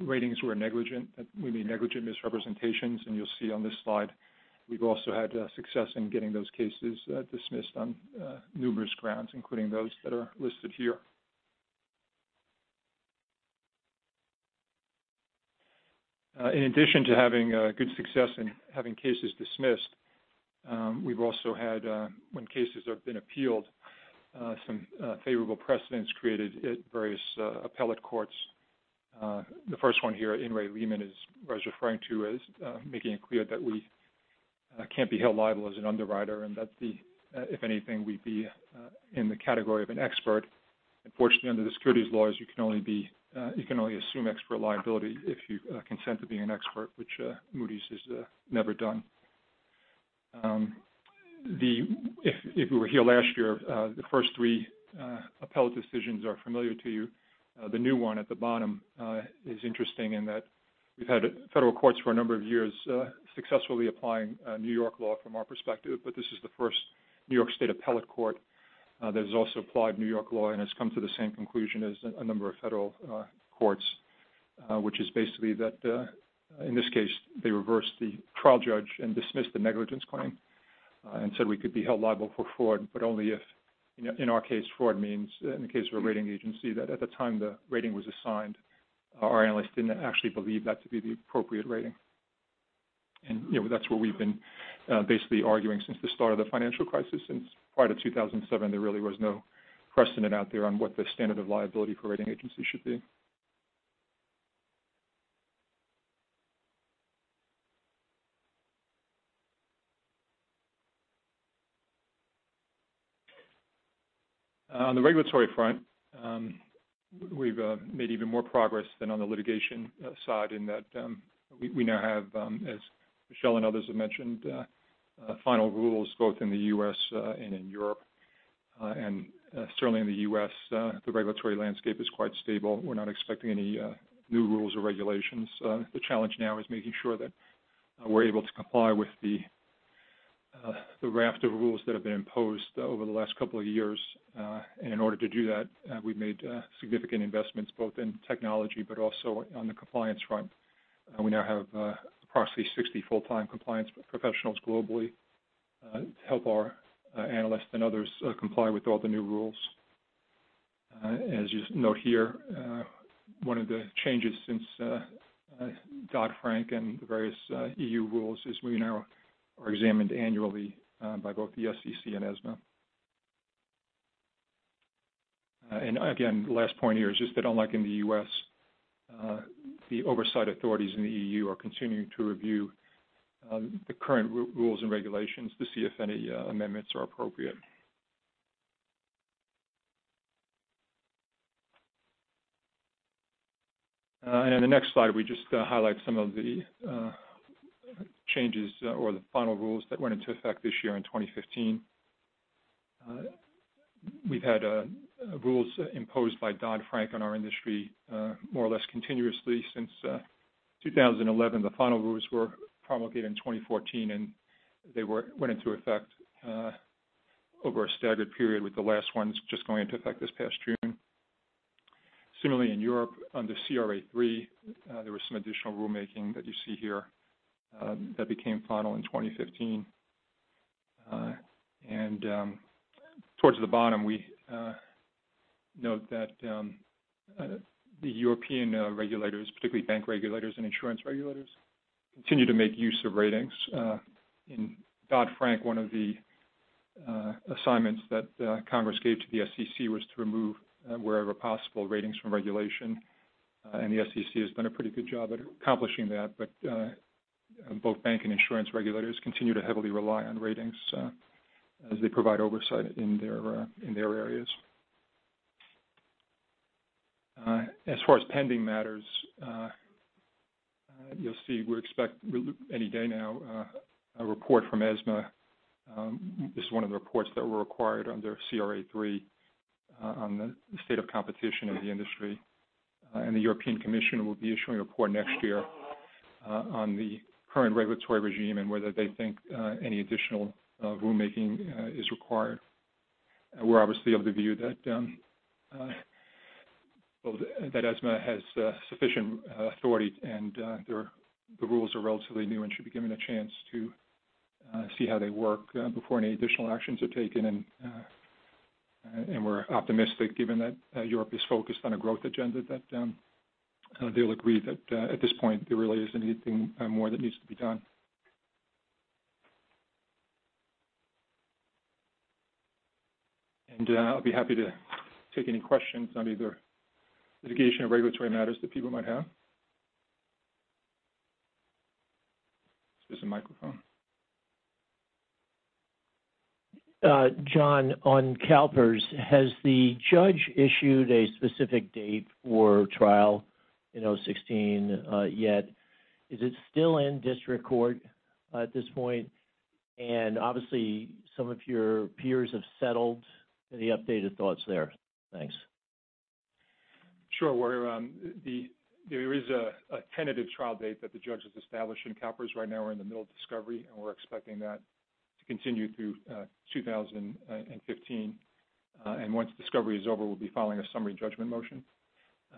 ratings were negligent, that we made negligent misrepresentations, and you'll see on this slide, we've also had success in getting those cases dismissed on numerous grounds, including those that are listed here. In addition to having good success in having cases dismissed, we've also had, when cases have been appealed, some favorable precedents created at various appellate courts. The first one here, In re Lehman, was referring to as making it clear that we can't be held liable as an underwriter, and that if anything, we'd be in the category of an expert. Unfortunately, under the securities laws, you can only assume expert liability if you consent to being an expert, which Moody's has never done. If you were here last year, the first three appellate decisions are familiar to you. The new one at the bottom is interesting in that we've had federal courts for a number of years successfully applying New York law from our perspective, but this is the first New York State appellate court that has also applied New York law and has come to the same conclusion as a number of federal courts, which is basically that, in this case, they reversed the trial judge and dismissed the negligence claim and said we could be held liable for fraud, but only if, in our case, fraud means, in the case of a rating agency, that at the time the rating was assigned, our analysts didn't actually believe that to be the appropriate rating. That's where we've been basically arguing since the start of the financial crisis. Since part of 2007, there really was no precedent out there on what the standard of liability for rating agencies should be. On the regulatory front, we've made even more progress than on the litigation side in that we now have, as Michel and others have mentioned, final rules both in the U.S. and in Europe. Certainly in the U.S., the regulatory landscape is quite stable. We're not expecting any new rules or regulations. The challenge now is making sure that we're able to comply with the raft of rules that have been imposed over the last couple of years. In order to do that, we've made significant investments both in technology, but also on the compliance front. We now have approximately 60 full-time compliance professionals globally to help our analysts and others comply with all the new rules. As you note here, one of the changes since Dodd-Frank and the various EU rules is we now are examined annually by both the SEC and ESMA. Again, last point here is just that unlike in the U.S., the oversight authorities in the EU are continuing to review the current rules and regulations to see if any amendments are appropriate. In the next slide, we just highlight some of the changes, or the final rules that went into effect this year in 2015. We've had rules imposed by Dodd-Frank on our industry more or less continuously since 2011. The final rules were promulgated in 2014, and they went into effect over a staggered period, with the last ones just going into effect this past June. Similarly, in Europe, under CRA3, there was some additional rulemaking that you see here that became final in 2015. Towards the bottom, we note that the European regulators, particularly bank regulators and insurance regulators, continue to make use of ratings. In Dodd-Frank, one of the assignments that Congress gave to the SEC was to remove, wherever possible, ratings from regulation, and the SEC has done a pretty good job at accomplishing that. Both bank and insurance regulators continue to heavily rely on ratings as they provide oversight in their areas. As far as pending matters, you'll see we expect any day now a report from ESMA. This is one of the reports that were required under CRA3 on the state of competition in the industry. The European Commission will be issuing a report next year on the current regulatory regime and whether they think any additional rulemaking is required. We're obviously of the view that ESMA has sufficient authority, the rules are relatively new and should be given a chance to see how they work before any additional actions are taken. We're optimistic, given that Europe is focused on a growth agenda, that they'll agree that at this point, there really isn't anything more that needs to be done. I'll be happy to take any questions on either litigation or regulatory matters that people might have. Is this a microphone? John, on CalPERS, has the judge issued a specific date for trial in 2016 yet? Is it still in district court at this point? Obviously, some of your peers have settled. Any updated thoughts there? Thanks. Sure. There is a tentative trial date that the judge has established in CalPERS. Right now, we're in the middle of discovery, and we're expecting that to continue through 2015. Once discovery is over, we'll be filing a summary judgment motion.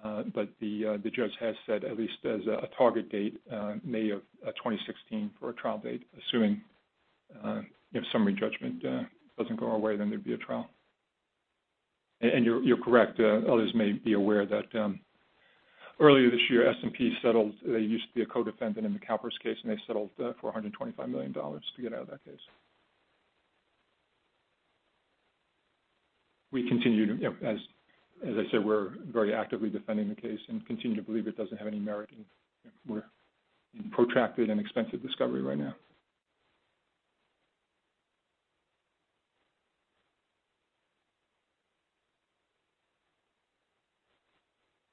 The judge has said, at least as a target date, May of 2016 for a trial date, assuming if summary judgment doesn't go our way, then there'd be a trial. You're correct. Others may be aware that earlier this year, S&P settled. They used to be a co-defendant in the CalPERS case, and they settled for $125 million to get out of that case. As I said, we're very actively defending the case and continue to believe it doesn't have any merit, and we're in protracted and expensive discovery right now.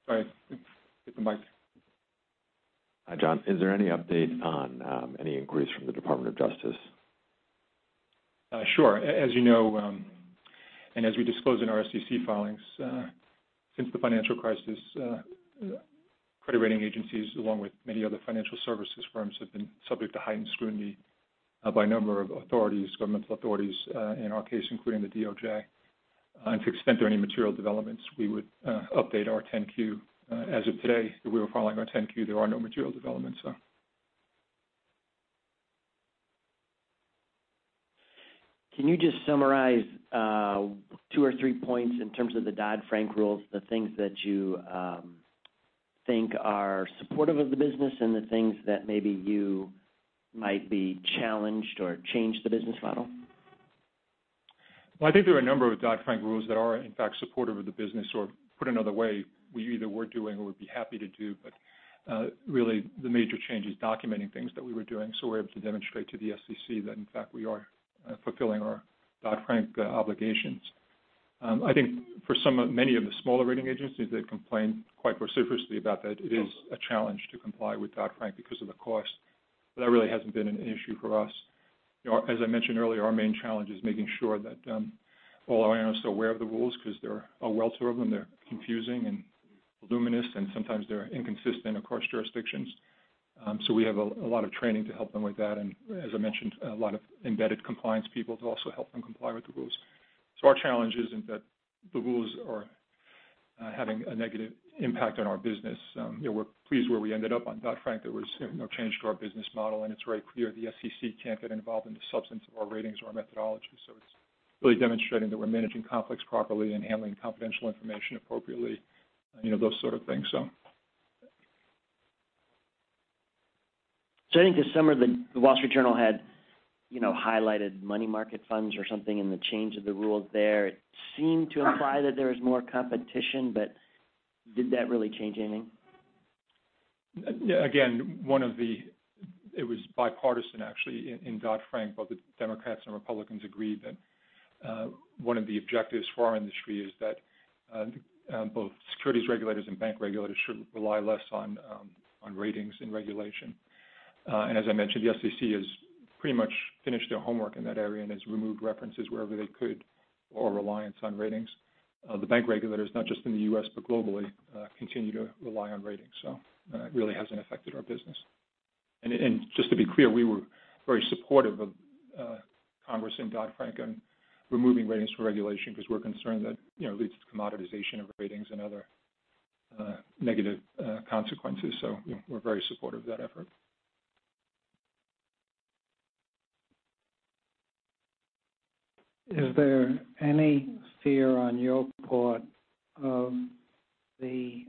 Sorry. Get the mic. Hi, John. Is there any update on any inquiries from the Department of Justice? Sure. As you know, as we disclose in our SEC filings, since the financial crisis, credit rating agencies, along with many other financial services firms, have been subject to heightened scrutiny by a number of governmental authorities, in our case, including the DOJ. To the extent there are any material developments, we would update our 10-Q. As of today, we are filing our 10-Q, there are no material developments though. Can you just summarize two or three points in terms of the Dodd-Frank rules, the things that you think are supportive of the business and the things that maybe you might be challenged or change the business model? Well, I think there are a number of Dodd-Frank rules that are in fact supportive of the business, or put another way, we either were doing or would be happy to do, but really the major change is documenting things that we were doing, so we're able to demonstrate to the SEC that in fact we are fulfilling our Dodd-Frank obligations. I think for many of the smaller rating agencies that complain quite vociferously about that, it is a challenge to comply with Dodd-Frank because of the cost. That really hasn't been an issue for us. As I mentioned earlier, our main challenge is making sure that all our analysts are aware of the rules because there are a wealth of them. They're confusing and voluminous, and sometimes they're inconsistent across jurisdictions. We have a lot of training to help them with that, and as I mentioned, a lot of embedded compliance people to also help them comply with the rules. Our challenge isn't that the rules are having a negative impact on our business. We're pleased where we ended up on Dodd-Frank. There was no change to our business model, and it's very clear the SEC can't get involved in the substance of our ratings or our methodology. It's really demonstrating that we're managing conflicts properly and handling confidential information appropriately, those sort of things. I think this summer The Wall Street Journal had highlighted money market funds or something in the change of the rules there. It seemed to imply that there was more competition, did that really change anything? Again, it was bipartisan actually in Dodd-Frank. Both the Democrats and Republicans agreed that one of the objectives for our industry is that both securities regulators and bank regulators should rely less on ratings and regulation. As I mentioned, the SEC has pretty much finished their homework in that area and has removed references wherever they could or reliance on ratings. The bank regulators, not just in the U.S. but globally, continue to rely on ratings. That really hasn't affected our business. Just to be clear, we were very supportive of Congress and Dodd-Frank on removing ratings for regulation because we're concerned that it leads to commoditization of ratings and other negative consequences. We're very supportive of that effort. Is there any fear on your part of the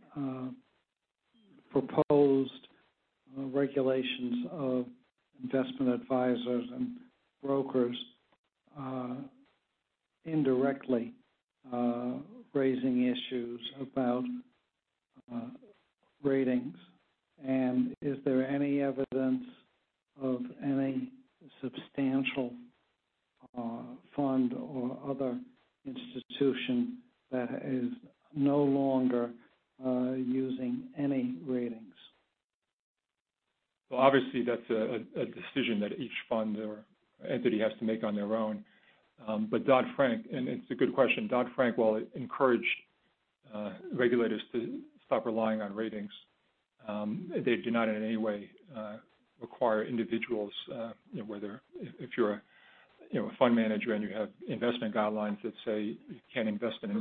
proposed regulations of investment advisors and brokers indirectly raising issues about ratings? Is there any evidence of any substantial fund or other institution that is no longer using any ratings? Obviously that's a decision that each fund or entity has to make on their own. Dodd-Frank, and it's a good question, Dodd-Frank, while it encouraged regulators to stop relying on ratings, they do not in any way require individuals, whether if you're a fund manager and you have investment guidelines that say you can't invest in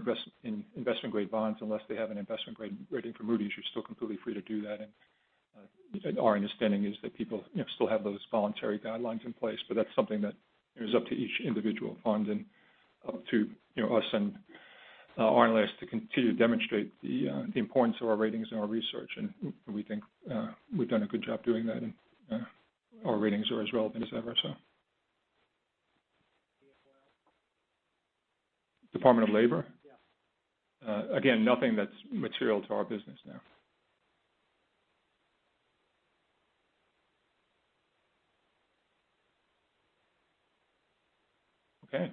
investment-grade bonds unless they have an investment-grade rating from Moody's, you're still completely free to do that. Our understanding is that people still have those voluntary guidelines in place, but that's something that is up to each individual fund and up to us and our analysts to continue to demonstrate the importance of our ratings and our research. We think we've done a good job doing that, and our ratings are as relevant as ever. DOL. Department of Labor? Yeah. Again, nothing that's material to our business, no. Okay.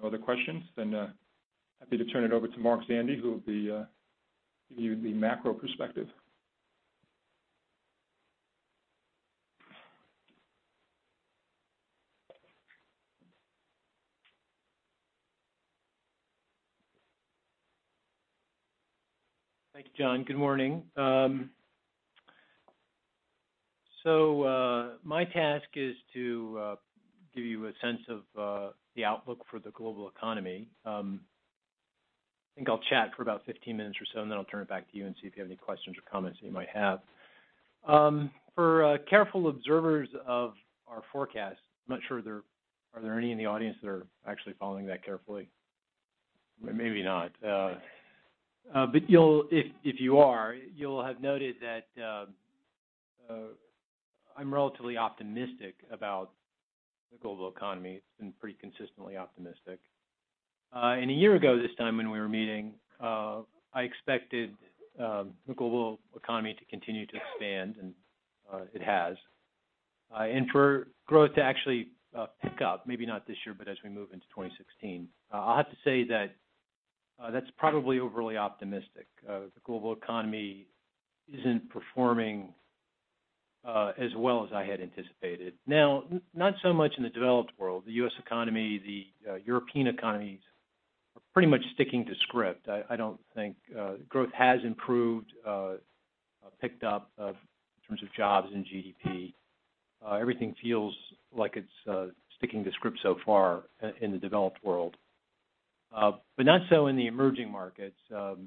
No other questions, happy to turn it over to Mark Zandi, who will be giving you the macro perspective. Thank you, John. Good morning. My task is to give you a sense of the outlook for the global economy. I think I'll chat for about 15 minutes or so, I'll turn it back to you and see if you have any questions or comments that you might have. For careful observers of our forecast, I'm not sure, are there any in the audience that are actually following that carefully? Maybe not. If you are, you'll have noted that I'm relatively optimistic about the global economy. It's been pretty consistently optimistic. A year ago this time when we were meeting, I expected the global economy to continue to expand, and it has. For growth to actually pick up, maybe not this year, but as we move into 2016. I'll have to say that's probably overly optimistic. The global economy isn't performing as well as I had anticipated. Not so much in the developed world. The U.S. economy, the European economies, are pretty much sticking to script. I don't think growth has improved, picked up in terms of jobs and GDP. Everything feels like it's sticking to script so far in the developed world. Not so in the emerging markets. The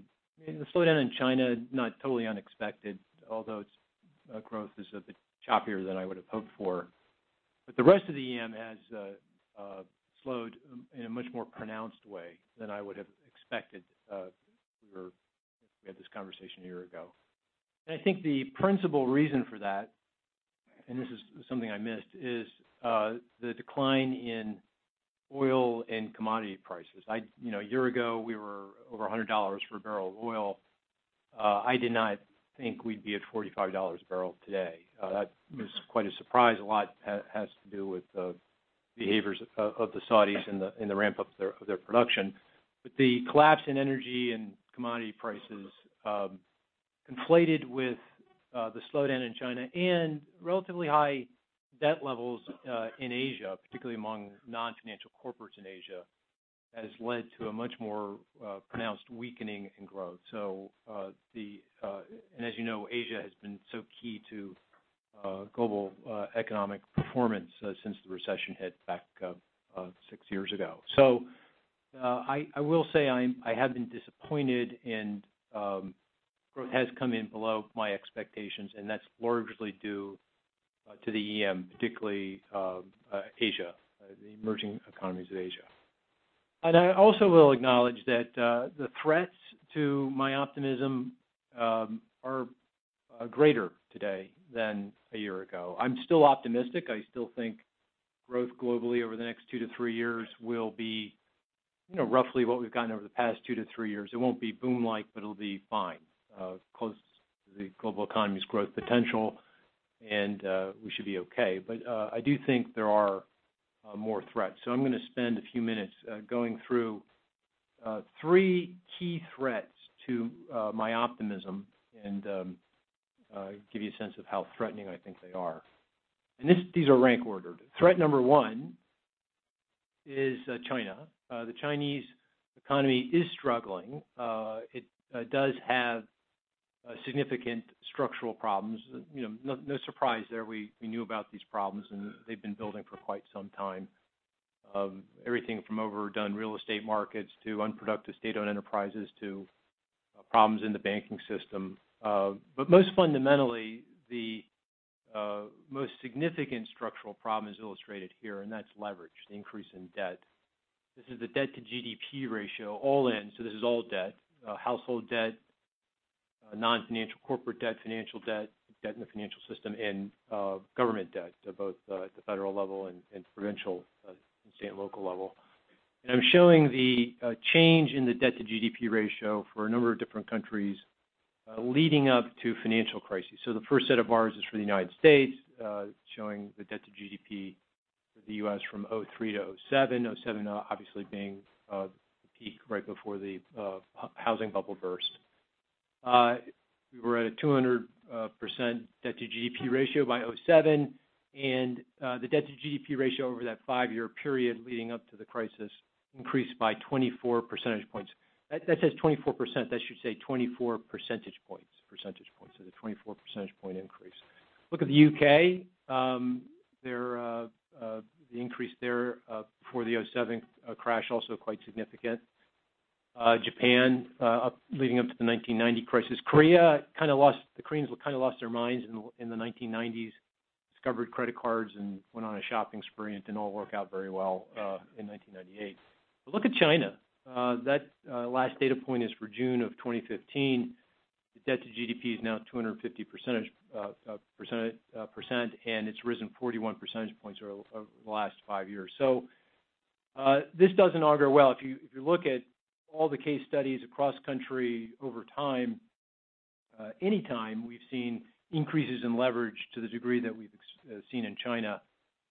slowdown in China, not totally unexpected, although its growth is a bit choppier than I would have hoped for. The rest of the EM has slowed in a much more pronounced way than I would have expected if we had this conversation a year ago. I think the principal reason for that, and this is something I missed, is the decline in oil and commodity prices. A year ago, we were over $100 for a barrel of oil. I did not think we'd be at $45 a barrel today. That was quite a surprise. A lot has to do with the behaviors of the Saudis and the ramp-up of their production. The collapse in energy and commodity prices conflated with the slowdown in China and relatively high debt levels in Asia, particularly among non-financial corporates in Asia, has led to a much more pronounced weakening in growth. As you know, Asia has been so key to global economic performance since the recession hit back six years ago. I will say I have been disappointed, and growth has come in below my expectations, and that's largely due to the EM, particularly Asia, the emerging economies of Asia. I also will acknowledge that the threats to my optimism are greater today than a year ago. I'm still optimistic. I still think growth globally over the next two to three years will be roughly what we've gotten over the past two to three years. It won't be boom-like, but it'll be fine. Close to the global economy's growth potential, we should be okay. I do think there are more threats. I'm going to spend a few minutes going through three key threats to my optimism and give you a sense of how threatening I think they are. These are rank ordered. Threat number 1 is China. The Chinese economy is struggling. It does have significant structural problems. No surprise there. We knew about these problems, and they've been building for quite some time. Everything from overdone real estate markets to unproductive state-owned enterprises to problems in the banking system. Most fundamentally, the most significant structural problem is illustrated here, that's leverage, the increase in debt. This is the debt-to-GDP ratio, all in. This is all debt. Household debt, non-financial corporate debt, financial debt in the financial system, and government debt, both at the federal level and provincial, state and local level. I'm showing the change in the debt-to-GDP ratio for a number of different countries leading up to financial crises. The first set of bars is for the United States, showing the debt-to-GDP for the U.S. from 2003 to 2007. 2007 obviously being the peak right before the housing bubble burst. We were at a 200% debt-to-GDP ratio by 2007, and the debt-to-GDP ratio over that five-year period leading up to the crisis increased by 24 percentage points. That says 24%. That should say 24 percentage points. Percentage points. The 24 percentage point increase. Look at the U.K. The increase there for the 2007 crash, also quite significant. Japan leading up to the 1990 crisis. Korea kind of lost their minds in the 1990s, discovered credit cards and went on a shopping spree, and it didn't all work out very well in 1998. Look at China. That last data point is for June of 2015. The debt-to-GDP is now 250%, and it's risen 41 percentage points over the last five years. This doesn't augur well. If you look at all the case studies across country over time, any time we've seen increases in leverage to the degree that we've seen in China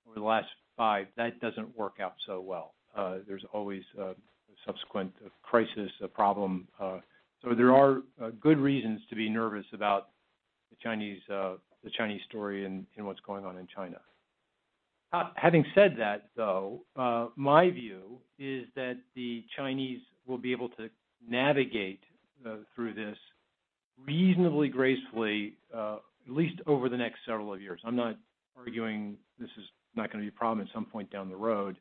over the last five, that doesn't work out so well. There's always a subsequent crisis, a problem. There are good reasons to be nervous about the Chinese story and what's going on in China. Having said that, though, my view is that the Chinese will be able to navigate through this reasonably gracefully, at least over the next several of years. I'm not arguing this is not going to be a problem at some point down the road,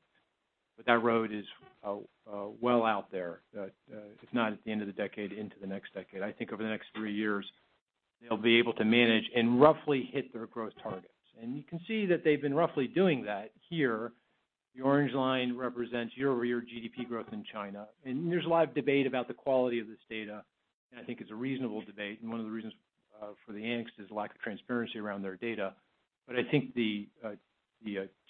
but that road is well out there. If not at the end of the decade, into the next decade. I think over the next three years, they'll be able to manage and roughly hit their growth targets. You can see that they've been roughly doing that here. The orange line represents year-over-year GDP growth in China. There's a lot of debate about the quality of this data, and I think it's a reasonable debate. One of the reasons for the angst is lack of transparency around their data. I think the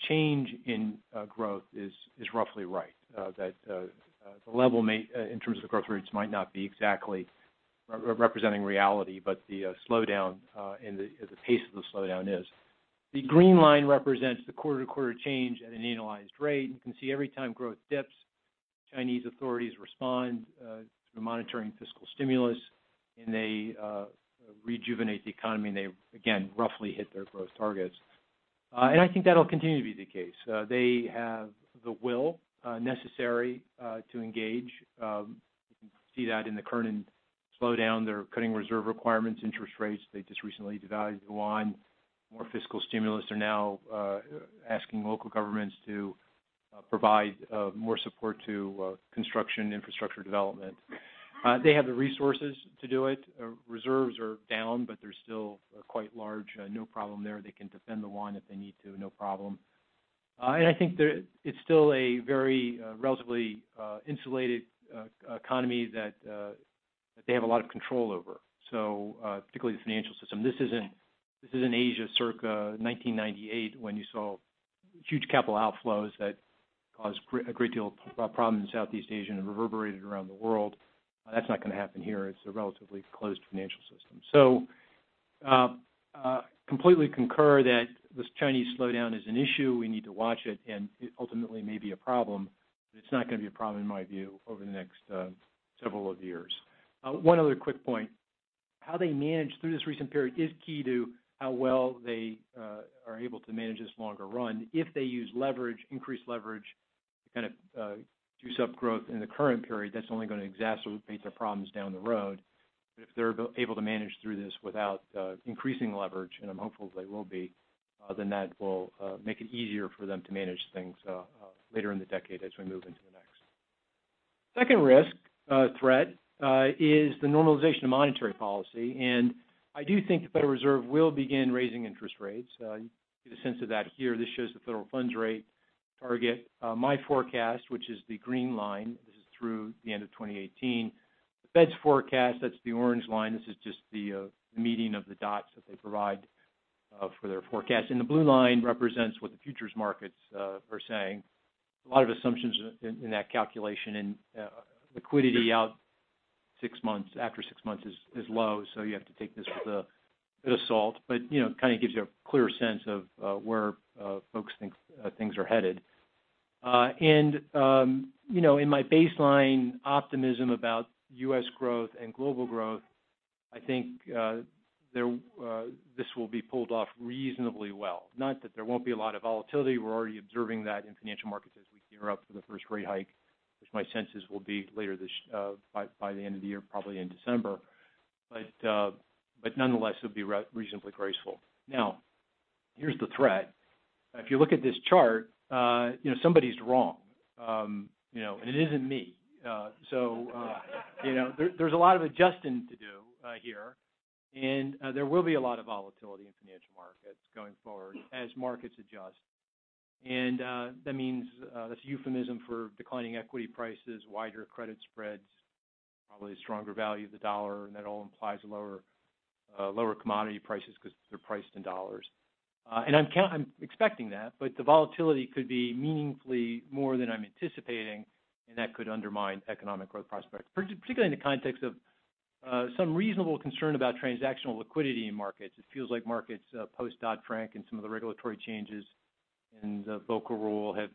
change in growth is roughly right. The level in terms of the growth rates might not be exactly representing reality, but the slowdown and the pace of the slowdown is. The green line represents the quarter-to-quarter change at an annualized rate. You can see every time growth dips, Chinese authorities respond through monitoring fiscal stimulus, and they rejuvenate the economy, and they, again, roughly hit their growth targets. I think that'll continue to be the case. They have the will necessary to engage. You can see that in the current slowdown. They're cutting reserve requirements, interest rates. They just recently devalued the yuan. More fiscal stimulus. They're now asking local governments to provide more support to construction infrastructure development. They have the resources to do it. Reserves are down, they're still quite large. No problem there. They can defend the yuan if they need to, no problem. I think it's still a very relatively insulated economy that they have a lot of control over, particularly the financial system. This isn't Asia circa 1998 when you saw huge capital outflows that caused a great deal of problem in Southeast Asia and it reverberated around the world. That's not going to happen here. It's a relatively closed financial system. Completely concur that this Chinese slowdown is an issue. We need to watch it, and it ultimately may be a problem, it's not going to be a problem, in my view, over the next several of years. One other quick point. How they manage through this recent period is key to how well they are able to manage this longer run. If they use increased leverage to juice up growth in the current period, that's only going to exacerbate their problems down the road. If they're able to manage through this without increasing leverage, and I'm hopeful they will be, then that will make it easier for them to manage things later in the decade as we move into the next. Second risk threat is the normalization of monetary policy. I do think the Federal Reserve will begin raising interest rates. You get a sense of that here. This shows the federal funds rate target. My forecast, which is the green line. This is through the end of 2018. The Fed's forecast, that's the orange line. This is just the meeting of the dots that they provide for their forecast. The blue line represents what the futures markets are saying. A lot of assumptions in that calculation. Liquidity out after six months is low. You have to take this with a bit of salt, but it gives you a clear sense of where folks think things are headed. In my baseline optimism about U.S. growth and global growth, I think this will be pulled off reasonably well. Not that there won't be a lot of volatility. We're already observing that in financial markets as we gear up for the first rate hike, which my sense is will be by the end of the year, probably in December. Nonetheless, it will be reasonably graceful. Now, here's the threat. If you look at this chart somebody's wrong. It isn't me. There's a lot of adjusting to do here, and there will be a lot of volatility in financial markets going forward as markets adjust. That's a euphemism for declining equity prices, wider credit spreads, probably a stronger value of the dollar, and that all implies lower commodity prices because they're priced in dollars. I'm expecting that, but the volatility could be meaningfully more than I'm anticipating, and that could undermine economic growth prospects, particularly in the context of some reasonable concern about transactional liquidity in markets. It feels like markets post Dodd-Frank and some of the regulatory changes in the Volcker Rule have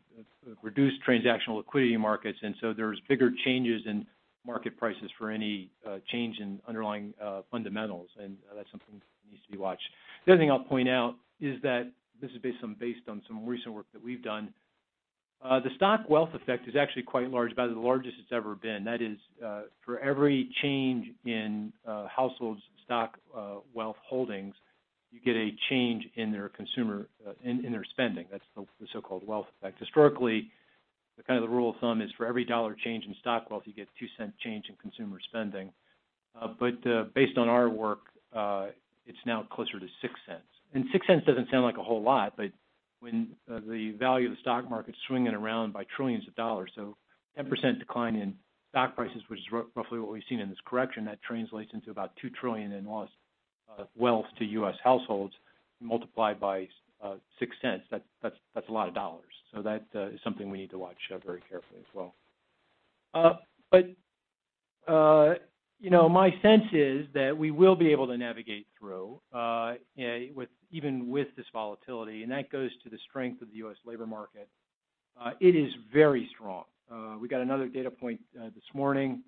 reduced transactional liquidity in markets. There's bigger changes in market prices for any change in underlying fundamentals, and that's something that needs to be watched. The other thing I'll point out is that this is based on some recent work that we've done. The stock wealth effect is actually quite large, about the largest it's ever been. That is, for every change in households' stock wealth holdings, you get a change in their spending. That's the so-called wealth effect. Historically, the rule of thumb is for every dollar change in stock wealth, you get $0.02 change in consumer spending. Based on our work, it's now closer to $0.06. $0.06 doesn't sound like a whole lot, but when the value of the stock market's swinging around by trillions of dollars. A 10% decline in stock prices, which is roughly what we've seen in this correction, that translates into about $2 trillion in lost wealth to U.S. households. Multiply by $0.06. That's a lot of dollars. That is something we need to watch very carefully as well. My sense is that we will be able to navigate through, even with this volatility, and that goes to the strength of the U.S. labor market. It is very strong. We got another data point this morning.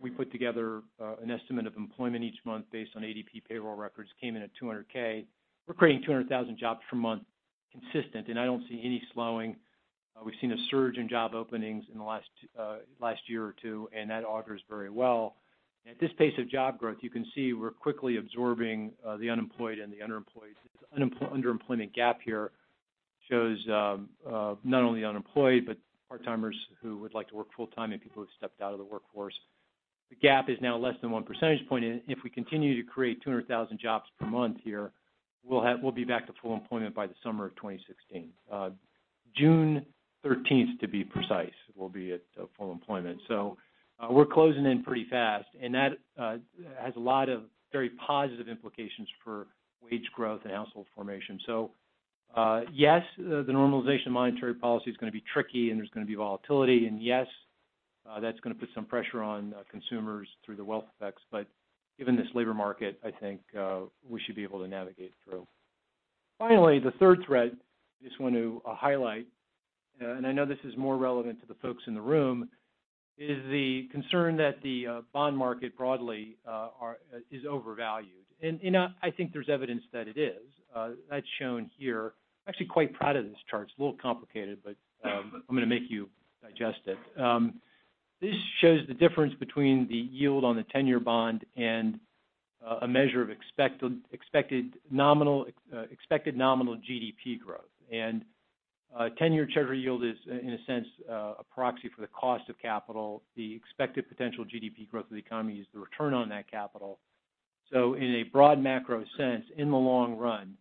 We put together an estimate of employment each month based on ADP payroll records. Came in at 200,000. We're creating 200,000 jobs per month consistent. I don't see any slowing. We've seen a surge in job openings in the last year or two, and that augurs very well. At this pace of job growth, you can see we're quickly absorbing the unemployed and the underemployed. This underemployment gap here shows not only unemployed, but part-timers who would like to work full-time and people who have stepped out of the workforce. The gap is now less than one percentage point. If we continue to create 200,000 jobs per month here, we'll be back to full employment by the summer of 2016. June 13th, to be precise, we'll be at full employment. We're closing in pretty fast, and that has a lot of very positive implications for wage growth and household formation. Yes, the normalization of monetary policy is going to be tricky. There's going to be volatility. Yes, that's going to put some pressure on consumers through the wealth effects. Given this labor market, I think we should be able to navigate through. Finally, the third thread I just want to highlight, and I know this is more relevant to the folks in the room, is the concern that the bond market broadly is overvalued. I think there's evidence that it is. That's shown here. I'm actually quite proud of this chart. It's a little complicated, but I'm going to make you digest it. This shows the difference between the yield on the 10-year bond and a measure of expected nominal GDP growth. A 10-year Treasury yield is, in a sense, a proxy for the cost of capital. The expected potential GDP growth of the economy is the return on that capital. In a broad macro sense, in the long run,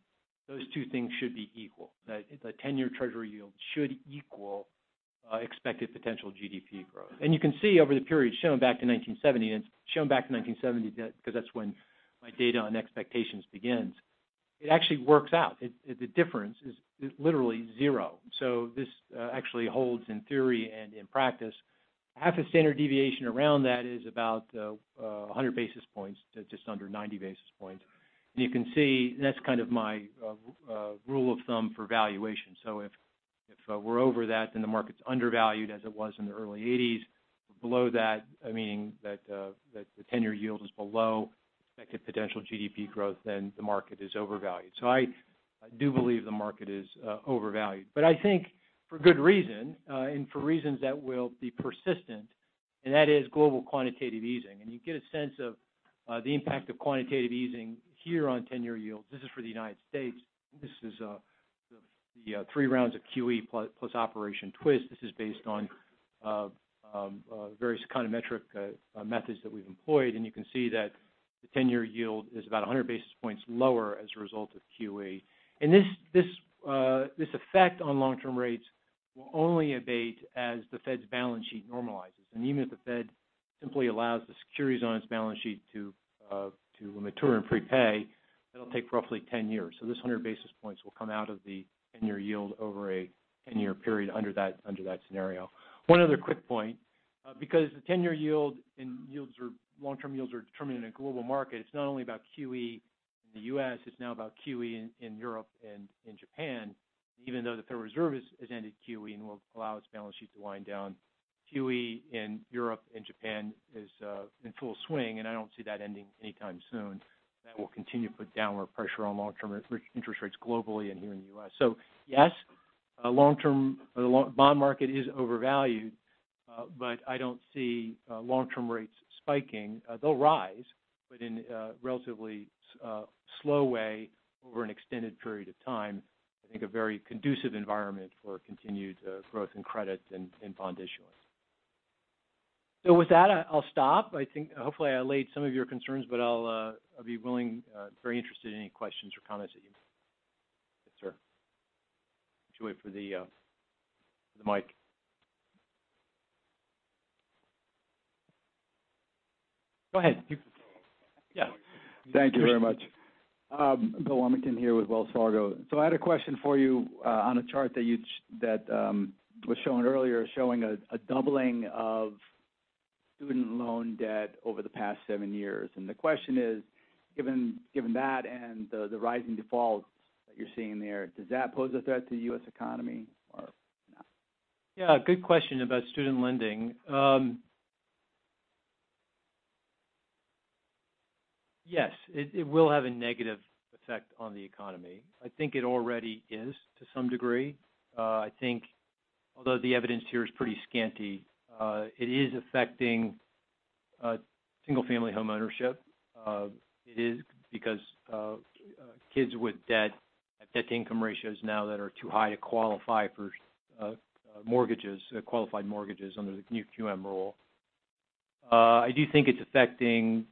those two things should be equal. The 10-year Treasury yield should equal expected potential GDP growth. You can see over the period shown back to 1970, and it's shown back to 1970 because that's when my data on expectations begins, it actually works out. The difference is literally zero. This actually holds in theory and in practice. Half a standard deviation around that is about 100 basis points to just under 90 basis points. You can see that's my rule of thumb for valuation. If we're over that, then the market's undervalued as it was in the early 1980s. Below that, meaning that the 10-year yield is below expected potential GDP growth, then the market is overvalued. I think for good reason, for reasons that will be persistent, that is global quantitative easing. You get a sense of the impact of quantitative easing here on 10-year yields. This is for the United States. This is the three rounds of QE plus Operation Twist. This is based on various econometric methods that we've employed. You can see that the 10-year yield is about 100 basis points lower as a result of QE. This effect on long-term rates will only abate as the Fed's balance sheet normalizes. Even if the Fed simply allows the securities on its balance sheet to mature and prepay, it'll take roughly 10 years. This 100 basis points will come out of the 10-year yield over a 10-year period under that scenario. One other quick point. Because the 10-year yield and long-term yields are determined in a global market, it's not only about QE in the U.S., it's now about QE in Europe and in Japan. Even though the Federal Reserve has ended QE and will allow its balance sheet to wind down, QE in Europe and Japan is in full swing, and I don't see that ending anytime soon. That will continue to put downward pressure on long-term interest rates globally and here in the U.S. Yes, the bond market is overvalued, but I don't see long-term rates spiking. They'll rise, but in a relatively slow way over an extended period of time, I think a very conducive environment for continued growth in credit and bond issuance. With that, I'll stop. Hopefully I allayed some of your concerns, but I'll be very interested in any questions or comments that you Yes, sir. Why don't you wait for the mic. Go ahead. Yeah. Thank you very much. William Feinman here with Wells Fargo. I had a question for you on a chart that was shown earlier, showing a doubling of student loan debt over the past seven years. The question is, given that and the rising defaults that you're seeing there, does that pose a threat to the U.S. economy or not? Yeah. Good question about student lending. Yes, it will have a negative effect on the economy. I think it already is to some degree. I think although the evidence here is pretty scanty, it is affecting single-family home ownership. It is because kids with debt-to-income ratios now that are too high to qualify for qualified mortgages under the new QM rule. I do think it's affecting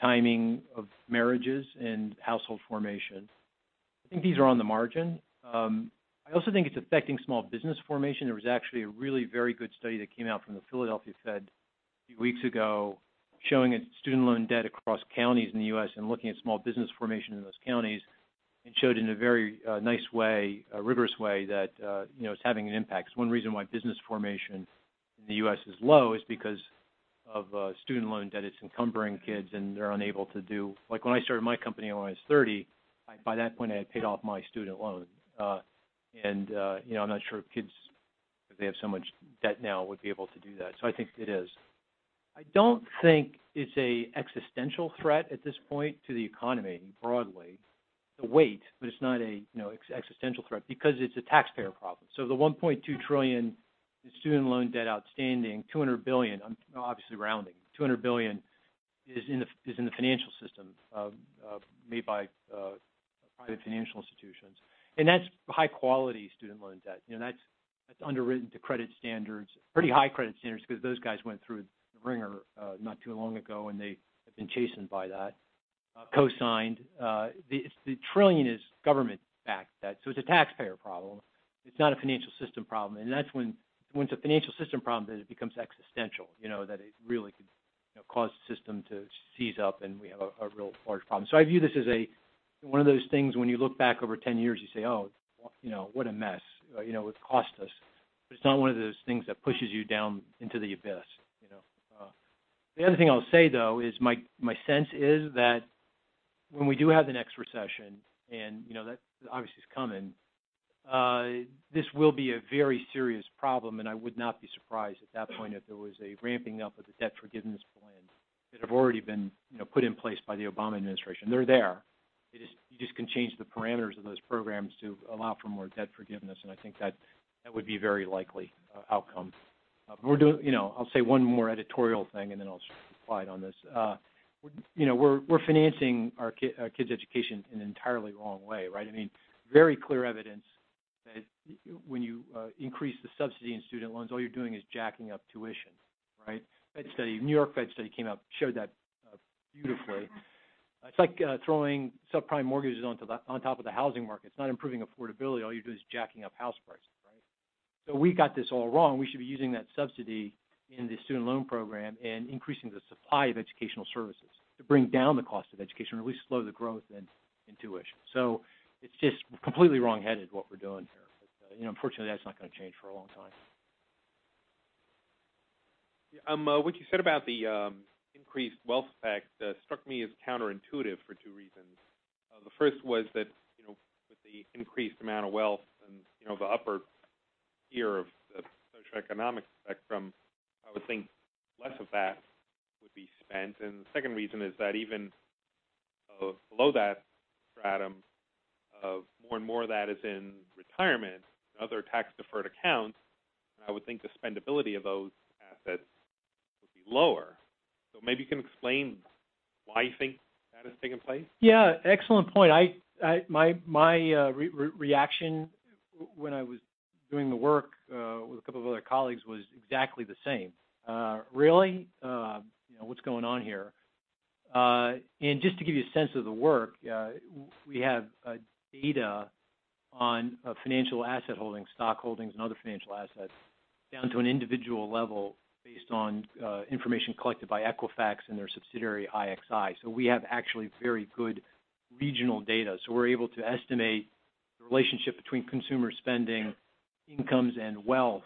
timing of marriages and household formation. I think these are on the margin. I also think it's affecting small business formation. There was actually a really very good study that came out from the Philadelphia Fed a few weeks ago showing student loan debt across counties in the U.S. and looking at small business formation in those counties, and showed in a very nice way, a rigorous way, that it's having an impact. One reason why business formation in the U.S. is low is because of student loan debt. It's encumbering kids, and they're unable to do. When I started my company when I was 30, by that point, I had paid off my student loan. I'm not sure kids, if they have so much debt now, would be able to do that. I think it is. I don't think it's an existential threat at this point to the economy broadly. The weight, but it's not an existential threat because it's a taxpayer problem. $1.2 trillion in student loan debt outstanding, $200 billion, I'm obviously rounding, $200 billion is in the financial system, made by private financial institutions. That's high-quality student loan debt. That's underwritten to credit standards, pretty high credit standards, because those guys went through the wringer not too long ago, and they have been chastened by that. Co-signed. The trillion is government-backed debt, so it's a taxpayer problem. It's not a financial system problem. That's when it's a financial system problem, that it becomes existential, that it really could cause the system to seize up and we have a real large problem. I view this as one of those things when you look back over 10 years, you say, "Oh, what a mess. It would cost us." But it's not one of those things that pushes you down into the abyss. The other thing I'll say, though, is my sense is that when we do have the next recession, and that obviously is coming, this will be a very serious problem, and I would not be surprised at that point if there was a ramping up of the debt forgiveness plans that have already been put in place by the Obama administration. They're there. You just can change the parameters of those programs to allow for more debt forgiveness, and I think that would be a very likely outcome. I'll say one more editorial thing and then I'll quiet on this. We're financing our kids' education in an entirely wrong way, right? Very clear evidence that when you increase the subsidy in student loans, all you're doing is jacking up tuition. Right? A New York Fed study came out, showed that beautifully. It's like throwing subprime mortgages on top of the housing market. It's not improving affordability. All you're doing is jacking up house prices. Right? We got this all wrong. We should be using that subsidy in the student loan program and increasing the supply of educational services to bring down the cost of education, or at least slow the growth in tuition. It's just completely wrong-headed what we're doing here. Unfortunately, that's not going to change for a long time. What you said about the increased wealth effect struck me as counterintuitive for two reasons. The first was that with the increased amount of wealth in the upper tier of the socioeconomic spectrum, I would think less of that would be spent. The second reason is that even below that stratum, more and more of that is in retirement and other tax-deferred accounts. I would think the spendability of those assets would be lower. Maybe you can explain why you think that is taking place. Yeah. Excellent point. My reaction when I was doing the work with a couple of other colleagues was exactly the same. Really? What's going on here? Just to give you a sense of the work, we have data on financial asset holdings, stock holdings, and other financial assets down to an individual level based on information collected by Equifax and their subsidiary, IXI. We have actually very good regional data, so we're able to estimate the relationship between consumer spending, incomes, and wealth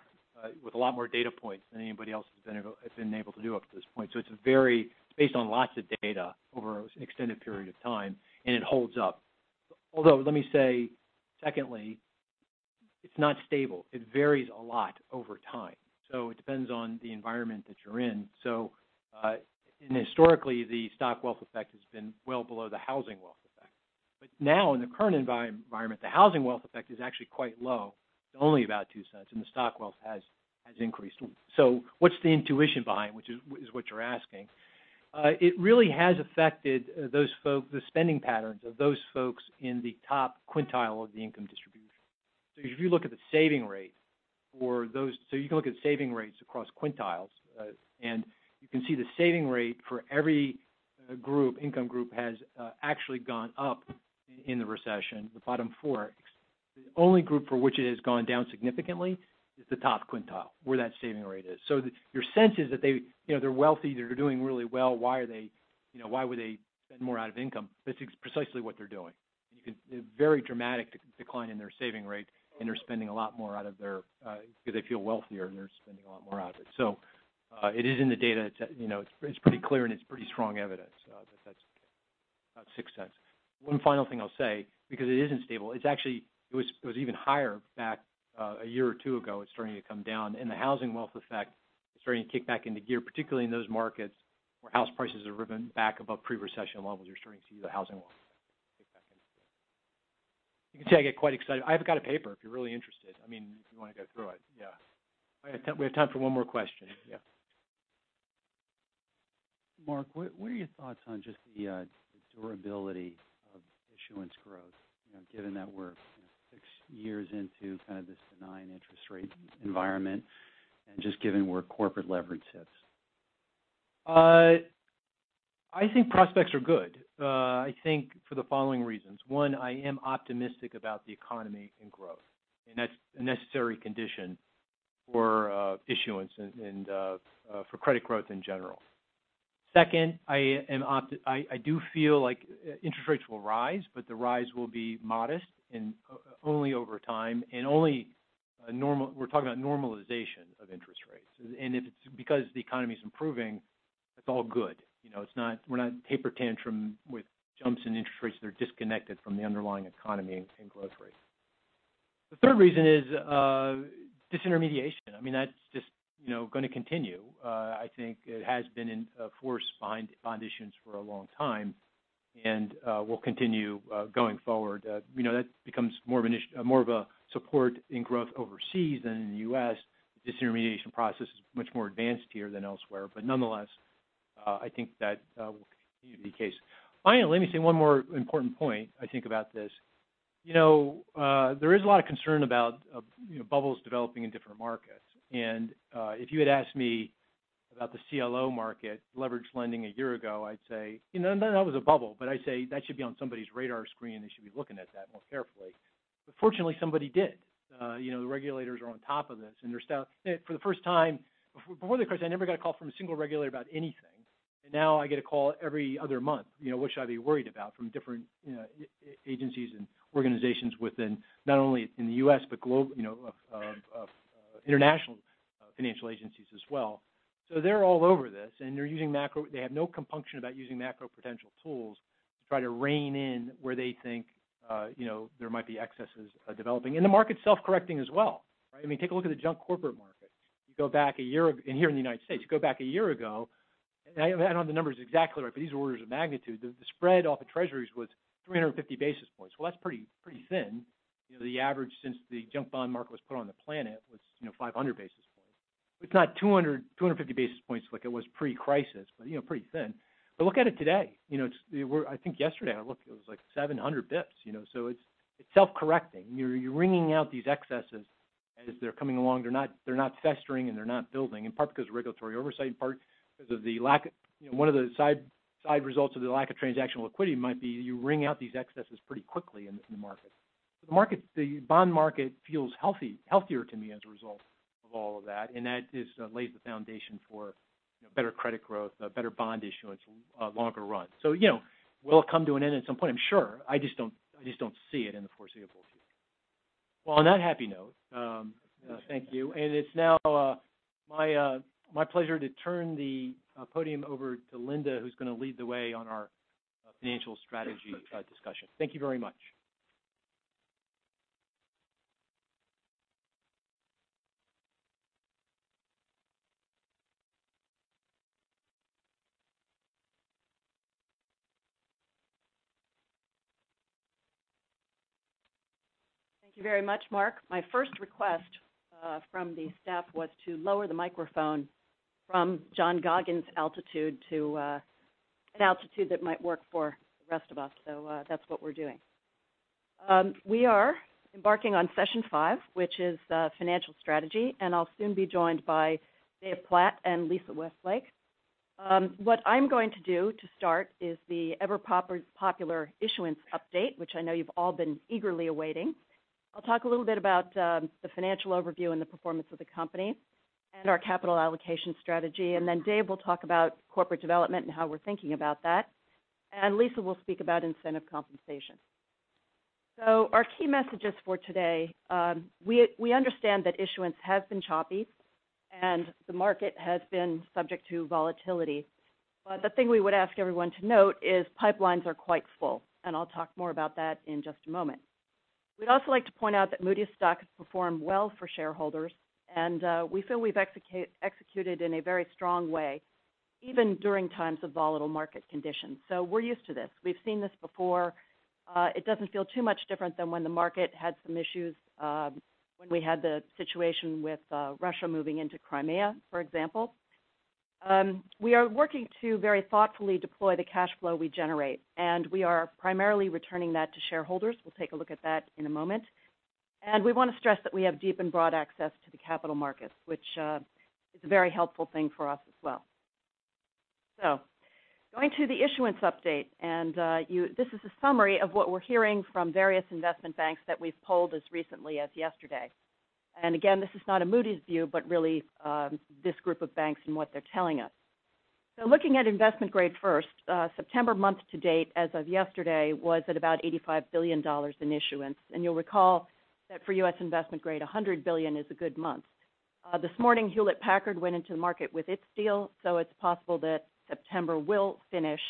with a lot more data points than anybody else has been able to do up to this point. It's based on lots of data over an extended period of time, and it holds up. Although, let me say secondly, it's not stable. It varies a lot over time. It depends on the environment that you're in. Historically, the stock wealth effect has been well below the housing wealth effect. Now in the current environment, the housing wealth effect is actually quite low. It's only about $0.02, and the stock wealth has increased. What's the intuition behind, which is what you're asking. It really has affected the spending patterns of those folks in the top quintile of the income distribution. If you look at the saving rate for those-- so you can look at saving rates across quintiles, and you can see the saving rate for every income group has actually gone up in the recession, the bottom four. The only group for which it has gone down significantly is the top quintile, where that saving rate is. Your sense is that they're wealthy, they're doing really well. Why would they spend more out of income? That's precisely what they're doing. A very dramatic decline in their saving rate, and they're spending a lot more because they feel wealthier, and they're spending a lot more out of it. It is in the data. It's pretty clear, and it's pretty strong evidence that that's about $0.06. One final thing I'll say, because it isn't stable. It was even higher back a year or two ago. It's starting to come down, and the housing wealth effect is starting to kick back into gear, particularly in those markets where house prices have risen back above pre-recession levels. You're starting to see the housing wealth effect kick back into gear. You can tell I get quite excited. I have got a paper if you're really interested. If you want to go through it. Yeah. We have time for one more question. Yeah. Mark, what are your thoughts on just the durability of issuance growth, given that we're six years into this benign interest rate environment and just given where corporate leverage sits? I think prospects are good, I think for the following reasons. One, I am optimistic about the economy and growth, and that's a necessary condition for issuance and for credit growth in general. Second, I do feel like interest rates will rise, but the rise will be modest and only over time, and we're talking about normalization of interest rates. If it's because the economy's improving, it's all good. We're not taper tantrum with jumps in interest rates that are disconnected from the underlying economy and growth rate. The third reason is disintermediation. That's just going to continue. I think it has been in force bond issuance for a long time and will continue going forward. That becomes more of a support in growth overseas than in the U.S. Disintermediation process is much more advanced here than elsewhere. Nonetheless, I think that will continue to be the case. Finally, let me say one more important point I think about this. There is a lot of concern about bubbles developing in different markets. If you had asked me about the CLO market leverage lending a year ago, I'd say, "That was a bubble," but I'd say, "That should be on somebody's radar screen. They should be looking at that more carefully." Fortunately, somebody did. The regulators are on top of this. Before the crisis, I never got a call from a single regulator about anything. Now I get a call every other month, what should I be worried about, from different agencies and organizations within not only in the U.S., but international financial agencies as well. They're all over this, and they have no compunction about using macro-prudential tools to try to rein in where they think there might be excesses developing. The market's self-correcting as well. Take a look at the junk corporate market. Here in the United States, you go back a year ago, and I don't know the numbers exactly right, but these are orders of magnitude. The spread off of treasuries was 350 basis points. Well, that's pretty thin. The average since the junk bond market was put on the planet was 500 basis points. It's not 200, 250 basis points like it was pre-crisis, but pretty thin. Look at it today. I think yesterday I looked, it was like 700 basis points. It's self-correcting. You're wringing out these excesses as they're coming along. They're not festering, and they're not building, in part because of regulatory oversight, in part because one of the side results of the lack of transactional liquidity might be you wring out these excesses pretty quickly in the market. The bond market feels healthier to me as a result of all of that just lays the foundation for better credit growth, better bond issuance, longer run. Will it come to an end at some point? I'm sure. I just don't see it in the foreseeable future. Well, on that happy note, thank you. It's now my pleasure to turn the podium over to Linda Huber, who's going to lead the way on our financial strategy discussion. Thank you very much. Thank you very much, Mark Almeida. My first request from the staff was to lower the microphone from John Goggins' altitude to an altitude that might work for the rest of us. That's what we're doing. We are embarking on session 5, which is financial strategy, I'll soon be joined by Dave Platt and Lisa Westlake. What I'm going to do to start is the ever-popular issuance update, which I know you've all been eagerly awaiting. I'll talk a little bit about the financial overview and the performance of the company and our capital allocation strategy. Then Dave Platt will talk about corporate development and how we're thinking about that. Lisa Westlake will speak about incentive compensation. Our key messages for today, we understand that issuance has been choppy, and the market has been subject to volatility. The thing we would ask everyone to note is pipelines are quite full, I'll talk more about that in just a moment. We'd also like to point out that Moody's stock has performed well for shareholders, we feel we've executed in a very strong way, even during times of volatile market conditions. We're used to this. We've seen this before. It doesn't feel too much different than when the market had some issues when we had the situation with Russia moving into Crimea, for example. We are working to very thoughtfully deploy the cash flow we generate, we are primarily returning that to shareholders. We'll take a look at that in a moment. We want to stress that we have deep and broad access to the capital markets, which is a very helpful thing for us as well. Going to the issuance update, this is a summary of what we're hearing from various investment banks that we've polled as recently as yesterday. Again, this is not a Moody's view, but really this group of banks and what they're telling us. Looking at investment grade first, September month to date, as of yesterday, was at about $85 billion in issuance. You'll recall that for U.S. investment grade, $100 billion is a good month. This morning, Hewlett-Packard went into the market with its deal, it's possible that September will finish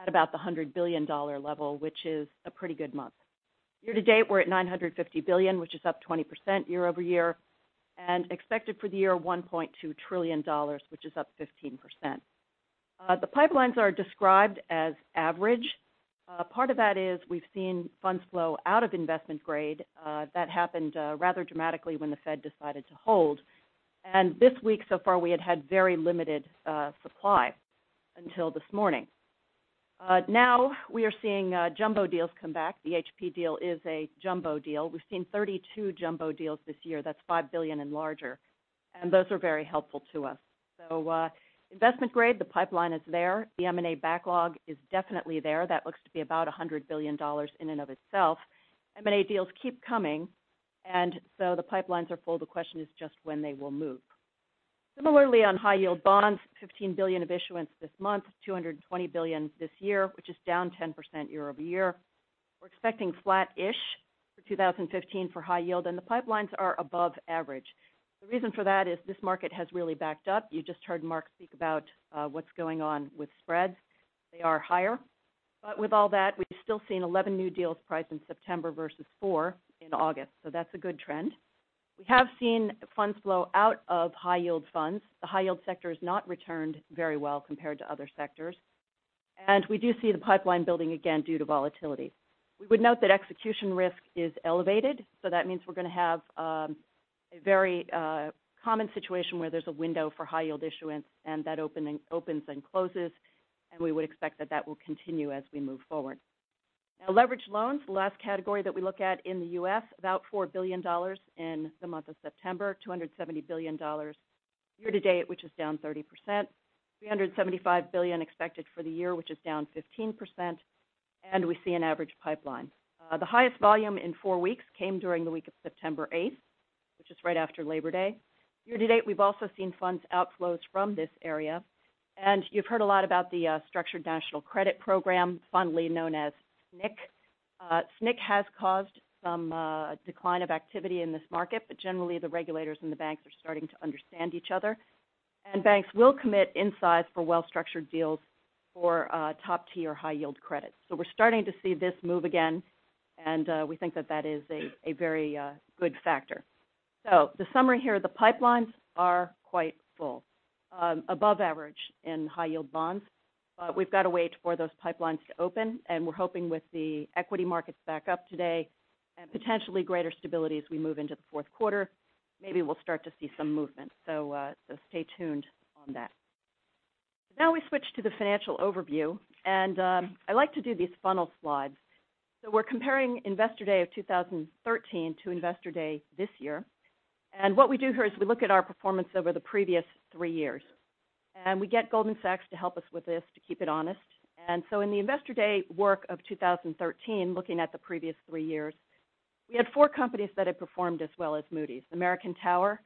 at about the $100 billion level, which is a pretty good month. Year to date, we're at $950 billion, which is up 20% year-over-year, and expected for the year, $1.2 trillion, which is up 15%. The pipelines are described as average. Part of that is we've seen funds flow out of investment grade. That happened rather dramatically when the Fed decided to hold. This week, so far, we had had very limited supply until this morning. We are seeing jumbo deals come back. The HP deal is a jumbo deal. We've seen 32 jumbo deals this year. That's $5 billion and larger. Those are very helpful to us. Investment grade, the pipeline is there. The M&A backlog is definitely there. That looks to be about $100 billion in and of itself. M&A deals keep coming, the pipelines are full. The question is just when they will move. Similarly, on high-yield bonds, $15 billion of issuance this month, $220 billion this year, which is down 10% year-over-year. We're expecting flat-ish for 2015 for high yield, the pipelines are above average. The reason for that is this market has really backed up. You just heard Mark speak about what's going on with spreads. They are higher. With all that, we've still seen 11 new deals priced in September versus four in August. That's a good trend. We have seen funds flow out of high-yield funds. The high-yield sector has not returned very well compared to other sectors. We do see the pipeline building again due to volatility. We would note that execution risk is elevated, that means we're going to have a very common situation where there's a window for high-yield issuance and that opens and closes. We would expect that that will continue as we move forward. Leveraged loans, the last category that we look at in the U.S., about $4 billion in the month of September, $270 billion year-to-date, which is down 30%, $375 billion expected for the year, which is down 15%, we see an average pipeline. The highest volume in four weeks came during the week of September 8th, which is right after Labor Day. Year-to-date, we've also seen funds outflows from this area. You've heard a lot about the Shared National Credit program, fondly known as SNC. SNC has caused some decline of activity in this market, generally, the regulators and the banks are starting to understand each other. Banks will commit insights for well-structured deals for top-tier high-yield credit. We're starting to see this move again, we think that that is a very good factor. The summary here, the pipelines are quite full, above average in high-yield bonds. We've got to wait for those pipelines to open, we're hoping with the equity markets back up today and potentially greater stability as we move into the fourth quarter, maybe we'll start to see some movement. Stay tuned on that. We switch to the financial overview, I like to do these funnel slides. We're comparing Investor Day of 2013 to Investor Day this year. What we do here is we look at our performance over the previous three years. We get Goldman Sachs to help us with this to keep it honest. In the Investor Day work of 2013, looking at the previous three years, we had four companies that had performed as well as Moody's, American Tower,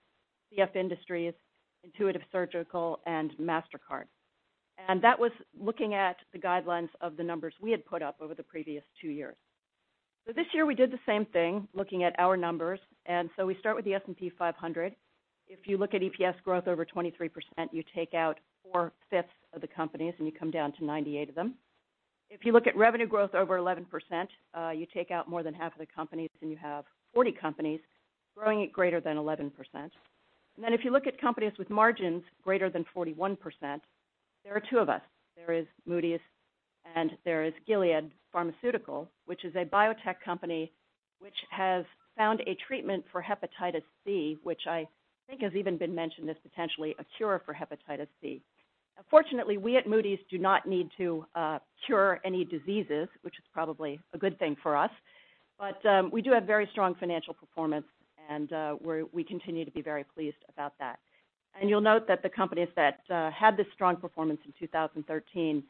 CF Industries, Intuitive Surgical, and Mastercard. That was looking at the guidelines of the numbers we had put up over the previous 2 years. This year we did the same thing, looking at our numbers, and we start with the S&P 500. If you look at EPS growth over 23%, you take out four-fifths of the companies, and you come down to 98 of them. If you look at revenue growth over 11%, you take out more than half of the companies, and you have 40 companies growing at greater than 11%. Then if you look at companies with margins greater than 41%, there are two of us. There is Moody's, and there is Gilead Sciences, which is a biotech company which has found a treatment for hepatitis C, which I think has even been mentioned as potentially a cure for hepatitis C. Fortunately, we at Moody's do not need to cure any diseases, which is probably a good thing for us. We do have very strong financial performance, and we continue to be very pleased about that. You'll note that the companies that had this strong performance in 2013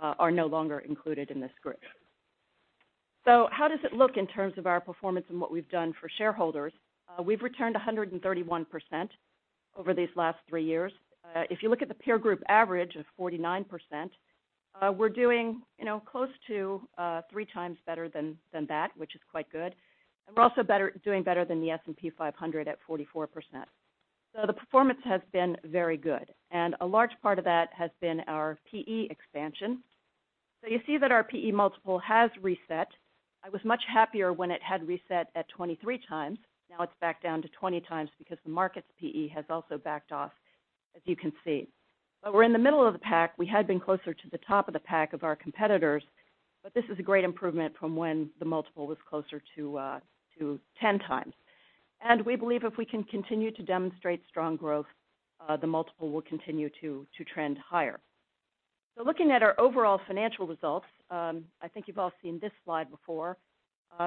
are no longer included in this group. How does it look in terms of our performance and what we've done for shareholders? We've returned 131% over these last 3 years. If you look at the peer group average of 49%, we're doing close to three times better than that, which is quite good. We're also doing better than the S&P 500 at 44%. The performance has been very good. A large part of that has been our P/E expansion. You see that our P/E multiple has reset. I was much happier when it had reset at 23 times. Now it's back down to 20 times because the market's P/E has also backed off, as you can see. But we're in the middle of the pack. We had been closer to the top of the pack of our competitors, but this is a great improvement from when the multiple was closer to 10 times. We believe if we can continue to demonstrate strong growth, the multiple will continue to trend higher. Looking at our overall financial results, I think you've all seen this slide before.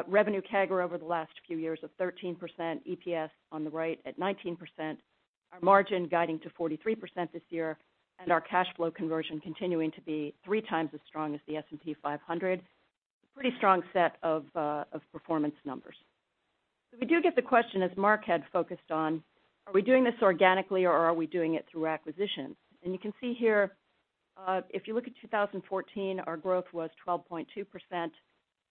Revenue CAGR over the last few years of 13%, EPS on the right at 19%, our margin guiding to 43% this year, and our cash flow conversion continuing to be three times as strong as the S&P 500. Pretty strong set of performance numbers. We do get the question, as Mark had focused on, are we doing this organically, or are we doing it through acquisitions? You can see here, if you look at 2014, our growth was 12.2%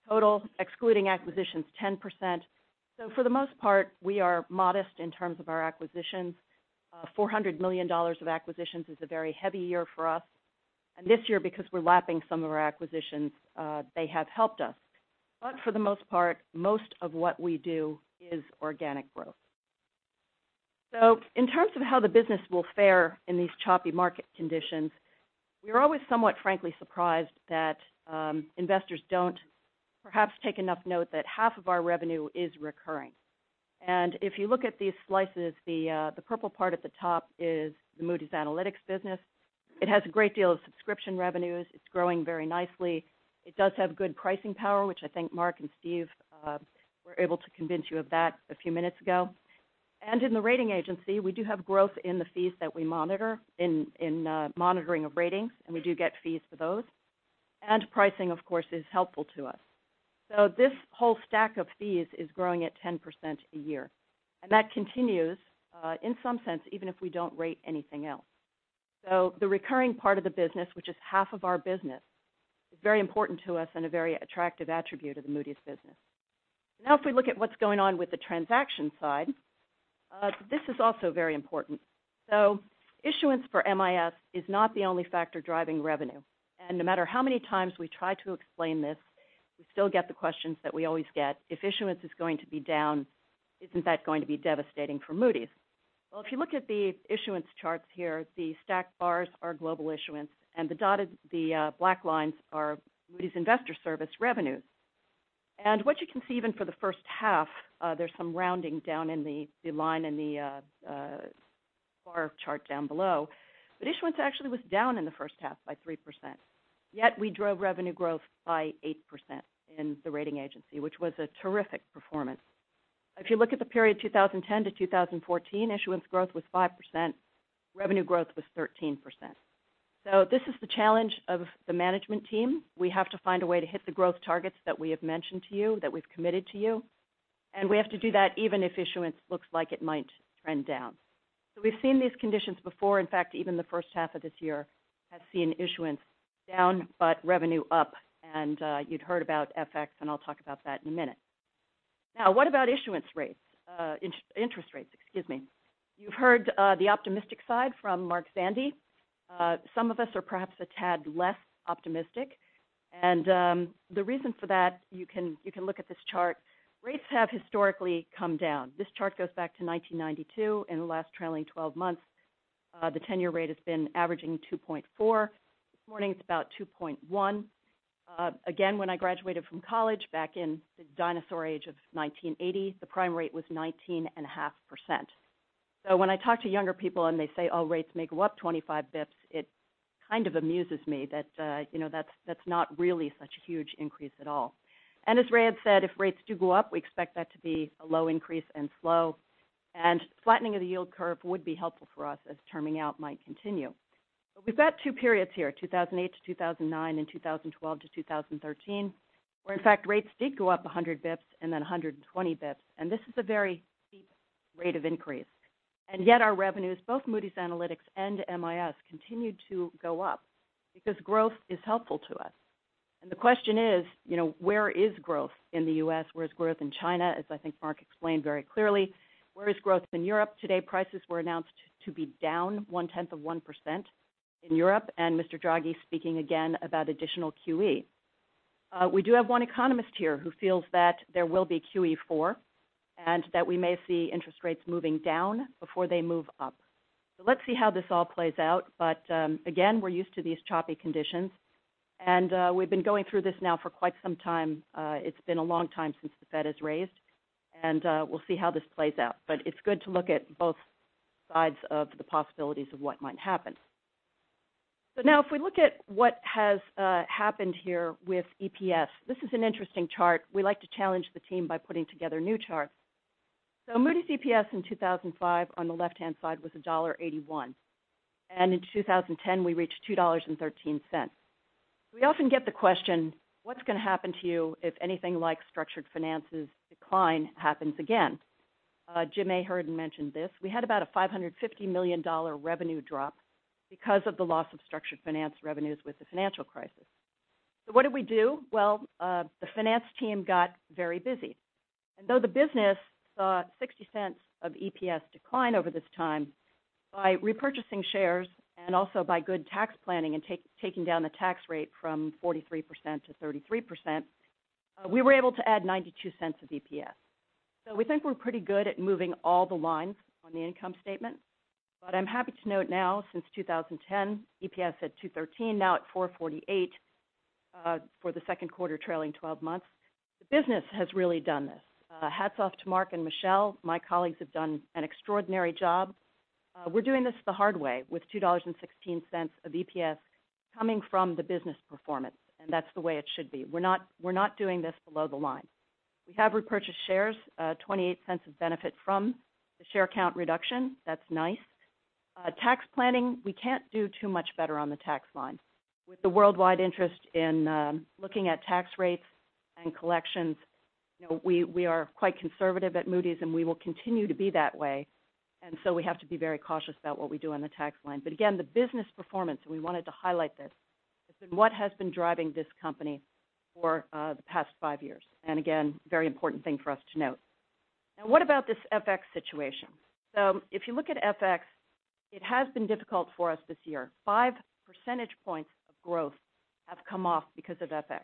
total, excluding acquisitions, 10%. For the most part, we are modest in terms of our acquisitions. $400 million of acquisitions is a very heavy year for us. This year, because we're lapping some of our acquisitions, they have helped us. For the most part, most of what we do is organic growth. In terms of how the business will fare in these choppy market conditions, we're always somewhat frankly surprised that investors don't perhaps take enough note that half of our revenue is recurring. If you look at these slices, the purple part at the top is the Moody's Analytics business. It has a great deal of subscription revenues. It's growing very nicely. It does have good pricing power, which I think Mark and Steve were able to convince you of that a few minutes ago. In the rating agency, we do have growth in the fees that we monitor in monitoring of ratings, and we do get fees for those. Pricing, of course, is helpful to us. This whole stack of fees is growing at 10% a year. That continues, in some sense, even if we don't rate anything else. The recurring part of the business, which is half of our business, is very important to us and a very attractive attribute of the Moody's business. Now if we look at what's going on with the transaction side, this is also very important. Issuance for MIS is not the only factor driving revenue. No matter how many times we try to explain this, we still get the questions that we always get. If issuance is going to be down, isn't that going to be devastating for Moody's? Well, if you look at the issuance charts here, the stacked bars are global issuance, and the black lines are Moody's Investors Service revenues. What you can see even for the first half, there's some rounding down in the line in the bar chart down below. Issuance actually was down in the first half by 3%. Yet we drove revenue growth by 8% in the rating agency, which was a terrific performance. If you look at the period 2010 to 2014, issuance growth was 5%, revenue growth was 13%. This is the challenge of the management team. We have to find a way to hit the growth targets that we have mentioned to you, that we've committed to you, and we have to do that even if issuance looks like it might trend down. We've seen these conditions before. In fact, even the first half of this year has seen issuance down but revenue up, and you'd heard about FX, and I'll talk about that in a minute. Now, what about interest rates? You've heard the optimistic side from Mark Zandi. Some of us are perhaps a tad less optimistic. The reason for that, you can look at this chart. Rates have historically come down. This chart goes back to 1992. In the last trailing 12 months, the 10-year rate has been averaging 2.4. This morning, it's about 2.1. Again, when I graduated from college back in the dinosaur age of 1980, the prime rate was 19.5%. When I talk to younger people and they say, "Oh, rates may go up 25 basis points," it kind of amuses me that that's not really such a huge increase at all. As Ray had said, if rates do go up, we expect that to be a low increase and slow. Flattening of the yield curve would be helpful for us as terming out might continue. We've got two periods here, 2008 to 2009 and 2012 to 2013, where in fact rates did go up 100 basis points and then 120 basis points. This is a very steep rate of increase. Yet our revenues, both Moody's Analytics and MIS, continued to go up because growth is helpful to us. The question is, where is growth in the U.S.? Where is growth in China, as I think Mark explained very clearly? Where is growth in Europe? Today prices were announced to be down one-tenth of 1% in Europe, and Mr. Draghi speaking again about additional QE. We do have one economist here who feels that there will be QE4 and that we may see interest rates moving down before they move up. Let's see how this all plays out. Again, we're used to these choppy conditions, and we've been going through this now for quite some time. It's been a long time since the Fed has raised, and we'll see how this plays out. But it's good to look at both sides of the possibilities of what might happen. If we look at what has happened here with EPS, this is an interesting chart. We like to challenge the team by putting together new charts. Moody's EPS in 2005 on the left-hand side was $1.81. In 2010, we reached $2.13. We often get the question, what's going to happen to you if anything like structured finances decline happens again? Jim Ahern and mentioned this. We had about a $550 million revenue drop because of the loss of structured finance revenues with the financial crisis. What did we do? The finance team got very busy. Though the business saw $0.60 of EPS decline over this time, by repurchasing shares and also by good tax planning and taking down the tax rate from 43% to 33%, we were able to add $0.92 of EPS. We think we're pretty good at moving all the lines on the income statement. But I'm happy to note now since 2010, EPS at $2.13, now at $4.48 for the second quarter trailing 12 months. The business has really done this. Hats off to Mark and Michel. My colleagues have done an extraordinary job. We're doing this the hard way with $2.16 of EPS coming from the business performance, and that's the way it should be. We're not doing this below the line. We have repurchased shares, $0.28 of benefit from the share count reduction. That's nice. Tax planning, we can't do too much better on the tax line. With the worldwide interest in looking at tax rates and collections, we are quite conservative at Moody's, and we will continue to be that way. We have to be very cautious about what we do on the tax line. Again, the business performance, we wanted to highlight this. It's been what has been driving this company for the past five years. Again, very important thing for us to note. What about this FX situation? If you look at FX, it has been difficult for us this year. Five percentage points of growth have come off because of FX.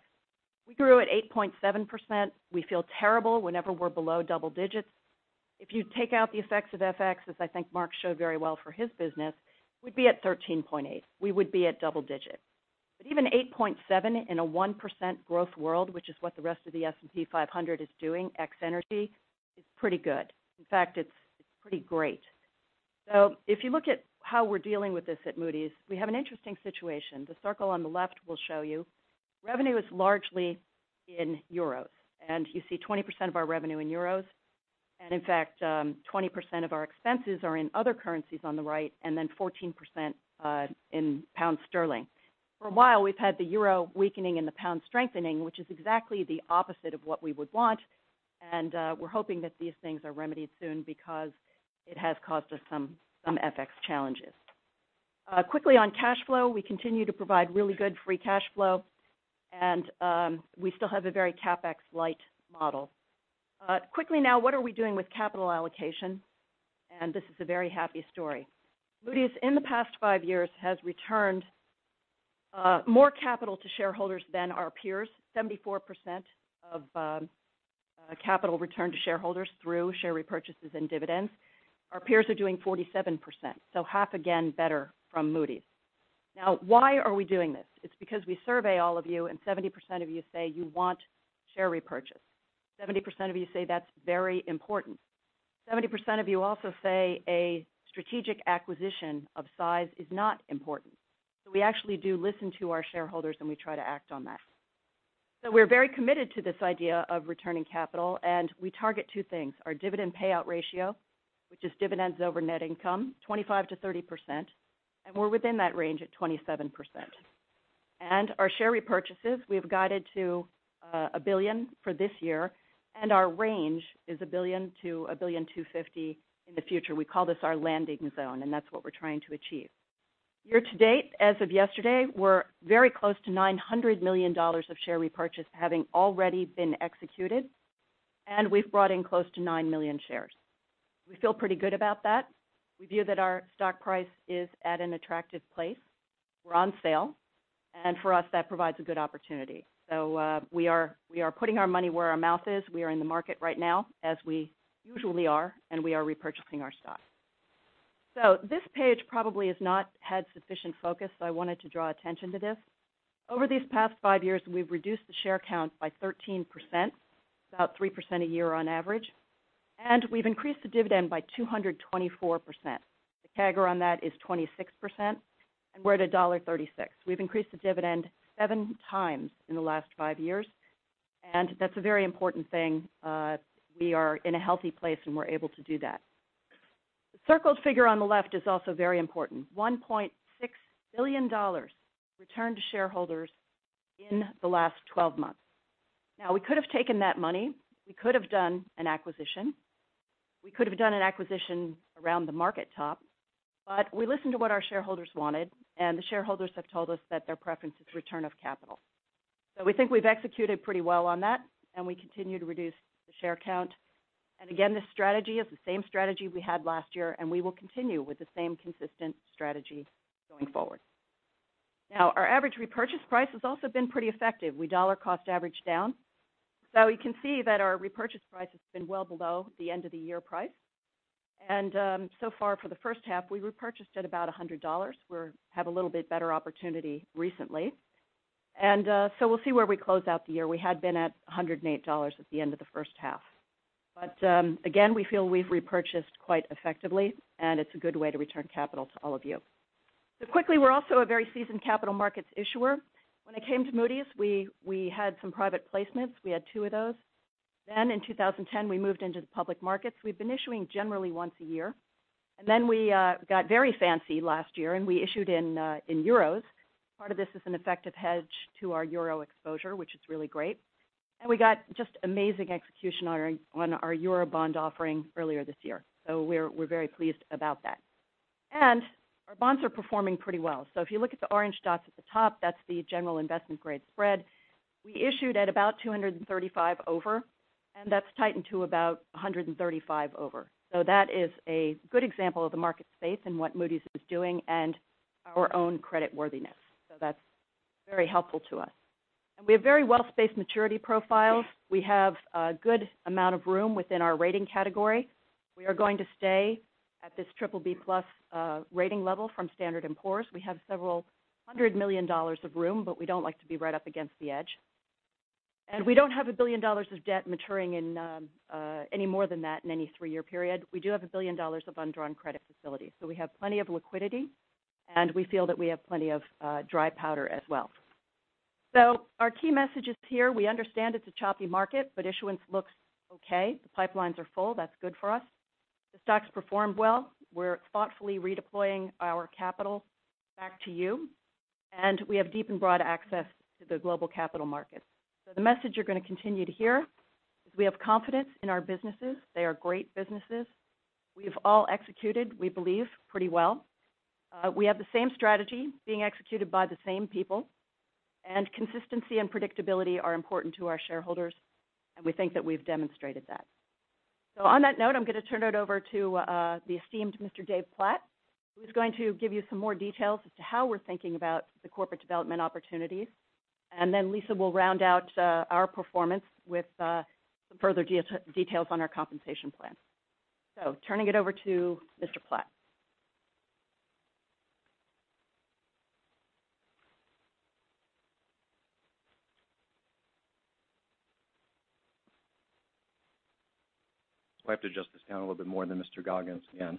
We grew at 8.7%. We feel terrible whenever we're below double digits. If you take out the effects of FX, as I think Mark showed very well for his business, we'd be at 13.8. We would be at double digit. Even 8.7 in a 1% growth world, which is what the rest of the S&P 500 is doing, ex energy, is pretty good. In fact, it's pretty great. If you look at how we're dealing with this at Moody's, we have an interesting situation. The circle on the left will show you revenue is largely in euros, and you see 20% of our revenue in euros. In fact, 20% of our expenses are in other currencies on the right, then 14% in GBP. For a while, we've had the EUR weakening and the GBP strengthening, which is exactly the opposite of what we would want, and we're hoping that these things are remedied soon because it has caused us some FX challenges. Quickly on cash flow, we continue to provide really good free cash flow, and we still have a very CapEx-light model. Quickly now, what are we doing with capital allocation? This is a very happy story. Moody's, in the past five years, has returned more capital to shareholders than our peers, 74% of capital return to shareholders through share repurchases and dividends. Our peers are doing 47%. Half again better from Moody's. Why are we doing this? It's because we survey all of you, and 70% of you say you want share repurchase. 70% of you say that's very important. 70% of you also say a strategic acquisition of size is not important. We actually do listen to our shareholders, and we try to act on that. We're very committed to this idea of returning capital, and we target two things, our dividend payout ratio, which is dividends over net income, 25%-30%, and we're within that range at 27%. Our share repurchases, we've guided to $1 billion for this year, and our range is $1 billion-$1.25 billion in the future. We call this our landing zone, and that's what we're trying to achieve. Year to date, as of yesterday, we're very close to $900 million of share repurchase having already been executed, and we've brought in close to 9 million shares. We feel pretty good about that. We view that our stock price is at an attractive place. We're on sale. For us, that provides a good opportunity. We are putting our money where our mouth is. We are in the market right now, as we usually are, and we are repurchasing our stock. This page probably has not had sufficient focus, so I wanted to draw attention to this. Over these past five years, we've reduced the share count by 13%, about 3% a year on average. We've increased the dividend by 224%. The CAGR on that is 26%, and we're at $1.36. We've increased the dividend seven times in the last five years, and that's a very important thing. We are in a healthy place, and we're able to do that. The circled figure on the left is also very important, $1.6 billion returned to shareholders in the last 12 months. We could have taken that money, we could have done an acquisition. We could have done an acquisition around the market top. We listened to what our shareholders wanted, and the shareholders have told us that their preference is return of capital. We think we've executed pretty well on that, and we continue to reduce the share count. Again, this strategy is the same strategy we had last year, and we will continue with the same consistent strategy going forward. Our average repurchase price has also been pretty effective. We dollar cost average down. You can see that our repurchase price has been well below the end-of-the-year price. So far for the first half, we repurchased at about $100. We have a little bit better opportunity recently. We'll see where we close out the year. We had been at $108 at the end of the first half. Again, we feel we've repurchased quite effectively, and it's a good way to return capital to all of you. Quickly, we're also a very seasoned capital markets issuer. When I came to Moody's, we had some private placements. We had two of those. Then in 2010, we moved into the public markets. We've been issuing generally once a year. Then we got very fancy last year, and we issued in euros. Part of this is an effective hedge to our euro exposure, which is really great. We got just amazing execution on our euro bond offering earlier this year. We're very pleased about that. Our bonds are performing pretty well. If you look at the orange dots at the top, that's the general investment grade spread. We issued at about 235 over, and that's tightened to about 135 over. That is a good example of the market space and what Moody's is doing and our own credit worthiness. That's very helpful to us. We have very well-spaced maturity profiles. We have a good amount of room within our rating category. We are going to stay at this triple B plus rating level from Standard & Poor's. We have several hundred million dollars of room, but we don't like to be right up against the edge. We don't have $1 billion of debt maturing in any more than that in any three-year period. We do have $1 billion of undrawn credit facilities. We have plenty of liquidity, and we feel that we have plenty of dry powder as well. Our key message is here. We understand it's a choppy market, but issuance looks okay. The pipelines are full. That's good for us. The stock's performed well. We're thoughtfully redeploying our capital back to you. We have deep and broad access to the global capital markets. The message you're going to continue to hear is we have confidence in our businesses. They are great businesses. We've all executed, we believe, pretty well. We have the same strategy being executed by the same people. Consistency and predictability are important to our shareholders, and we think that we've demonstrated that. On that note, I'm going to turn it over to the esteemed Mr. Dave Platt, who's going to give you some more details as to how we're thinking about the corporate development opportunities. Then Lisa will round out our performance with some further details on our compensation plan. Turning it over to Mr. Platt. I have to adjust this down a little bit more than Mr. Goggins again.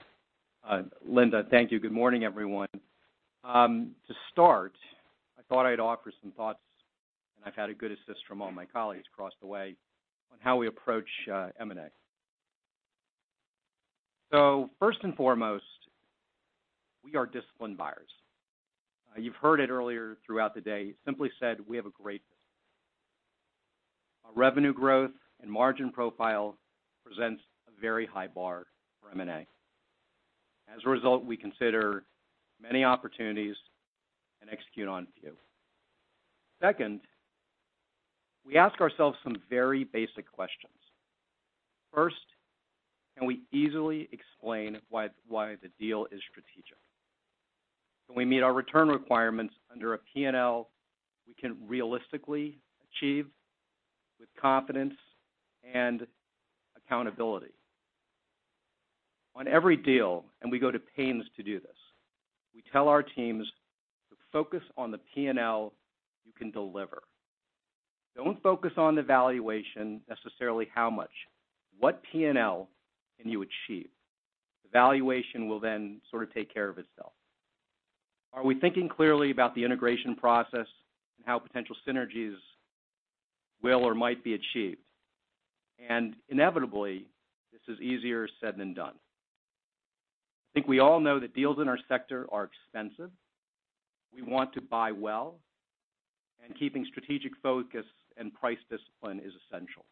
Linda, thank you. Good morning, everyone. To start, I thought I'd offer some thoughts, and I've had a good assist from all my colleagues across the way, on how we approach M&A. First and foremost, we are disciplined buyers. You've heard it earlier throughout the day. Simply said, we have a great business. Our revenue growth and margin profile presents a very high bar for M&A. As a result, we consider many opportunities and execute on few. Second, we ask ourselves some very basic questions. First, can we easily explain why the deal is strategic? Can we meet our return requirements under a P&L we can realistically achieve with confidence and accountability? On every deal, and we go to pains to do this, we tell our teams to focus on the P&L you can deliver. Do not focus on the valuation necessarily how much. What P&L can you achieve? The valuation will then sort of take care of itself. Are we thinking clearly about the integration process and how potential synergies will or might be achieved? Inevitably, this is easier said than done. I think we all know that deals in our sector are expensive. We want to buy well. Keeping strategic focus and price discipline is essential.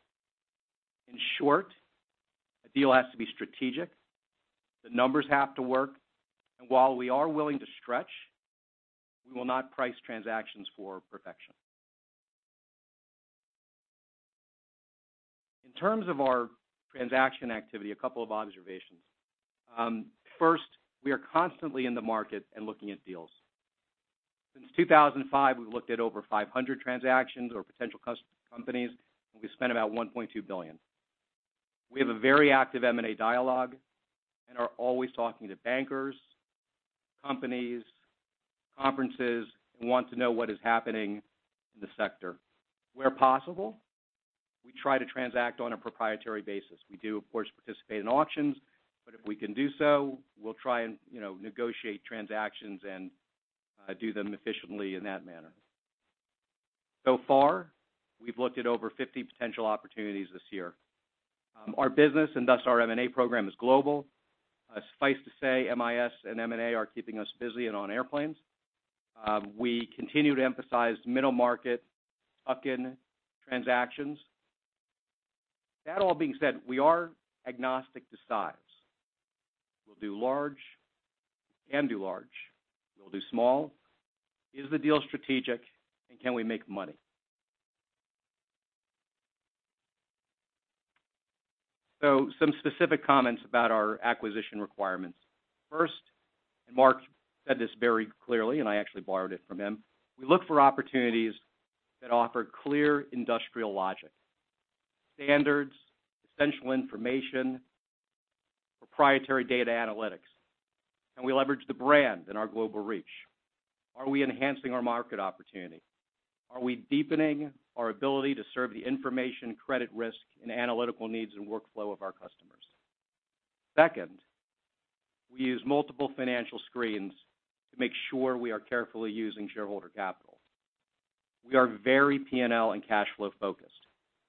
In short, a deal has to be strategic, the numbers have to work, and while we are willing to stretch, we will not price transactions for perfection. In terms of our transaction activity, a couple of observations. First, we are constantly in the market and looking at deals. Since 2005, we've looked at over 500 transactions or potential customer companies, and we've spent about $1.2 billion. We have a very active M&A dialogue and are always talking to bankers, companies, conferences, and want to know what is happening in the sector. Where possible, we try to transact on a proprietary basis. We do, of course, participate in auctions, but if we can do so, we'll try and negotiate transactions and do them efficiently in that manner. So far, we've looked at over 50 potential opportunities this year. Our business, and thus our M&A program, is global. Suffice to say, MIS and M&A are keeping us busy and on airplanes. We continue to emphasize middle-market tuck-in transactions. That all being said, we are agnostic to size. We'll do large. We'll do small. Is the deal strategic, and can we make money? Some specific comments about our acquisition requirements. First, Mark said this very clearly, and I actually borrowed it from him, we look for opportunities that offer clear industrial logic. Standards, essential information, proprietary data analytics. Can we leverage the brand and our global reach? Are we enhancing our market opportunity? Are we deepening our ability to serve the information, credit risk, and analytical needs and workflow of our customers? Second, we use multiple financial screens to make sure we are carefully using shareholder capital. We are very P&L and cash flow focused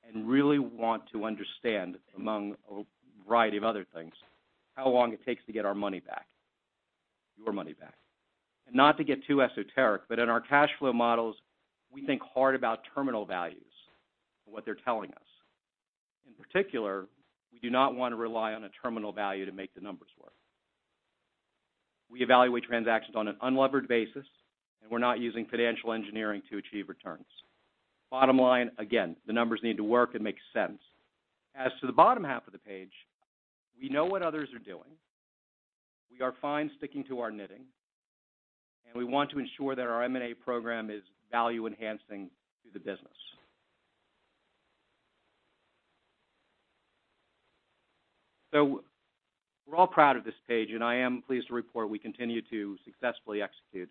and really want to understand, among a variety of other things, how long it takes to get our money back, your money back. Not to get too esoteric, but in our cash flow models, we think hard about terminal values and what they're telling us. In particular, we do not want to rely on a terminal value to make the numbers work. We evaluate transactions on an unlevered basis, we're not using financial engineering to achieve returns. Bottom line, again, the numbers need to work and make sense. As to the bottom half of the page, we know what others are doing. We are fine sticking to our knitting. We want to ensure that our M&A program is value-enhancing to the business. We're all proud of this page, and I am pleased to report we continue to successfully execute.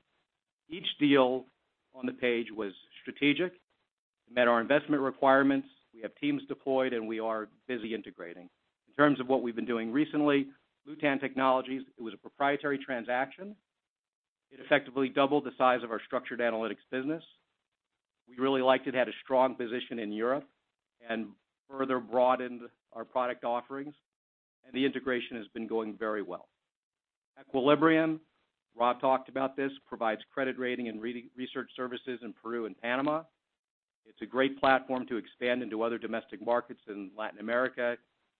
Each deal on the page was strategic, it met our investment requirements, we have teams deployed, and we are busy integrating. In terms of what we've been doing recently, Lewtan Technologies, it was a proprietary transaction. It effectively doubled the size of our structured analytics business. We really liked it had a strong position in Europe and further broadened our product offerings, and the integration has been going very well. Equilibrium, Rob talked about this, provides credit rating and research services in Peru and Panama. It's a great platform to expand into other domestic markets in Latin America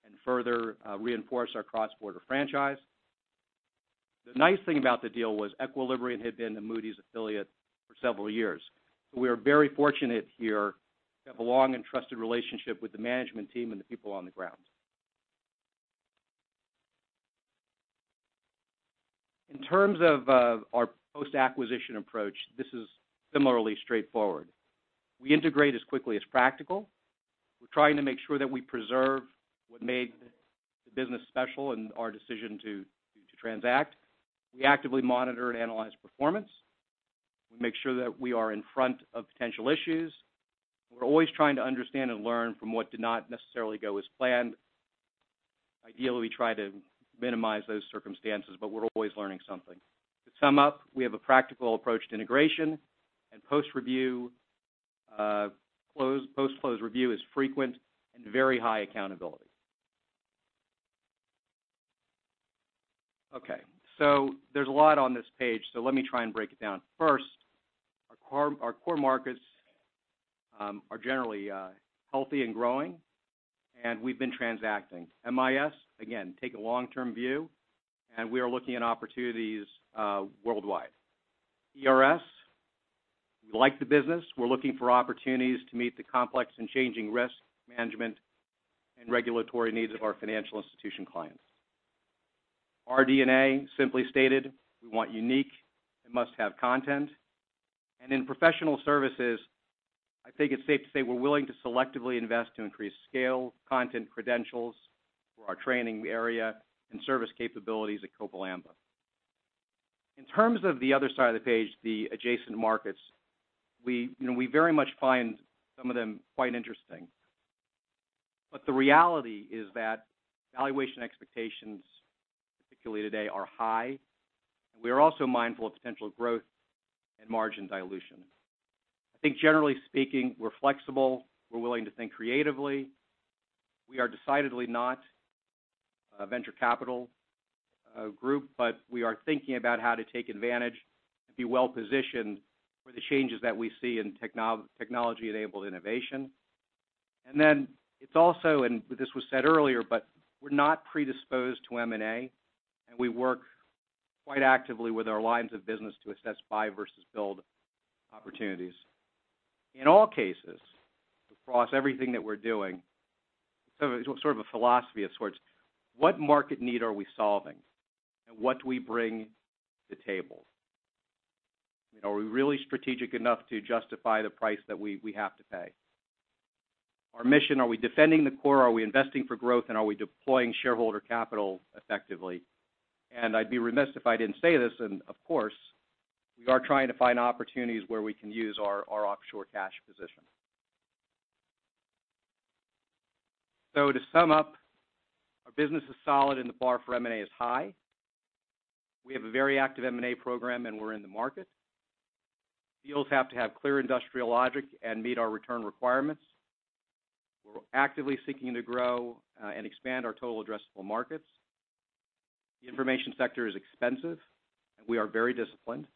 and further reinforce our cross-border franchise. The nice thing about the deal was Equilibrium had been a Moody's affiliate for several years. We are very fortunate here to have a long and trusted relationship with the management team and the people on the ground. In terms of our post-acquisition approach, this is similarly straightforward. We integrate as quickly as practical. We're trying to make sure that we preserve what made the business special and our decision to transact. We actively monitor and analyze performance. We make sure that we are in front of potential issues. We're always trying to understand and learn from what did not necessarily go as planned. Ideally, we try to minimize those circumstances, but we're always learning something. To sum up, we have a practical approach to integration and post-close review is frequent and very high accountability. There's a lot on this page, let me try and break it down. First, our core markets are generally healthy and growing, and we've been transacting. MIS, again, take a long-term view, and we are looking at opportunities worldwide. ERS We like the business. We're looking for opportunities to meet the complex and changing risk management and regulatory needs of our financial institution clients. Our DNA simply stated, we want unique and must-have content. In professional services, I think it's safe to say we're willing to selectively invest to increase scale, content credentials for our training area, and service capabilities at Copal Amba. In terms of the other side of the page, the adjacent markets, we very much find some of them quite interesting. The reality is that valuation expectations, particularly today, are high, and we are also mindful of potential growth and margin dilution. I think generally speaking, we're flexible. We're willing to think creatively. We are decidedly not a venture capital group, but we are thinking about how to take advantage and be well-positioned for the changes that we see in technology-enabled innovation. It's also, and this was said earlier, but we're not predisposed to M&A, and we work quite actively with our lines of business to assess buy versus build opportunities. In all cases, across everything that we're doing, sort of a philosophy of sorts. What market need are we solving? What do we bring to the table? Are we really strategic enough to justify the price that we have to pay? Our mission, are we defending the core? Are we investing for growth? Are we deploying shareholder capital effectively? I'd be remiss if I didn't say this, and of course, we are trying to find opportunities where we can use our offshore cash position. To sum up, our business is solid, and the bar for M&A is high. We have a very active M&A program, and we're in the market. Deals have to have clear industrial logic and meet our return requirements. We're actively seeking to grow and expand our total addressable markets. The information sector is expensive, and we are very disciplined.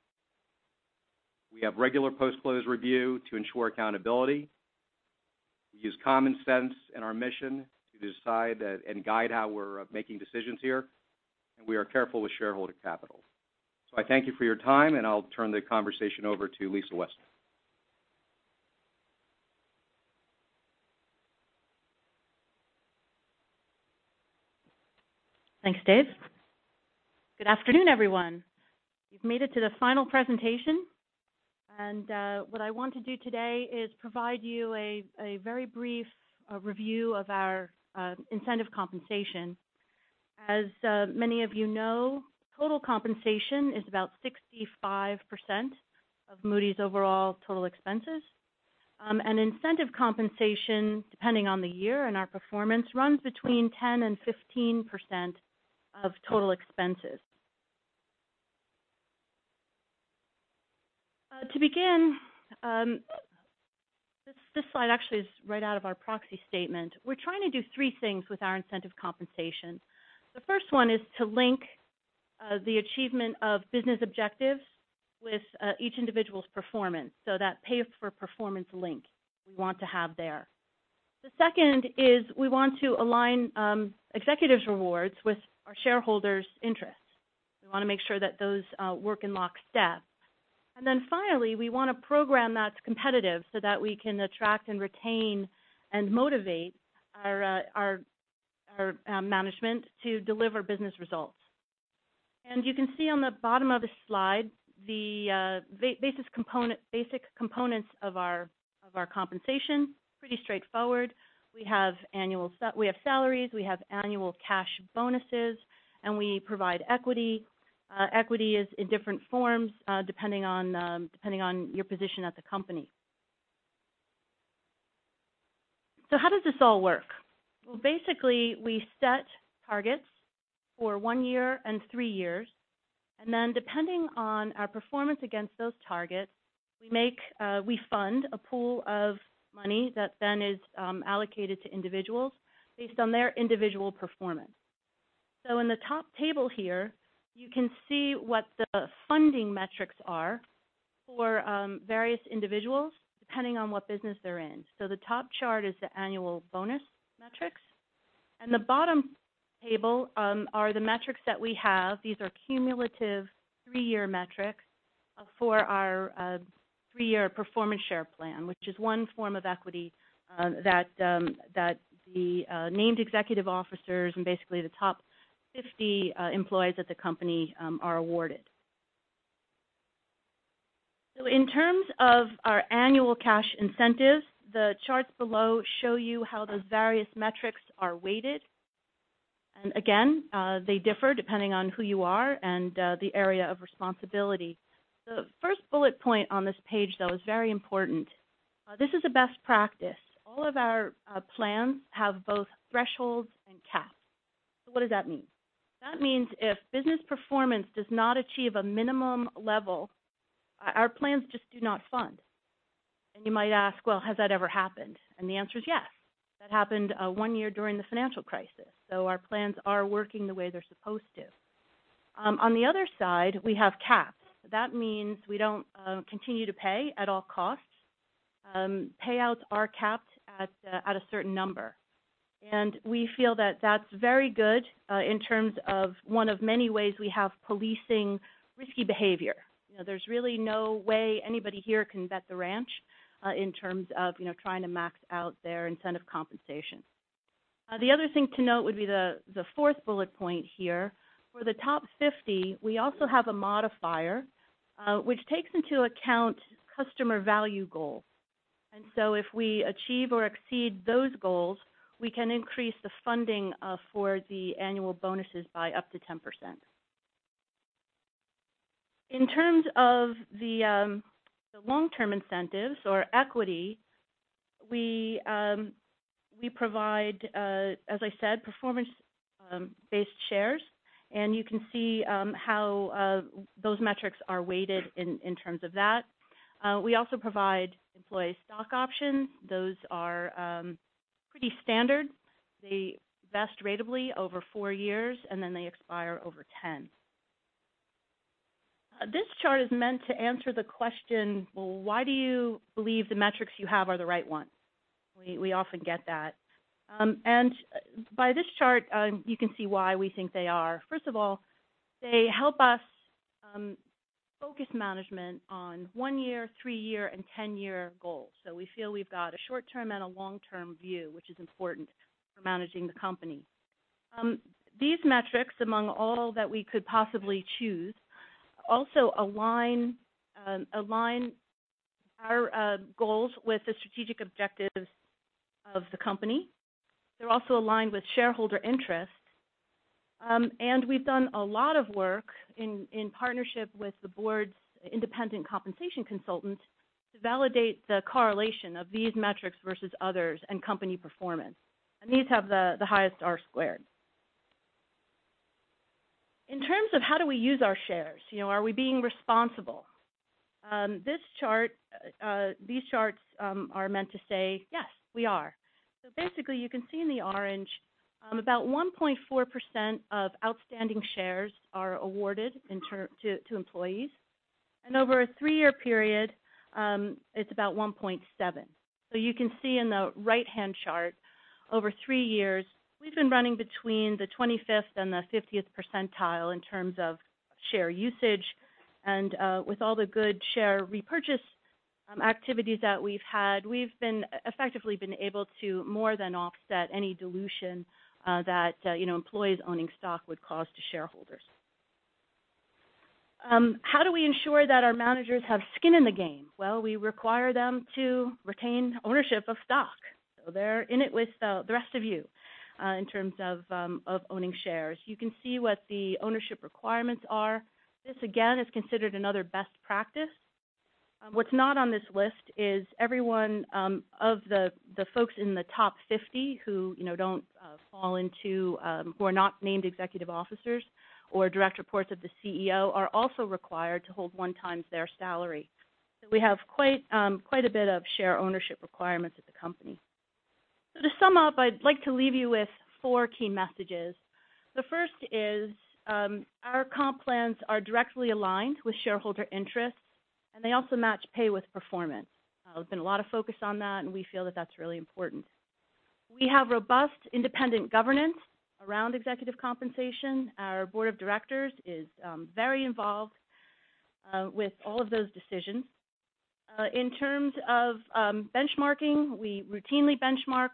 We have regular post-close review to ensure accountability. We use common sense in our mission to decide that and guide how we're making decisions here, and we are careful with shareholder capital. I thank you for your time, and I'll turn the conversation over to Lisa Westlake. Thanks, Dave. Good afternoon, everyone. You've made it to the final presentation. What I want to do today is provide you a very brief review of our incentive compensation. As many of you know, total compensation is about 65% of Moody's overall total expenses. Incentive compensation, depending on the year and our performance, runs between 10 and 15% of total expenses. To begin, this slide actually is right out of our proxy statement. We're trying to do three things with our incentive compensation. The first one is to link the achievement of business objectives with each individual's performance. That pay-for-performance link we want to have there. The second is we want to align executives' rewards with our shareholders' interests. We want to make sure that those work in lockstep. Finally, we want a program that's competitive so that we can attract and retain and motivate our management to deliver business results. You can see on the bottom of the slide the basic components of our compensation. Pretty straightforward. We have salaries, we have annual cash bonuses, and we provide equity. Equity is in different forms depending on your position at the company. How does this all work? Well, basically, we set targets for one year and three years, and then depending on our performance against those targets, we fund a pool of money that then is allocated to individuals based on their individual performance. In the top table here, you can see what the funding metrics are for various individuals, depending on what business they're in. The top chart is the annual bonus metrics. The bottom table are the metrics that we have. These are cumulative three-year metrics for our three-year performance share plan, which is one form of equity that the named executive officers and basically the top 50 employees at the company are awarded. In terms of our annual cash incentives, the charts below show you how those various metrics are weighted. Again, they differ depending on who you are and the area of responsibility. The first bullet point on this page, though, is very important. This is a best practice. All of our plans have both thresholds and caps. What does that mean? That means if business performance does not achieve a minimum level, our plans just do not fund. You might ask, "Well, has that ever happened?" The answer is yes. That happened one year during the financial crisis. Our plans are working the way they're supposed to. On the other side, we have caps. That means we don't continue to pay at all costs. Payouts are capped at a certain number. We feel that that's very good in terms of one of many ways we have policing risky behavior. There's really no way anybody here can vet the ranch in terms of trying to max out their incentive compensation. The other thing to note would be the fourth bullet point here. For the top 50, we also have a modifier which takes into account customer value goals. If we achieve or exceed those goals, we can increase the funding for the annual bonuses by up to 10%. In terms of the long-term incentives or equity, we provide, as I said, performance-based shares. You can see how those metrics are weighted in terms of that. We also provide employee stock options. Those are pretty standard. They vest ratably over four years, and then they expire over 10. This chart is meant to answer the question, well, why do you believe the metrics you have are the right ones? We often get that. By this chart, you can see why we think they are. First of all, they help us focus management on one-year, three-year, and 10-year goals. We feel we've got a short-term and a long-term view, which is important for managing the company. These metrics, among all that we could possibly choose, also align our goals with the strategic objectives of the company. They're also aligned with shareholder interests. We've done a lot of work in partnership with the board's independent compensation consultant to validate the correlation of these metrics versus others and company performance. These have the highest R squared. In terms of how do we use our shares, are we being responsible? These charts are meant to say, yes, we are. Basically, you can see in the orange, about 1.4% of outstanding shares are awarded to employees. Over a three-year period, it's about 1.7%. You can see in the right-hand chart, over three years, we've been running between the 25th and the 50th percentile in terms of share usage. With all the good share repurchase activities that we've had, we've effectively been able to more than offset any dilution that employees owning stock would cause to shareholders. How do we ensure that our managers have skin in the game? We require them to retain ownership of stock. They're in it with the rest of you in terms of owning shares. You can see what the ownership requirements are. This, again, is considered another best practice. What's not on this list is everyone of the folks in the top 50 who are not named executive officers or direct reports of the CEO are also required to hold one times their salary. We have quite a bit of share ownership requirements at the company. To sum up, I'd like to leave you with four key messages. The first is our comp plans are directly aligned with shareholder interests, and they also match pay with performance. There's been a lot of focus on that, and we feel that that's really important. We have robust independent governance around executive compensation. Our board of directors is very involved with all of those decisions. In terms of benchmarking, we routinely benchmark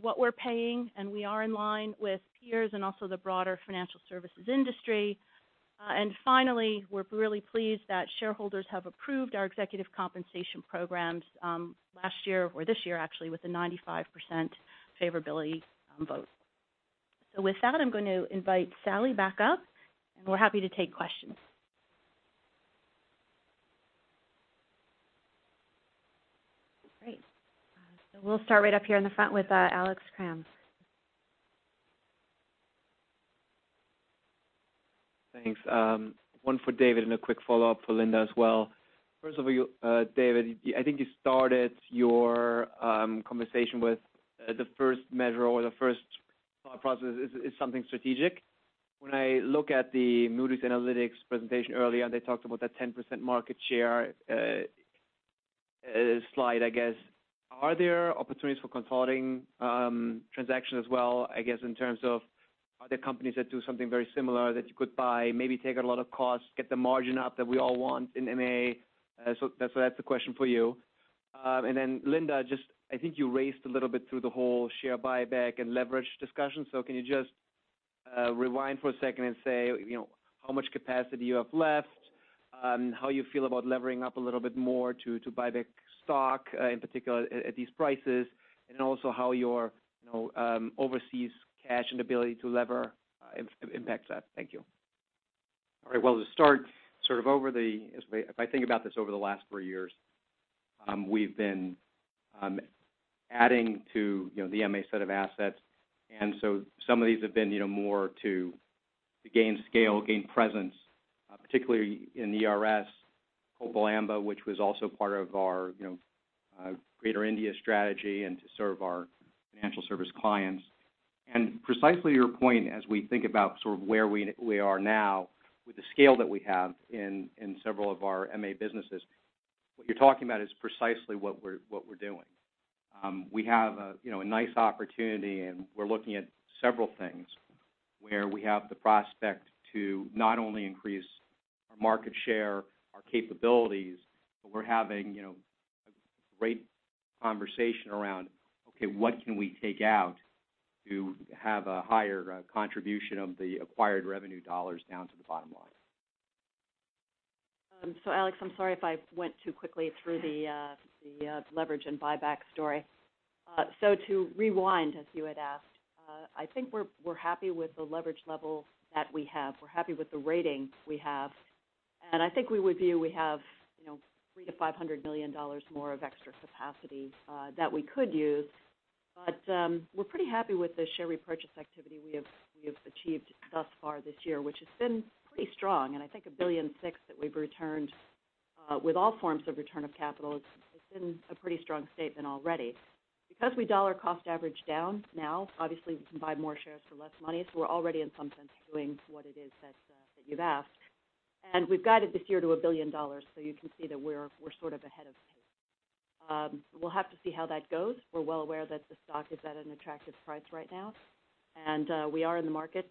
what we're paying, and we are in line with peers and also the broader financial services industry. Finally, we're really pleased that shareholders have approved our executive compensation programs last year, or this year actually, with a 95% favorability vote. With that, I'm going to invite Salli back up, and we're happy to take questions. Great. We'll start right up here in the front with Alex Kramm. Thanks. One for David and a quick follow-up for Linda as well. First of all, David, I think you started your conversation with the first measure or the first thought process is something strategic. When I look at the Moody's Analytics presentation earlier, and they talked about that 10% market share slide, I guess, are there opportunities for consulting transactions as well, I guess, in terms of are there companies that do something very similar that you could buy, maybe take out a lot of costs, get the margin up that we all want in MA? That's a question for you. Then Linda, just I think you raced a little bit through the whole share buyback and leverage discussion. Can you just rewind for a second and say how much capacity you have left, how you feel about levering up a little bit more to buy back stock, in particular at these prices, and also how your overseas cash and ability to lever impacts that? Thank you. All right. Well, to start, if I think about this over the last three years, we've been adding to the MA set of assets. Some of these have been more to gain scale, gain presence, particularly in the ERS, Copal Amba, which was also part of our greater India strategy and to serve our financial service clients. Precisely to your point, as we think about sort of where we are now with the scale that we have in several of our MA businesses, what you're talking about is precisely what we're doing. We have a nice opportunity, and we're looking at several things where we have the prospect to not only increase our market share, our capabilities, but we're having a great conversation around, okay, what can we take out to have a higher contribution of the acquired revenue $ down to the bottom line? Alex, I'm sorry if I went too quickly through the leverage and buyback story. To rewind, as you had asked, I think we're happy with the leverage level that we have. We're happy with the rating we have. I think we would view we have three to $500 million more of extra capacity that we could use. We're pretty happy with the share repurchase activity we have achieved thus far this year, which has been pretty strong, and I think $1.6 billion that we've returned with all forms of return of capital. It's been a pretty strong statement already. Because we dollar cost average down, now obviously we can buy more shares for less money, so we're already in some sense doing what it is that you've asked. We've guided this year to $1 billion, you can see that we're sort of ahead of pace. We'll have to see how that goes. We're well aware that the stock is at an attractive price right now, we are in the market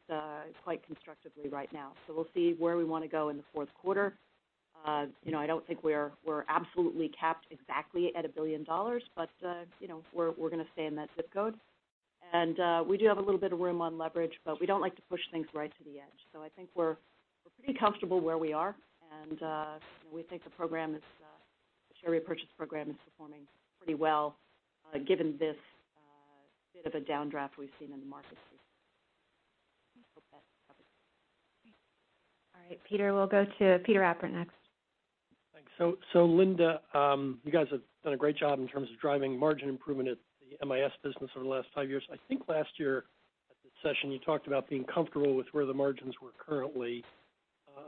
quite constructively right now. We'll see where we want to go in the fourth quarter. I don't think we're absolutely capped exactly at $1 billion, but we're going to stay in that ZIP code. We do have a little bit of room on leverage, but we don't like to push things right to the edge. I think we're pretty comfortable where we are, and we think the share repurchase program is performing pretty well given this bit of a downdraft we've seen in the markets recently. I hope that covers it. All right. We'll go to Peter Appert next. Thanks. Linda, you guys have done a great job in terms of driving margin improvement at the MIS business over the last five years. I think last year at this session, you talked about being comfortable with where the margins were currently.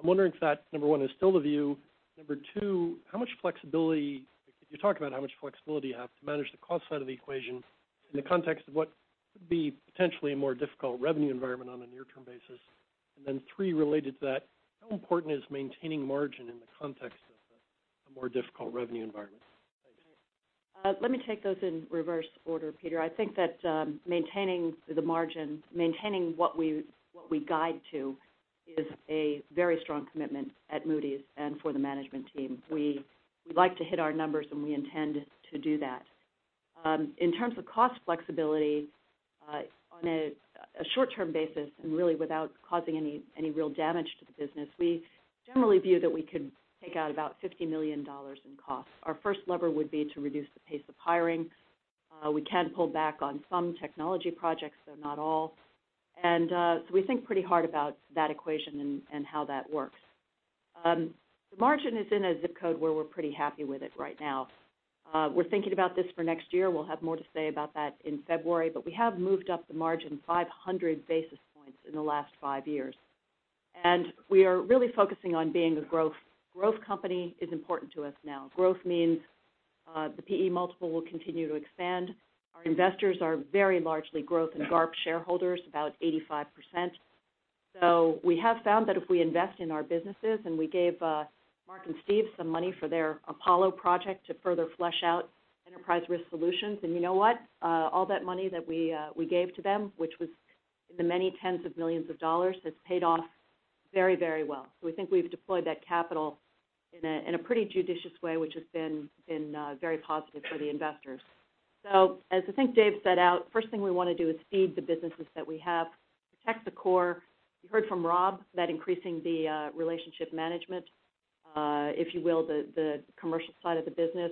I'm wondering if that, number 1, is still the view. Number 2, could you talk about how much flexibility you have to manage the cost side of the equation in the context of what could be potentially a more difficult revenue environment on a near-term basis? Then 3, related to that, how important is maintaining margin in the context of a more difficult revenue environment? Thanks. Let me take those in reverse order, Peter. I think that maintaining the margin, maintaining what we guide to is a very strong commitment at Moody's and for the management team. We like to hit our numbers, we intend to do that. In terms of cost flexibility, on a short-term basis, and really without causing any real damage to the business, we generally view that we could take out about $50 million in costs. Our first lever would be to reduce the pace of hiring. We can pull back on some technology projects, though not all. We think pretty hard about that equation and how that works. The margin is in a ZIP code where we're pretty happy with it right now. We're thinking about this for next year. We'll have more to say about that in February, but we have moved up the margin 500 basis points in the last five years. We are really focusing on being a growth company is important to us now. Growth means the PE multiple will continue to expand. Our investors are very largely growth and GARP shareholders, about 85%. We have found that if we invest in our businesses, and we gave Mark and Steve some money for their Apollo project to further flesh out Enterprise Risk Solutions. You know what? All that money that we gave to them, which was in the many tens of millions of dollars, has paid off very well. We think we've deployed that capital in a pretty judicious way, which has been very positive for the investors. As I think Dave set out, first thing we want to do is feed the businesses that we have, protect the core. You heard from Rob that increasing the relationship management, if you will, the commercial side of the business,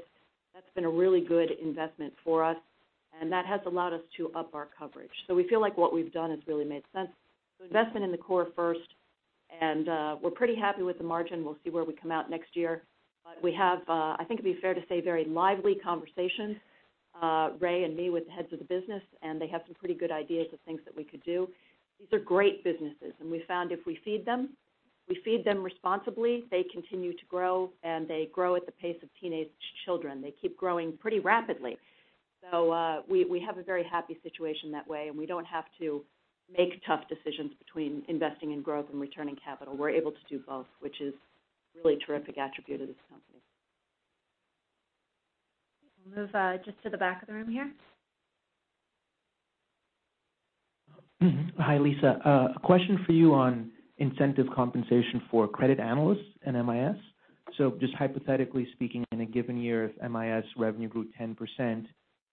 that's been a really good investment for us, and that has allowed us to up our coverage. We feel like what we've done has really made sense. Investment in the core first, and we're pretty happy with the margin. We'll see where we come out next year. We have, I think it'd be fair to say, very lively conversations, Ray and me, with the heads of the business, and they have some pretty good ideas of things that we could do. These are great businesses, and we found if we feed them responsibly, they continue to grow, and they grow at the pace of teenage children. They keep growing pretty rapidly. We have a very happy situation that way, and we don't have to make tough decisions between investing in growth and returning capital. We're able to do both, which is a really terrific attribute of this company. We'll move just to the back of the room here. Hi, Lisa. A question for you on incentive compensation for credit analysts and MIS. Just hypothetically speaking, in a given year, if MIS revenue grew 10%,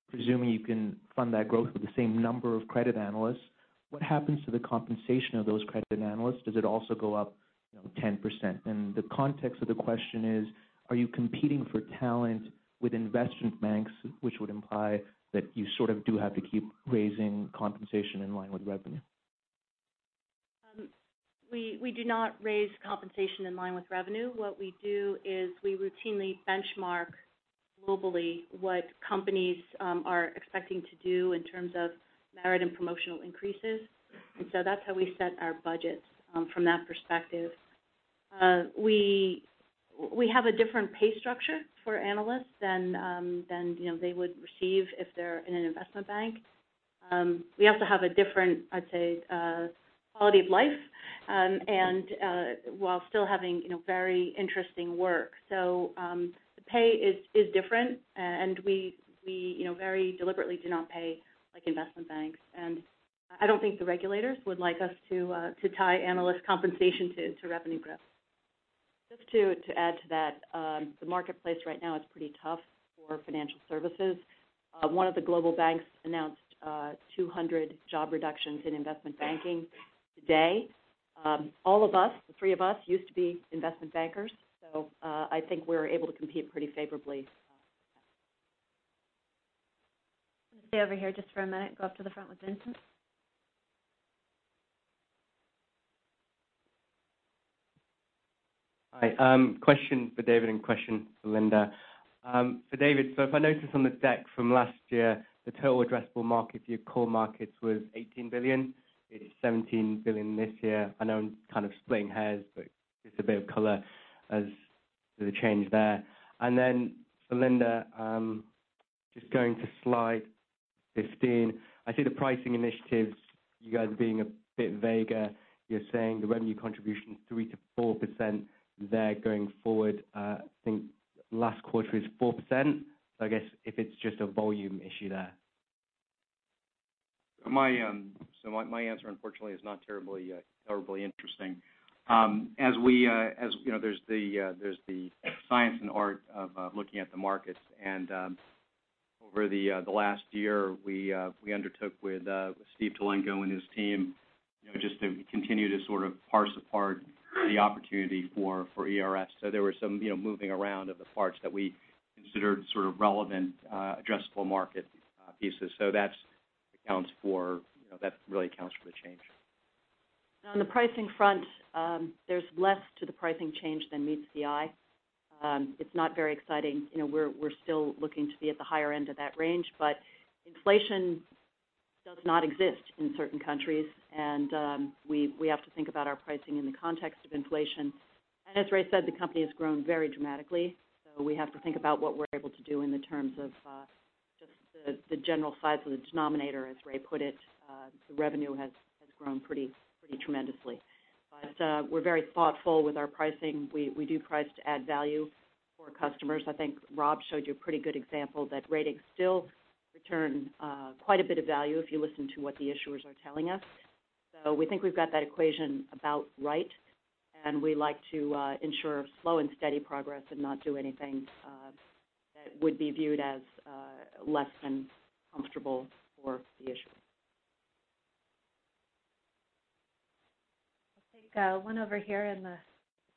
presuming you can fund that growth with the same number of credit analysts, what happens to the compensation of those credit analysts? Does it also go up 10%? The context of the question is, are you competing for talent with investment banks, which would imply that you sort of do have to keep raising compensation in line with revenue? We do not raise compensation in line with revenue. What we do is we routinely benchmark globally what companies are expecting to do in terms of merit and promotional increases. That's how we set our budgets from that perspective. We have a different pay structure for analysts than they would receive if they're in an investment bank. We also have a different, I'd say, quality of life while still having very interesting work. The pay is different, and we very deliberately do not pay like investment banks. I don't think the regulators would like us to tie analyst compensation to revenue growth. Just to add to that, the marketplace right now is pretty tough for financial services. One of the global banks announced 200 job reductions in investment banking today. All of us, the three of us, used to be investment bankers, I think we're able to compete pretty favorably. Stay over here just for a minute. Go up to the front with Vincent. Hi. Question for David and question for Linda. For David, if I notice on the deck from last year, the total addressable market for your core markets was $18 billion. It is $17 billion this year. I know I'm kind of splitting hairs, but just a bit of color as to the change there. Then for Linda, just going to slide 15, I see the pricing initiatives, you guys are being a bit vaguer. You're saying the revenue contribution is 3%-4% there going forward. I think last quarter is 4%. I guess if it's just a volume issue there. My answer, unfortunately, is not terribly interesting. There's the science and art of looking at the markets. Over the last year, we undertook with Steve Tulenko and his team just to continue to sort of parse apart the opportunity for ERS. There was some moving around of the parts that we considered relevant addressable market pieces. That really accounts for the change. On the pricing front, there's less to the pricing change than meets the eye. It's not very exciting. We're still looking to be at the higher end of that range, inflation does not exist in certain countries, and we have to think about our pricing in the context of inflation. As Ray said, the company has grown very dramatically, we have to think about what we're able to do in the terms of just the general size of the denominator, as Ray put it. The revenue has grown pretty tremendously. We're very thoughtful with our pricing. We do price to add value for customers. I think Rob showed you a pretty good example that ratings still return quite a bit of value if you listen to what the issuers are telling us. We think we've got that equation about right, and we like to ensure slow and steady progress and not do anything that would be viewed as less than comfortable for the issuer. I'll take one over here in the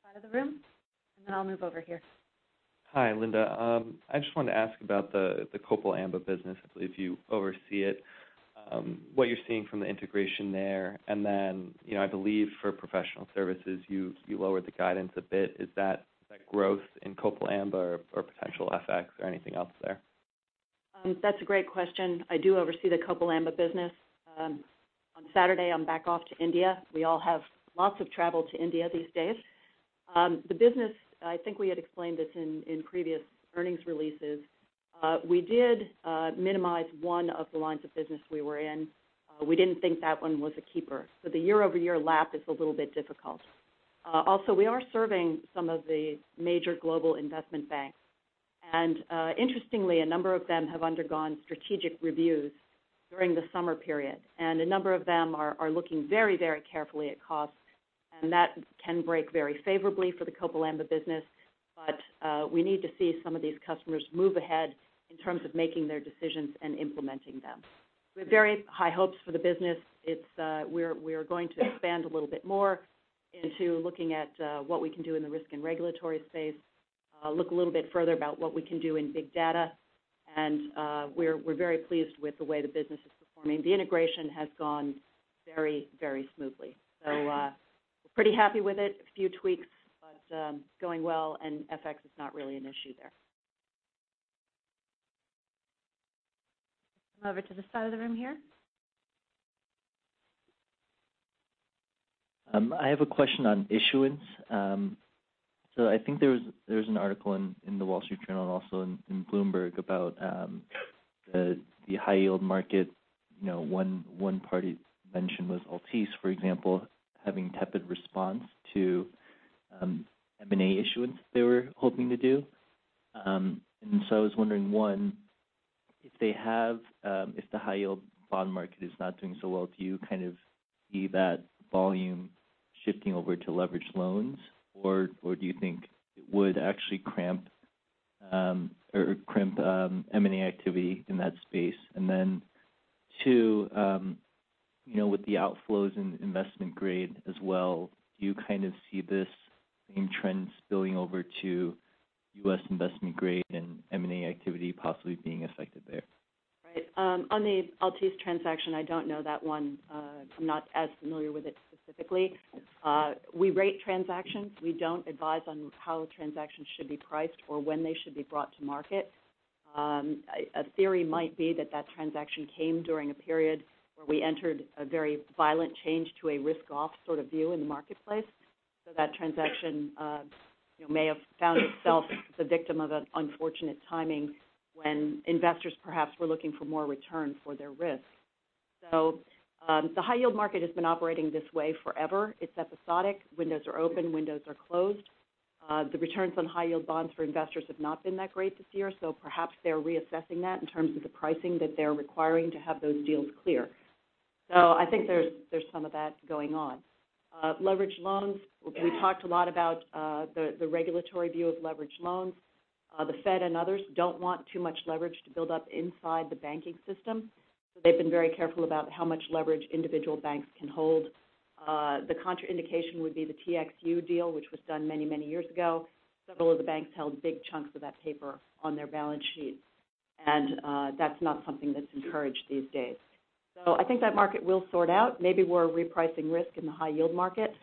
side of the room. Then I'll move over here. Hi, Linda. I just wanted to ask about the Copal Amba business, I believe you oversee it, what you're seeing from the integration there. Then, I believe for professional services, you lowered the guidance a bit. Is that growth in Copal Amba or potential FX or anything else there? That's a great question. I do oversee the Copal Amba business. On Saturday, I'm back off to India. We all have lots of travel to India these days. The business, I think we had explained this in previous earnings releases. We did minimize one of the lines of business we were in. We didn't think that one was a keeper. The year-over-year lap is a little bit difficult. Also, we are serving some of the major global investment banks. Interestingly, a number of them have undergone strategic reviews during the summer period. A number of them are looking very carefully at costs, and that can break very favorably for the Copal Amba business. We need to see some of these customers move ahead in terms of making their decisions and implementing them. We have very high hopes for the business. We're going to expand a little bit more into looking at what we can do in the risk and regulatory space, look a little bit further about what we can do in big data, we're very pleased with the way the business is performing. The integration has gone very smoothly. We're pretty happy with it. A few tweaks, but it's going well, FX is not really an issue there. Come over to this side of the room here. I have a question on issuance. I think there was an article in The Wall Street Journal and also in Bloomberg about the high-yield market. One party mentioned was Altice, for example, having tepid response to M&A issuance they were hoping to do. I was wondering, one, if the high-yield bond market is not doing so well, do you kind of see that volume shifting over to leveraged loans? Do you think it would actually cramp M&A activity in that space? Two, with the outflows in investment grade as well, do you kind of see this same trend spilling over to U.S. investment grade and M&A activity possibly being affected there? Right. On the Altice transaction, I don't know that one. I'm not as familiar with it specifically. We rate transactions. We don't advise on how transactions should be priced or when they should be brought to market. A theory might be that transaction came during a period where we entered a very violent change to a risk-off sort of view in the marketplace. That transaction may have found itself the victim of an unfortunate timing when investors perhaps were looking for more return for their risk. The high-yield market has been operating this way forever. It's episodic. Windows are open, windows are closed. The returns on high-yield bonds for investors have not been that great this year, perhaps they're reassessing that in terms of the pricing that they're requiring to have those deals clear. I think there's some of that going on. Leveraged loans, we talked a lot about the regulatory view of leveraged loans. The Fed and others don't want too much leverage to build up inside the banking system, so they've been very careful about how much leverage individual banks can hold. The contraindication would be the TXU deal, which was done many years ago. Several of the banks held big chunks of that paper on their balance sheets, and that's not something that's encouraged these days. I think that market will sort out. Maybe we're repricing risk in the high-yield market.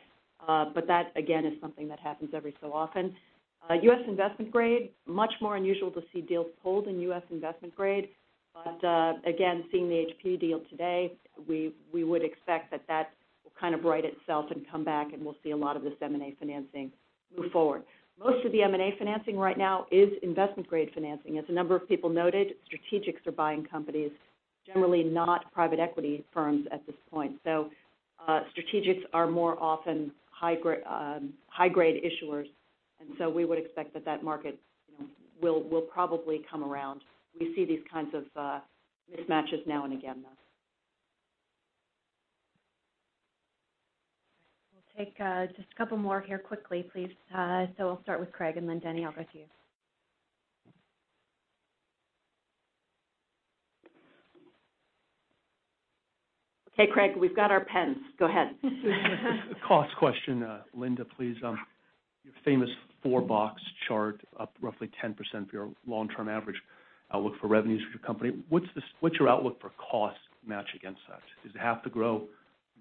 That, again, is something that happens every so often. U.S. investment grade, much more unusual to see deals pulled in U.S. investment grade. Again, seeing the HP deal today, we would expect that that will kind of right itself and come back, and we'll see a lot of this M&A financing move forward. Most of the M&A financing right now is investment-grade financing. As a number of people noted, strategics are buying companies, generally not private equity firms at this point. Strategics are more often high-grade issuers, and so we would expect that that market will probably come around. We see these kinds of mismatches now and again, though. We'll take just a couple more here quickly, please. We'll start with Craig, and then Denny, I'll go to you. Okay, Craig, we've got our pens. Go ahead. A cost question, Linda, please. Your famous four-box chart up roughly 10% for your long-term average outlook for revenues for your company. What's your outlook for cost match against that? Does it have to grow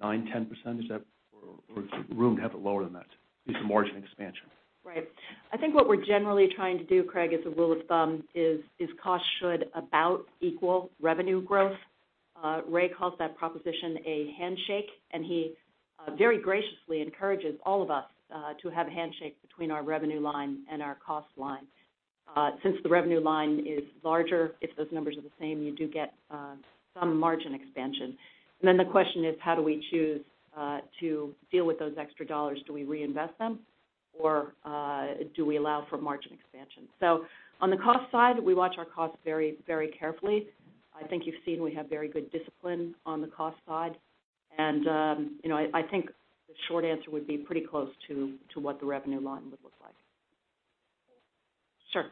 9%, 10%? Is there room to have it lower than that? At least the margin expansion. Right. I think what we're generally trying to do, Craig, as a rule of thumb, is cost should about equal revenue growth. Ray calls that proposition a handshake. He very graciously encourages all of us to have a handshake between our revenue line and our cost line. Since the revenue line is larger, if those numbers are the same, you do get some margin expansion. The question is, how do we choose to deal with those extra dollars? Do we reinvest them, or do we allow for margin expansion? On the cost side, we watch our costs very carefully. I think you've seen we have very good discipline on the cost side. I think the short answer would be pretty close to what the revenue line would look like. Sure.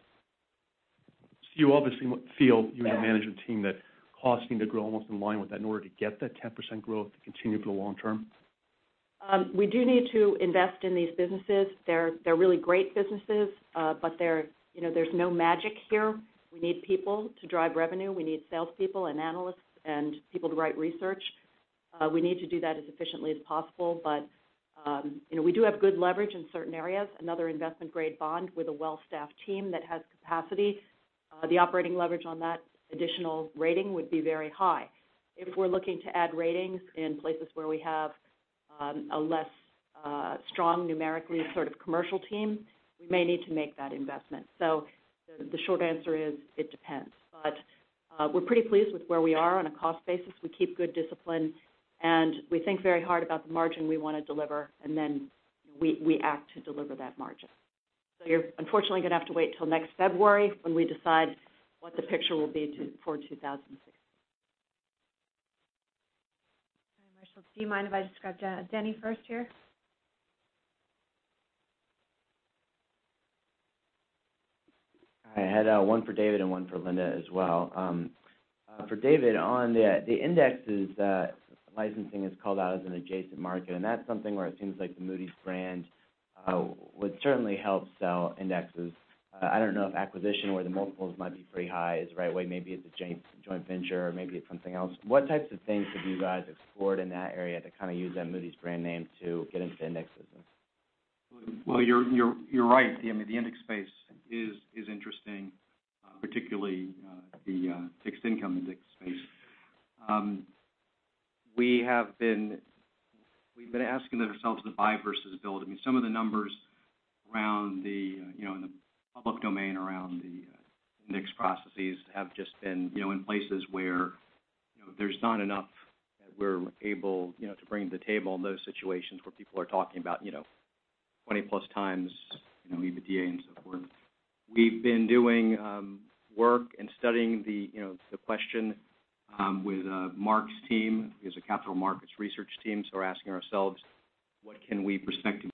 You obviously feel, you and the management team, that costs need to grow almost in line with that in order to get that 10% growth to continue for the long term? We do need to invest in these businesses. They're really great businesses. There's no magic here. We need people to drive revenue. We need salespeople and analysts and people to write research. We need to do that as efficiently as possible. We do have good leverage in certain areas. Another investment-grade bond with a well-staffed team that has capacity. The operating leverage on that additional rating would be very high. If we're looking to add ratings in places where we have a less strong, numerically sort of commercial team, we may need to make that investment. The short answer is, it depends. We're pretty pleased with where we are on a cost basis. We keep good discipline, and we think very hard about the margin we want to deliver, then we act to deliver that margin. You're unfortunately going to have to wait till next February when we decide what the picture will be for 2016. Marshall, do you mind if I just grab Denny first here? I had one for David and one for Linda as well. For David, on the indexes licensing is called out as an adjacent market, that's something where it seems like the Moody's brand would certainly help sell indexes. I don't know if acquisition where the multiples might be pretty high is the right way. Maybe it's a joint venture, maybe it's something else. What types of things have you guys explored in that area to kind of use that Moody's brand name to get into indexes? You're right. The index space is interesting, particularly the fixed income index space. We've been asking ourselves the buy versus build. Some of the numbers in the public domain around the index processes have just been in places where there's not enough that we're able to bring to the table in those situations where people are talking about 20-plus times EBITDA and so forth. We've been doing work and studying the question with Mark's team, who's a capital markets research team. We're asking ourselves, what can we prospectively